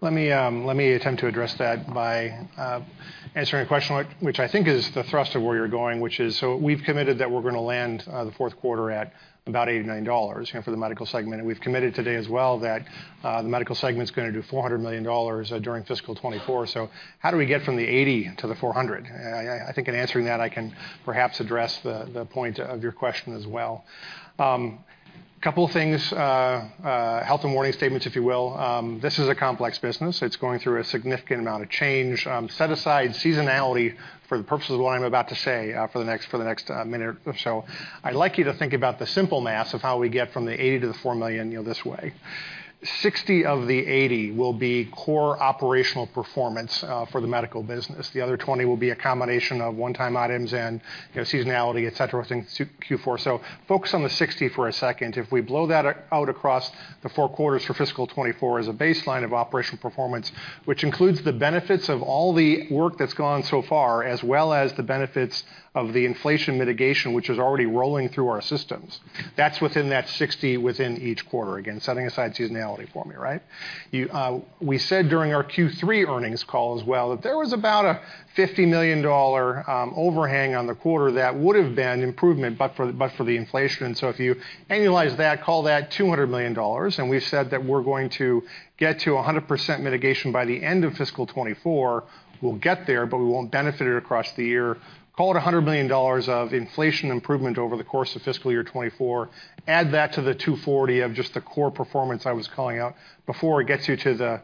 Let me attempt to address that by answering a question, which I think is the thrust of where you're going, which is. We've committed that we're gonna land the fourth quarter at about $89, you know, for the Medical segment, and we've committed today as well that the Medical segment's gonna do $400 million during fiscal 2024. How do we get from the $80 million to the $400 million? I think in answering that, I can perhaps address the point of your question as well. Couple of things, health and warning statements, if you will. This is a complex business. It's going through a significant amount of change. Set aside seasonality for the purposes of what I'm about to say for the next minute or so. I'd like you to think about the simple math of how we get from the $80 million to the $4 million, you know, this way. $60 million of the $80 million will be core operational performance for the Medical business. The other $20 million will be a combination of one-time items and, you know, seasonality, et cetera, within Q4. Focus on the $60 million for a second. If we blow that out across the four quarters for fiscal 2024 as a baseline of operational performance, which includes the benefits of all the work that's gone so far, as well as the benefits of the inflation mitigation, which is already rolling through our systems, that's within that $60 million within each quarter. Again, setting seasonality for me, right? You... We said during our Q3 earnings call as well, that there was about a $50 million overhang on the quarter that would have been improvement, but for the inflation. If you annualize that, call that $200 million. We've said that we're going to get to a 100% mitigation by the end of fiscal 2024, we'll get there. We won't benefit it across the year. Call it $100 million of inflation improvement over the course of fiscal year 2024. Add that to the $240 of just the core performance I was calling out before it gets you to the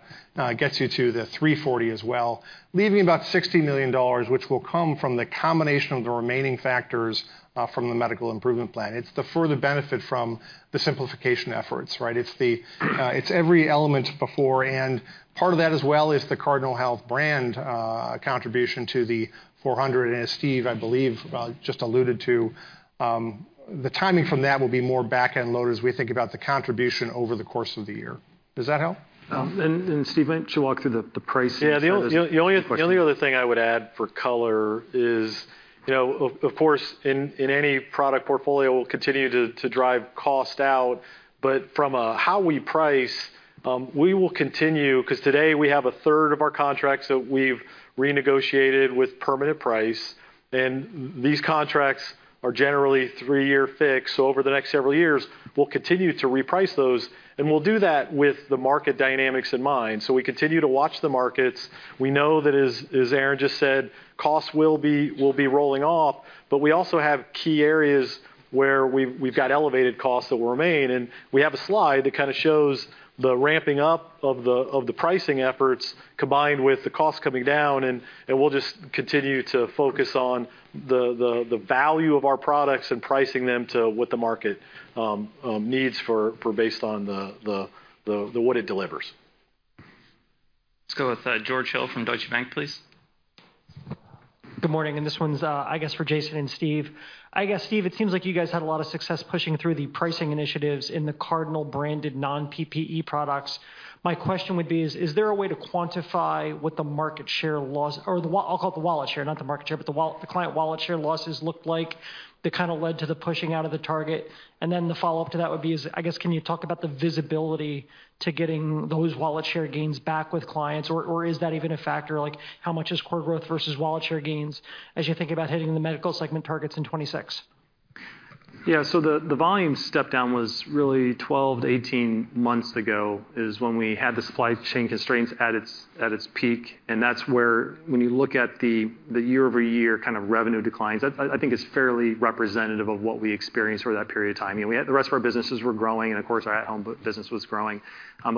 gets you to the $340 as well, leaving about $60 million, which will come from the combination of the remaining factors from the Medical Improvement Plan. It's the further benefit from the simplification efforts, right? It's every element before, and part of that as well, is the Cardinal Health brand contribution to the $400 million. As Steve, I believe, just alluded to, the timing from that will be more back-end loaded as we think about the contribution over the course of the year. Does that help? Steve, why don't you walk through the pricing? Yeah, the only other thing I would add for color is, you know, of course, in any product portfolio, we'll continue to drive cost out. From a how we price, we will continue, because today we have a third of our contracts that we've renegotiated with permanent price, and these contracts are generally three-year fixed. Over the next several years, we'll continue to reprice those, and we'll do that with the market dynamics in mind. We continue to watch the markets. We know that as Aaron just said, costs will be rolling off, but we also have key areas where we've got elevated costs that will remain. We have a slide that kind of shows the ramping up of the pricing efforts, combined with the costs coming down. We'll just continue to focus on the value of our products and pricing them to what the market needs for based on what it delivers. Let's go with George Hill from Deutsche Bank, please. Good morning, and this one's, I guess for Jason and Steve. I guess, Steve, it seems like you guys had a lot of success pushing through the pricing initiatives in the Cardinal-branded non-PPE products. My question would be is there a way to quantify what the I'll call it the wallet share, not the market share, but the client wallet share losses looked like, that kind of led to the pushing out of the target? The follow-up to that would be is, I guess, can you talk about the visibility to getting those wallet share gains back with clients, or is that even a factor? Like, how much is core growth versus wallet share gains as you think about hitting the Medical segment targets in 2026? So the volume step-down was really 12-18 months ago, is when we had the supply chain constraints at its peak, and that's where, when you look at the year-over-year kind of revenue declines, I think it's fairly representative of what we experienced over that period of time. You know, we had the rest of our businesses were growing, and of course, our at-Home Solutions business was growing.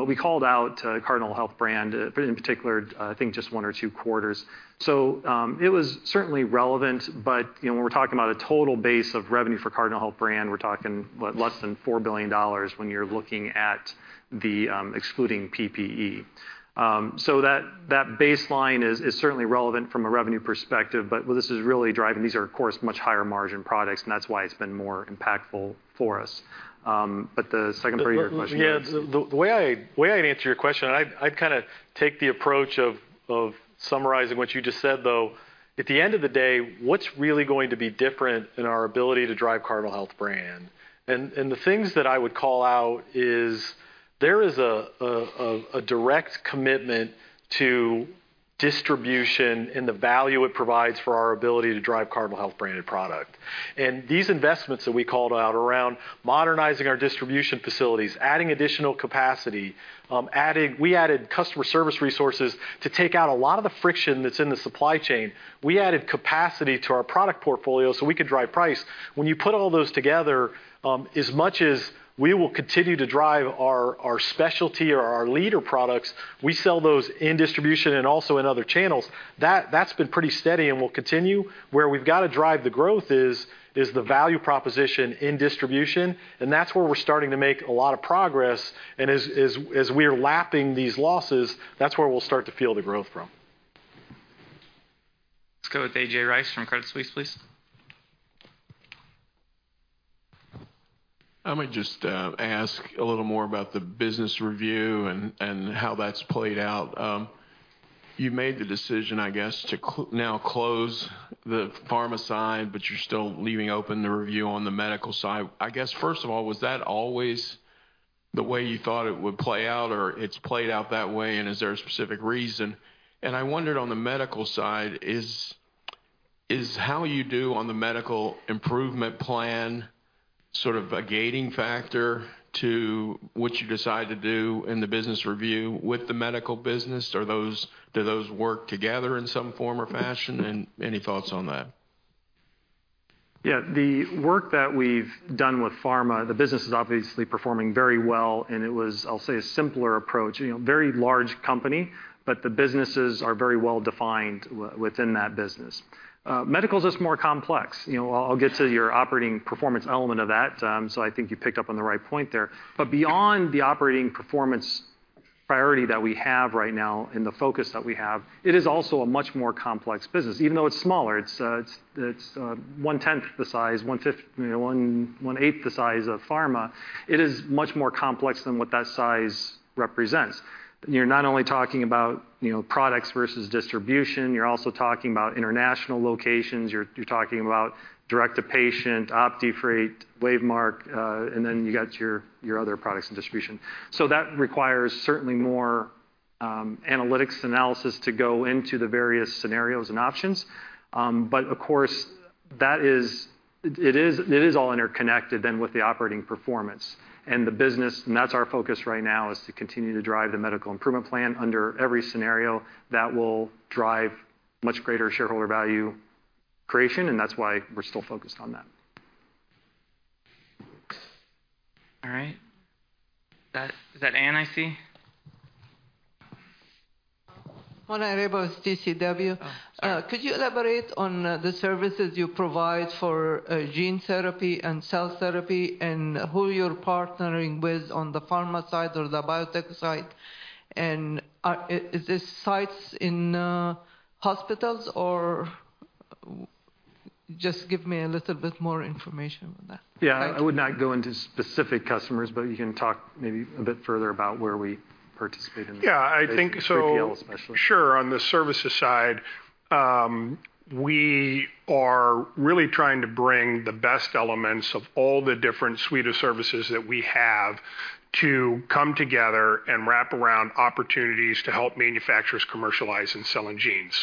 We called out Cardinal Health brand in particular, I think just one or two quarters. It was certainly relevant, but, you know, when we're talking about a total base of revenue for Cardinal Health brand, we're talking, what, less than $4 billion when you're looking at the excluding PPE. That baseline is certainly relevant from a revenue perspective, what this is really driving, these are, of course, much higher margin products, and that's why it's been more impactful for us. The second part of your question was? Yeah, the way I'd answer your question, I'd kind of take the approach of summarizing what you just said, though. At the end of the day, what's really going to be different in our ability to drive Cardinal Health brand? The things that I would call out is, there is a direct commitment to distribution and the value it provides for our ability to drive Cardinal Health branded product. These investments that we called out around modernizing our distribution facilities, adding additional capacity, We added customer service resources to take out a lot of the friction that's in the supply chain. We added capacity to our product portfolio so we could drive price. When you put all those together, as much as we will continue to drive our Specialty or our leader products, we sell those in distribution and also in other channels. That's been pretty steady and will continue. Where we've got to drive the growth is the value proposition in distribution, and that's where we're starting to make a lot of progress, and as we are lapping these losses, that's where we'll start to feel the growth from. Let's go with A.J. Rice from Credit Suisse, please. I might just ask a little more about the business review and how that's played out. You made the decision, I guess, to now close the Pharma side, but you're still leaving open the review on the Medical side. I guess, first of all, was that always the way you thought it would play out, or it's played out that way, and is there a specific reason? I wondered on the Medical side, is how you do on the Medical Improvement Plan sort of a gating factor to what you decide to do in the business review with the Medical business? Do those work together in some form or fashion, and any thoughts on that? Yeah. The work that we've done with Pharma, the business is obviously performing very well, it was, I'll say, a simpler approach. You know, very large company, but the businesses are very well defined within that business. Medical's just more complex. You know, I'll get to your operating performance element of that, so I think you picked up on the right point there. Beyond the operating performance priority that we have right now and the focus that we have, it is also a much more complex business. Even though it's smaller, it's one tenth the size, one fifth, you know, one eighth the size of Pharma, it is much more complex than what that size represents. You're not only talking about, you know, products versus distribution, you're also talking about international locations, you're talking about direct-to-patient, OptiFreight, WaveMark, and then you got your other products and distribution. That requires certainly more analytics analysis to go into the various scenarios and options. Of course, that is... It is all interconnected than with the operating performance and the business, and that's our focus right now, is to continue to drive the Medical Improvement Plan under every scenario that will drive much greater shareholder value creation, and that's why we're still focused on that. All right. That, is that Ann, I see? Mona Eraiba with TCW. Oh, sorry. Could you elaborate on the services you provide for gene therapy and cell therapy, and who you're partnering with on the Pharma side or the biotech side? Is this sites in hospitals, or just give me a little bit more information on that. I would not go into specific customers, but you can talk maybe a bit further about where we participate in. Yeah, I think. 3PL, especially. Sure. On the services side, we are really trying to bring the best elements of all the different suite of services that we have to come together and wrap around opportunities to help manufacturers commercialize and sell in genes.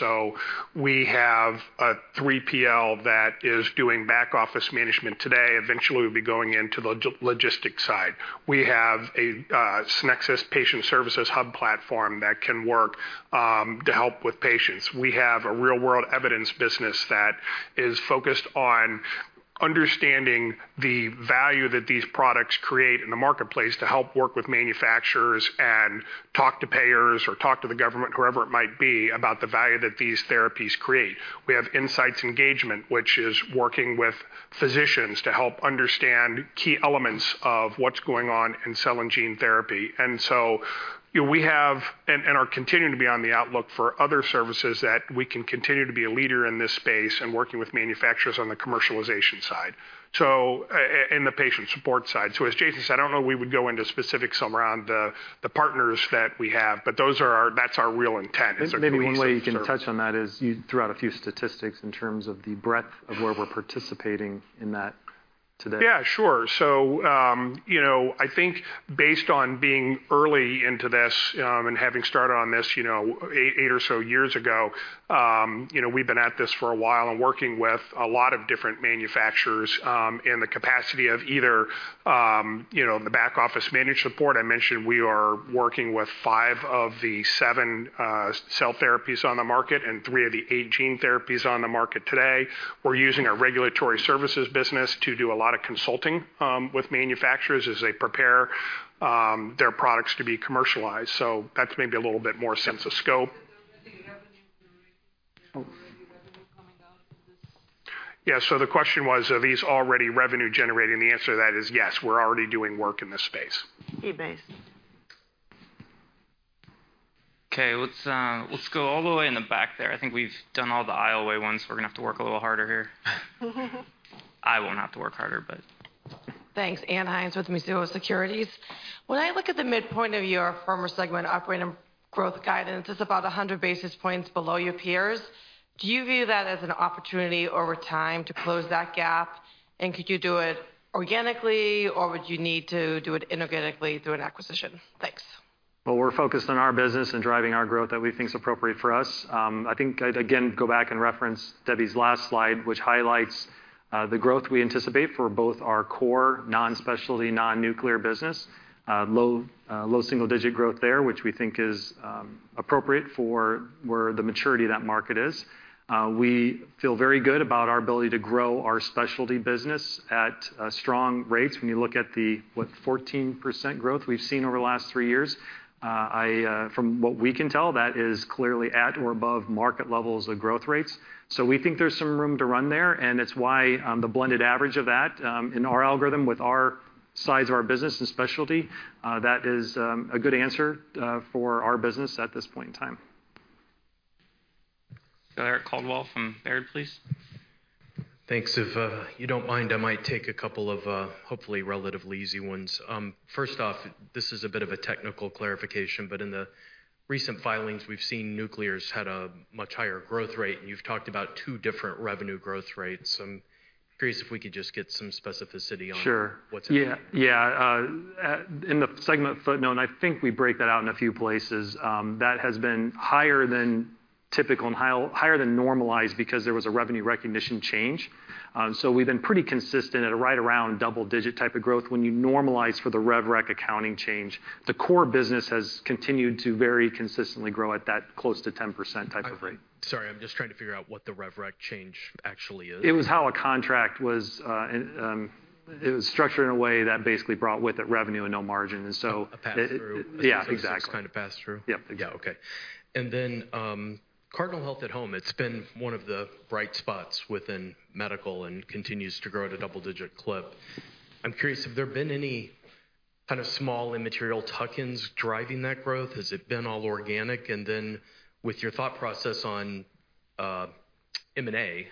We have a 3PL that is doing back office management today. Eventually, we'll be going into the logistics side. We have a Sonexus patient services hub platform that can work to help with patients. We have a real-world evidence business that is focused on understanding the value that these products create in the marketplace to help work with manufacturers and talk to payers or talk to the government, whoever it might be, about the value that these therapies create. We have insights engagement, which is working with physicians to help understand key elements of what's going on in cell and gene therapy. You know, we have, and are continuing to be on the outlook for other services that we can continue to be a leader in this space and working with manufacturers on the commercialization side and the patient support side. As Jason said, I don't know if we would go into specifics around the partners that we have, but that's our real intent, is to- Maybe one way you can touch on that is you threw out a few statistics in terms of the breadth of where we're participating in that today. Yeah, sure. You know, I think based on being early into this, and having started on this, you know, eight or so years ago, you know, we've been at this for a while and working with a lot of different manufacturers, in the capacity of either, you know, the back office management support. I mentioned we are working with five of the seven cell therapies on the market and three of the eight gene therapies on the market today. We're using our regulatory services business to do a lot of consulting with manufacturers as they prepare their products to be commercialized. That's maybe a little bit more sense of scope. Yeah. The question was, are these already revenue-generating? The answer to that is yes, we're already doing work in this space. Okay, let's go all the way in the back there. I think we've done all the aisle way ones. We're gonna have to work a little harder here. I won't have to work harder, but... Thanks. Ann Hynes with Mizuho Securities. When I look at the midpoint of your Pharmaceutical segment operating growth guidance, it's about 100 basis points below your peers. Do you view that as an opportunity over time to close that gap? Could you do it organically, or would you need to do it inorganically through an acquisition? Thanks. We're focused on our business and driving our growth that we think is appropriate for us. I think I'd, again, go back and reference Debbie's last slide, which highlights the growth we anticipate for both our core, non-Specialty, non-Nuclear business. Low single-digit growth there, which we think is appropriate for where the maturity of that market is. We feel very good about our ability to grow our Specialty business at strong rates. When you look at the, what, 14% growth we've seen over the last three years, From what we can tell, that is clearly at or above market levels of growth rates. We think there's some room to run there, and it's why, the blended average of that, in our algorithm with our size of our business and Specialty, that is, a good answer, for our business at this point in time. Eric Coldwell from Baird, please. Thanks. If you don't mind, I might take a couple of, hopefully, relatively easy ones. First off, this is a bit of a technical clarification, but in the recent filings, we've seen Nuclear's had a much higher growth rate, and you've talked about two different revenue growth rates. Curious if we could just get some specificity? Sure. What's happening? Yeah. Yeah. In the segment footnote, I think we break that out in a few places. That has been higher than typical and higher than normalized because there was a revenue recognition change. We've been pretty consistent at a right around double-digit type of growth. When you normalize for the rev rec accounting change, the core business has continued to very consistently grow at that close to 10% type of rate. Sorry, I'm just trying to figure out what the rev rec change actually is. It was how a contract was. It was structured in a way that basically brought with it revenue and no margin. A pass-through. Yeah, exactly. Some kind of pass-through? Yep. Yeah. Okay. Cardinal Health at-Home, it's been one of the bright spots within Medical and continues to grow at a double-digit clip. I'm curious, have there been any kind of small, immaterial tuck-ins driving that growth? Has it been all organic? With your thought process on M&A,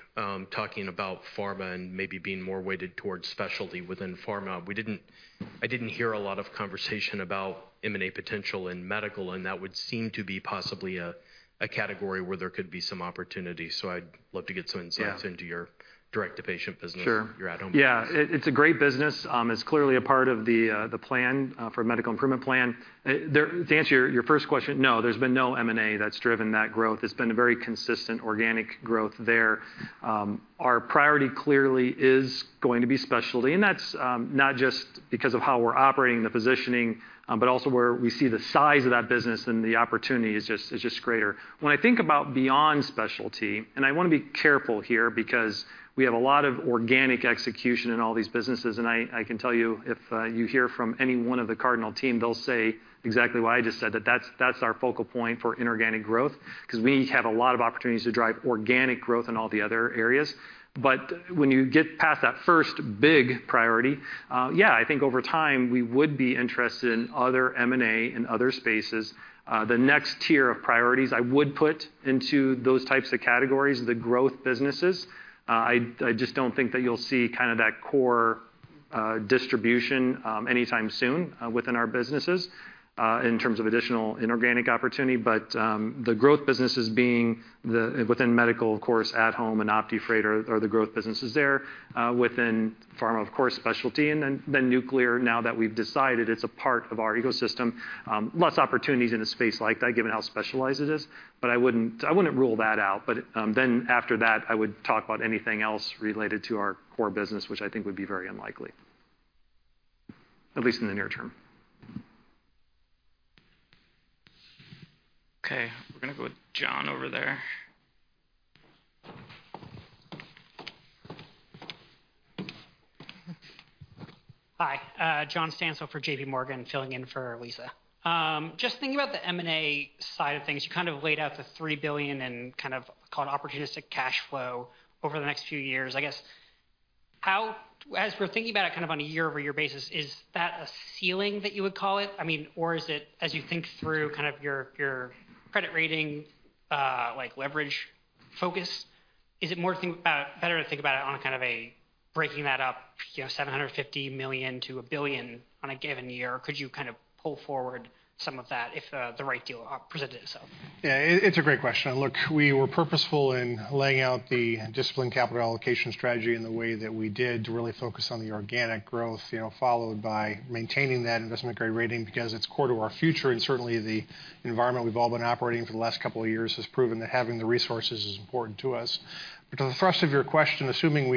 talking about Pharma and maybe being more weighted towards Specialty within Pharma, I didn't hear a lot of conversation about M&A potential in Medical, and that would seem to be possibly a category where there could be some opportunity. I'd love to get some insights... Yeah. Into your direct-to-patient business. Sure. Your at-Home business. Yeah. It's a great business. It's clearly a part of the plan for Medical Improvement Plan. To answer your first question, no, there's been no M&A that's driven that growth. It's been a very consistent organic growth there. Our priority clearly is going to be Specialty. That's not just because of how we're operating the positioning, but also where we see the size of that business and the opportunity is just greater. When I think about beyond Specialty, I wanna be careful here because we have a lot of organic execution in all these businesses, I can tell you, if you hear from any one of the Cardinal team, they'll say exactly what I just said, that that's our focal point for inorganic growth, because we have a lot of opportunities to drive organic growth in all the other areas. When you get past that first big priority, yeah, I think over time, we would be interested in other M&A in other spaces. The next tier of priorities, I would put into those types of categories, the growth businesses. I just don't think that you'll see kinda that core distribution anytime soon within our businesses in terms of additional inorganic opportunity. The growth businesses being within Medical, of course, at-Home and OptiFreight are the growth businesses there. Within Pharma, of course, Specialty, and then Nuclear, now that we've decided it's a part of our ecosystem, less opportunities in a space like that, given how specialized it is. I wouldn't rule that out, then after that, I would talk about anything else related to our core business, which I think would be very unlikely, at least in the near term. We're gonna go with John over there. Hi, John Stansel for JPMorgan, filling in for Lisa. Just thinking about the M&A side of things, you kind of laid out the $3 billion and kind of call it opportunistic cash flow over the next few years. I guess, as we're thinking about it, kind of on a year-over-year basis, is that a ceiling that you would call it? I mean, or is it, as you think through kind of your credit rating, like leverage focus, is it more to think about better to think about it on a kind of a breaking that up, you know, $750 million-$1 billion on a given year? Or could you kind of pull forward some of that if the right deal presented itself? Yeah, it's a great question. Look, we were purposeful in laying out the disciplined capital allocation strategy in the way that we did to really focus on the organic growth, you know, followed by maintaining that investment-grade rating, because it's core to our future. Certainly, the environment we've all been operating for the last couple of years has proven that having the resources is important to us. To the thrust of your question, assuming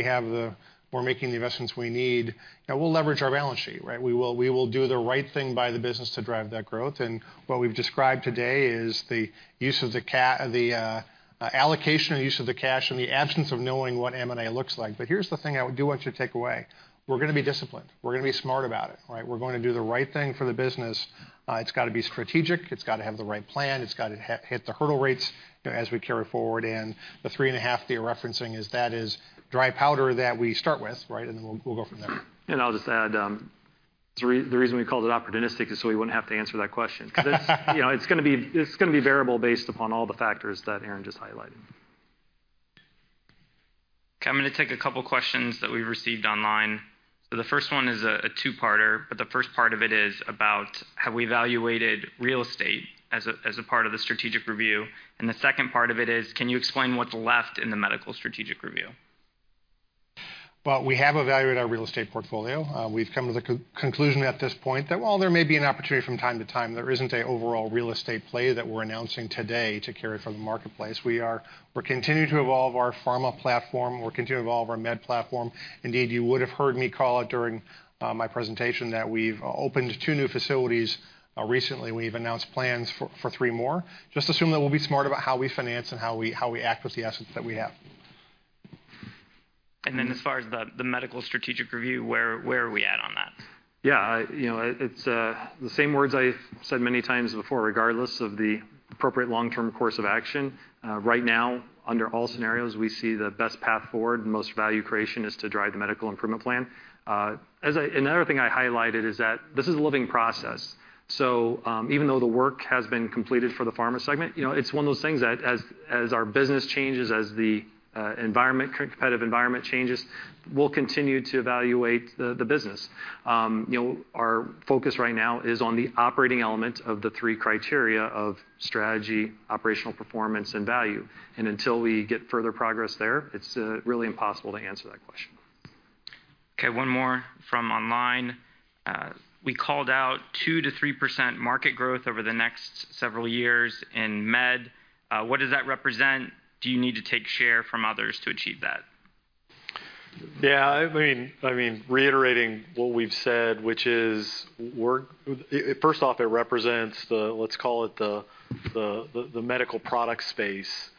we're making the investments we need, then we'll leverage our balance sheet, right? We will do the right thing by the business to drive that growth. What we've described today is the use of the allocation or use of the cash in the absence of knowing what M&A looks like. Here's the thing I would do want you to take away: We're gonna be disciplined. We're gonna be smart about it, right? We're going to do the right thing for the business. It's got to be strategic, it's got to have the right plan, it's got to hit the hurdle rates, you know, as we carry it forward. The $3.5 billion that you're referencing is, that is dry powder that we start with, right? Then we'll go from there. I'll just add, the reason we called it opportunistic is so we wouldn't have to answer that question. It's, you know, it's gonna be variable based upon all the factors that Aaron just highlighted. Okay, I'm gonna take a couple of questions that we've received online. The first one is a two-parter, but the first part of it is about, have we evaluated real estate as a part of the strategic review? The second part of it is, can you explain what's left in the Medical strategic review? Well, we have evaluated our real estate portfolio. We've come to the conclusion at this point that while there may be a overall real estate play that we're announcing today to carry from the marketplace. We're continuing to evolve our Pharma platform. We're continuing to evolve our Med platform. Indeed, you would have heard me call out during my presentation that we've opened two new facilities. Recently, we've announced plans for three more. Just assume that we'll be smart about how we finance and how we act with the assets that we have. Then, as far as the Medical strategic review, where are we at on that? You know, it's the same words I said many times before, regardless of the appropriate long-term course of action, right now, under all scenarios, we see the best path forward, and most value creation, is to drive the Medical Improvement Plan. As another thing I highlighted is that this is a living process, so even though the work has been completed for the Pharma segment, you know, it's one of those things that as our business changes, as the environment, competitive environment changes, we'll continue to evaluate the business. You know, our focus right now is on the operating element of the three criteria of strategy, operational performance, and value. Until we get further progress there, it's really impossible to answer that question. Okay, one more from online. We called out 2%-3% market growth over the next several years in med. What does that represent? Do you need to take share from others to achieve that? Yeah, I mean, reiterating what we've said, which is, first off, it represents the medical product space.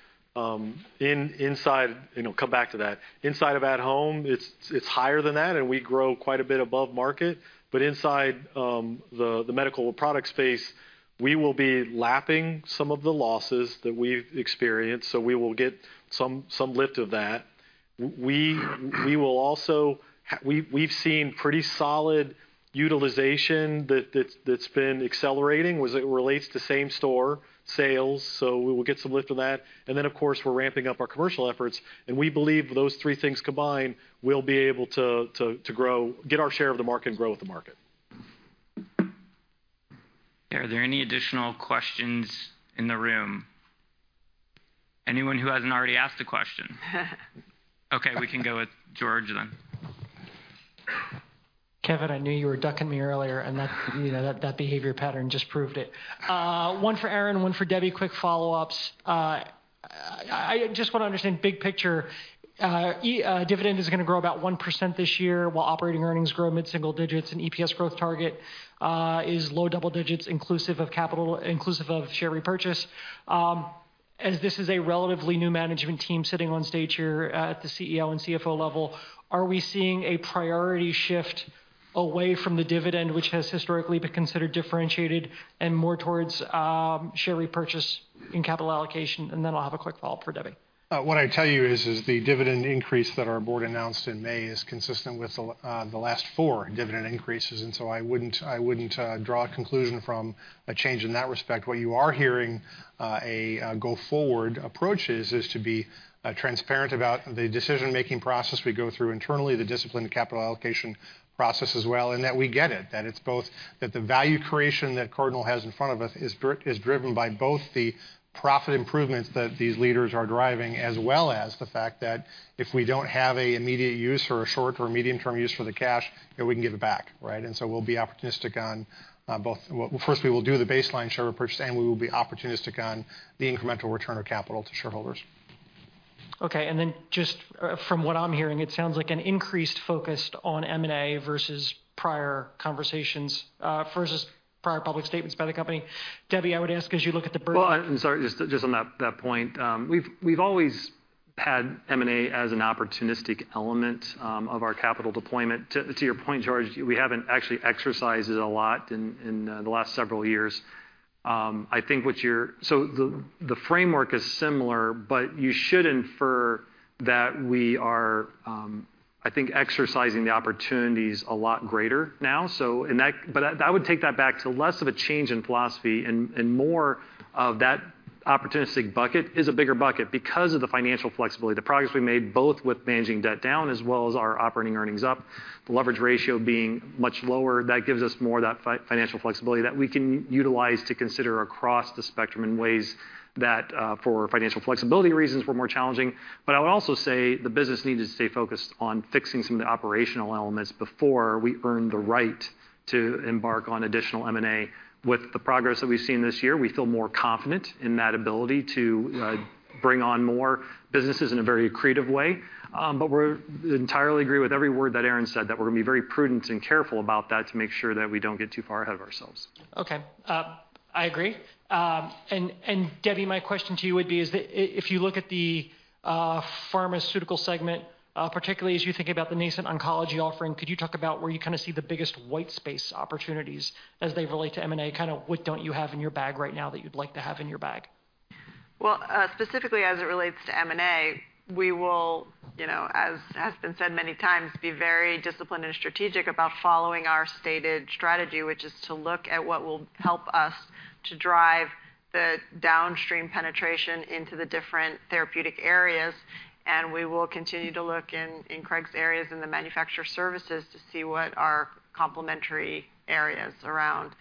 Inside, and we'll come back to that. Inside of at-Home, it's higher than that, and we grow quite a bit above market. Inside, the medical product space, we will be lapping some of the losses that we've experienced, so we will get some lift of that. We will also we've seen pretty solid utilization that's been accelerating as it relates to same store sales, so we will get some lift on that. Of course, we're ramping up our commercial efforts, and we believe those three things combined will be able to grow, get our share of the market and grow with the market. Are there any additional questions in the room? Anyone who hasn't already asked a question? We can go with George then. Kevin, I knew you were ducking me earlier, and that, you know, that behavior pattern just proved it. One for Aaron, one for Debbie. Quick follow-ups. I just want to understand big picture. Dividend is going to grow about 1% this year, while operating earnings grow mid-single digits, EPS growth target is low double digits, inclusive of share repurchase. As this is a relatively new management team sitting on stage here, at the CEO and CFO level, are we seeing a priority shift away from the dividend, which has historically been considered differentiated, and more towards share repurchase in capital allocation? I'll have a quick follow-up for Debbie. What I'd tell you is the dividend increase that our board announced in May is consistent with the last four dividend increases, I wouldn't draw a conclusion from a change in that respect. What you are hearing, a go-forward approach is to be transparent about the decision-making process we go through internally, the disciplined capital allocation process as well, and that we get it. That it's both that the value creation that Cardinal has in front of us is driven by both the profit improvements that these leaders are driving, as well as the fact that if we don't have a immediate use or a short or medium-term use for the cash, then we can give it back, right? We'll be opportunistic on both. First, we will do the baseline share repurchase, and we will be opportunistic on the incremental return of capital to shareholders. Okay, and then just from what I'm hearing, it sounds like an increased focus on M&A versus prior conversations, versus prior public statements by the company. Debbie, I would ask, as you look at. I'm sorry, just on that point. we've always had M&A as an opportunistic element of our capital deployment. To your point, George, we haven't actually exercised it a lot in the last several years. I think so the framework is similar, but you should infer that we are, I think, exercising the opportunities a lot greater now. But I would take that back to less of a change in philosophy and more of that opportunistic bucket is a bigger bucket. Because of the financial flexibility, the progress we made, both with managing debt down as well as our operating earnings up, the leverage ratio being much lower, that gives us more of that financial flexibility that we can utilize to consider across the spectrum in ways that, for financial flexibility reasons, were more challenging. I would also say the business needed to stay focused on fixing some of the operational elements before we earned the right to embark on additional M&A. With the progress that we've seen this year, we feel more confident in that ability to bring on more businesses in a very accretive way. We're entirely agree with every word that Aaron said, that we're gonna be very prudent and careful about that to make sure that we don't get too far ahead of ourselves. Okay. I agree. Debbie, my question to you would be is that if you look at the Pharmaceutical segment, particularly as you think about the nascent oncology offering, could you talk about where you kinda see the biggest white space opportunities as they relate to M&A? Kinda, what don't you have in your bag right now that you'd like to have in your bag? Well, specifically as it relates to M&A, we will, you know, as has been said many times, be very disciplined and strategic about following our stated strategy, which is to look at what will help us to drive the downstream penetration into the different therapeutic areas, and we will continue to look in Craig's areas, in the manufacturer services, to see what are complementary areas around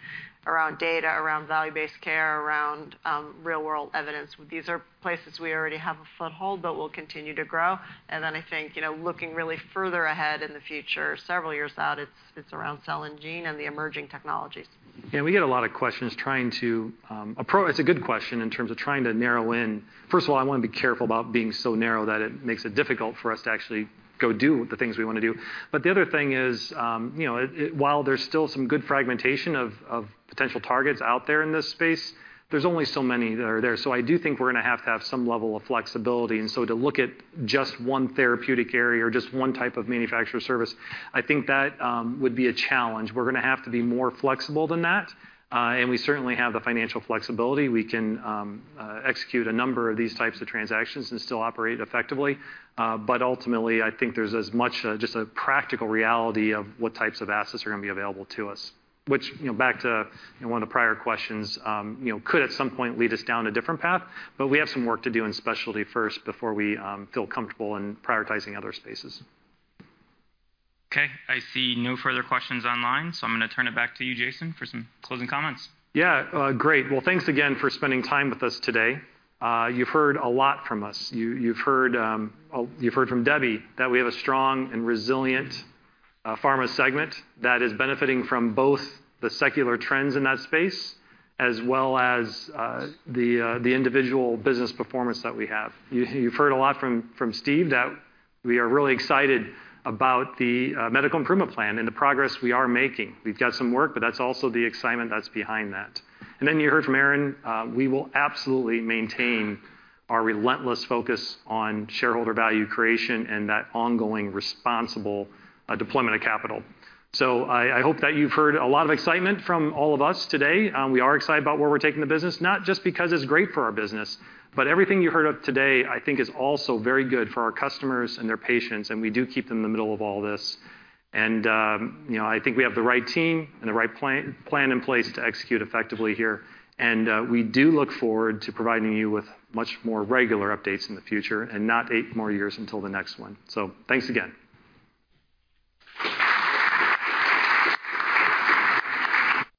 data, around value-based care, around real-world evidence. These are places we already have a foothold, but we'll continue to grow. Then I think, you know, looking really further ahead in the future, several years out, it's around cell and gene and the emerging technologies. Yeah, we get a lot of questions trying to. It's a good question in terms of trying to narrow in. First of all, I wanna be careful about being so narrow that it makes it difficult for us to actually go do the things we wanna do. The other thing is, you know, while there's still some good fragmentation of potential targets out there in this space, there's only so many that are there. I do think we're gonna have to have some level of flexibility. To look at just one therapeutic area or just one type of manufacturer service, I think that would be a challenge. We're gonna have to be more flexible than that. We certainly have the financial flexibility. We can execute a number of these types of transactions and still operate effectively. Ultimately, I think there's as much, just a practical reality of what types of assets are gonna be available to us, which, you know, back to, you know, one of the prior questions, you know, could, at some point, lead us down a different path. We have some work to do in Specialty first before we feel comfortable in prioritizing other spaces. Okay, I see no further questions online, so I'm gonna turn it back to you, Jason, for some closing comments. Yeah, great. Well, thanks again for spending time with us today. You've heard a lot from us. You've heard from Debbie that we have a strong and resilient Pharma segment that is benefiting from both the secular trends in that space, as well as the individual business performance that we have. You've heard a lot from Steve, that we are really excited about the Medical Improvement Plan and the progress we are making. We've got some work, but that's also the excitement that's behind that. You heard from Aaron, we will absolutely maintain our relentless focus on shareholder value creation and that ongoing, responsible deployment of capital. I hope that you've heard a lot of excitement from all of us today. We are excited about where we're taking the business, not just because it's great for our business, but everything you heard of today, I think, is also very good for our customers and their patients, and we do keep them in the middle of all this. You know, I think we have the right team and the right plan in place to execute effectively here, and we do look forward to providing you with much more regular updates in the future and not eight more years until the next one. Thanks again.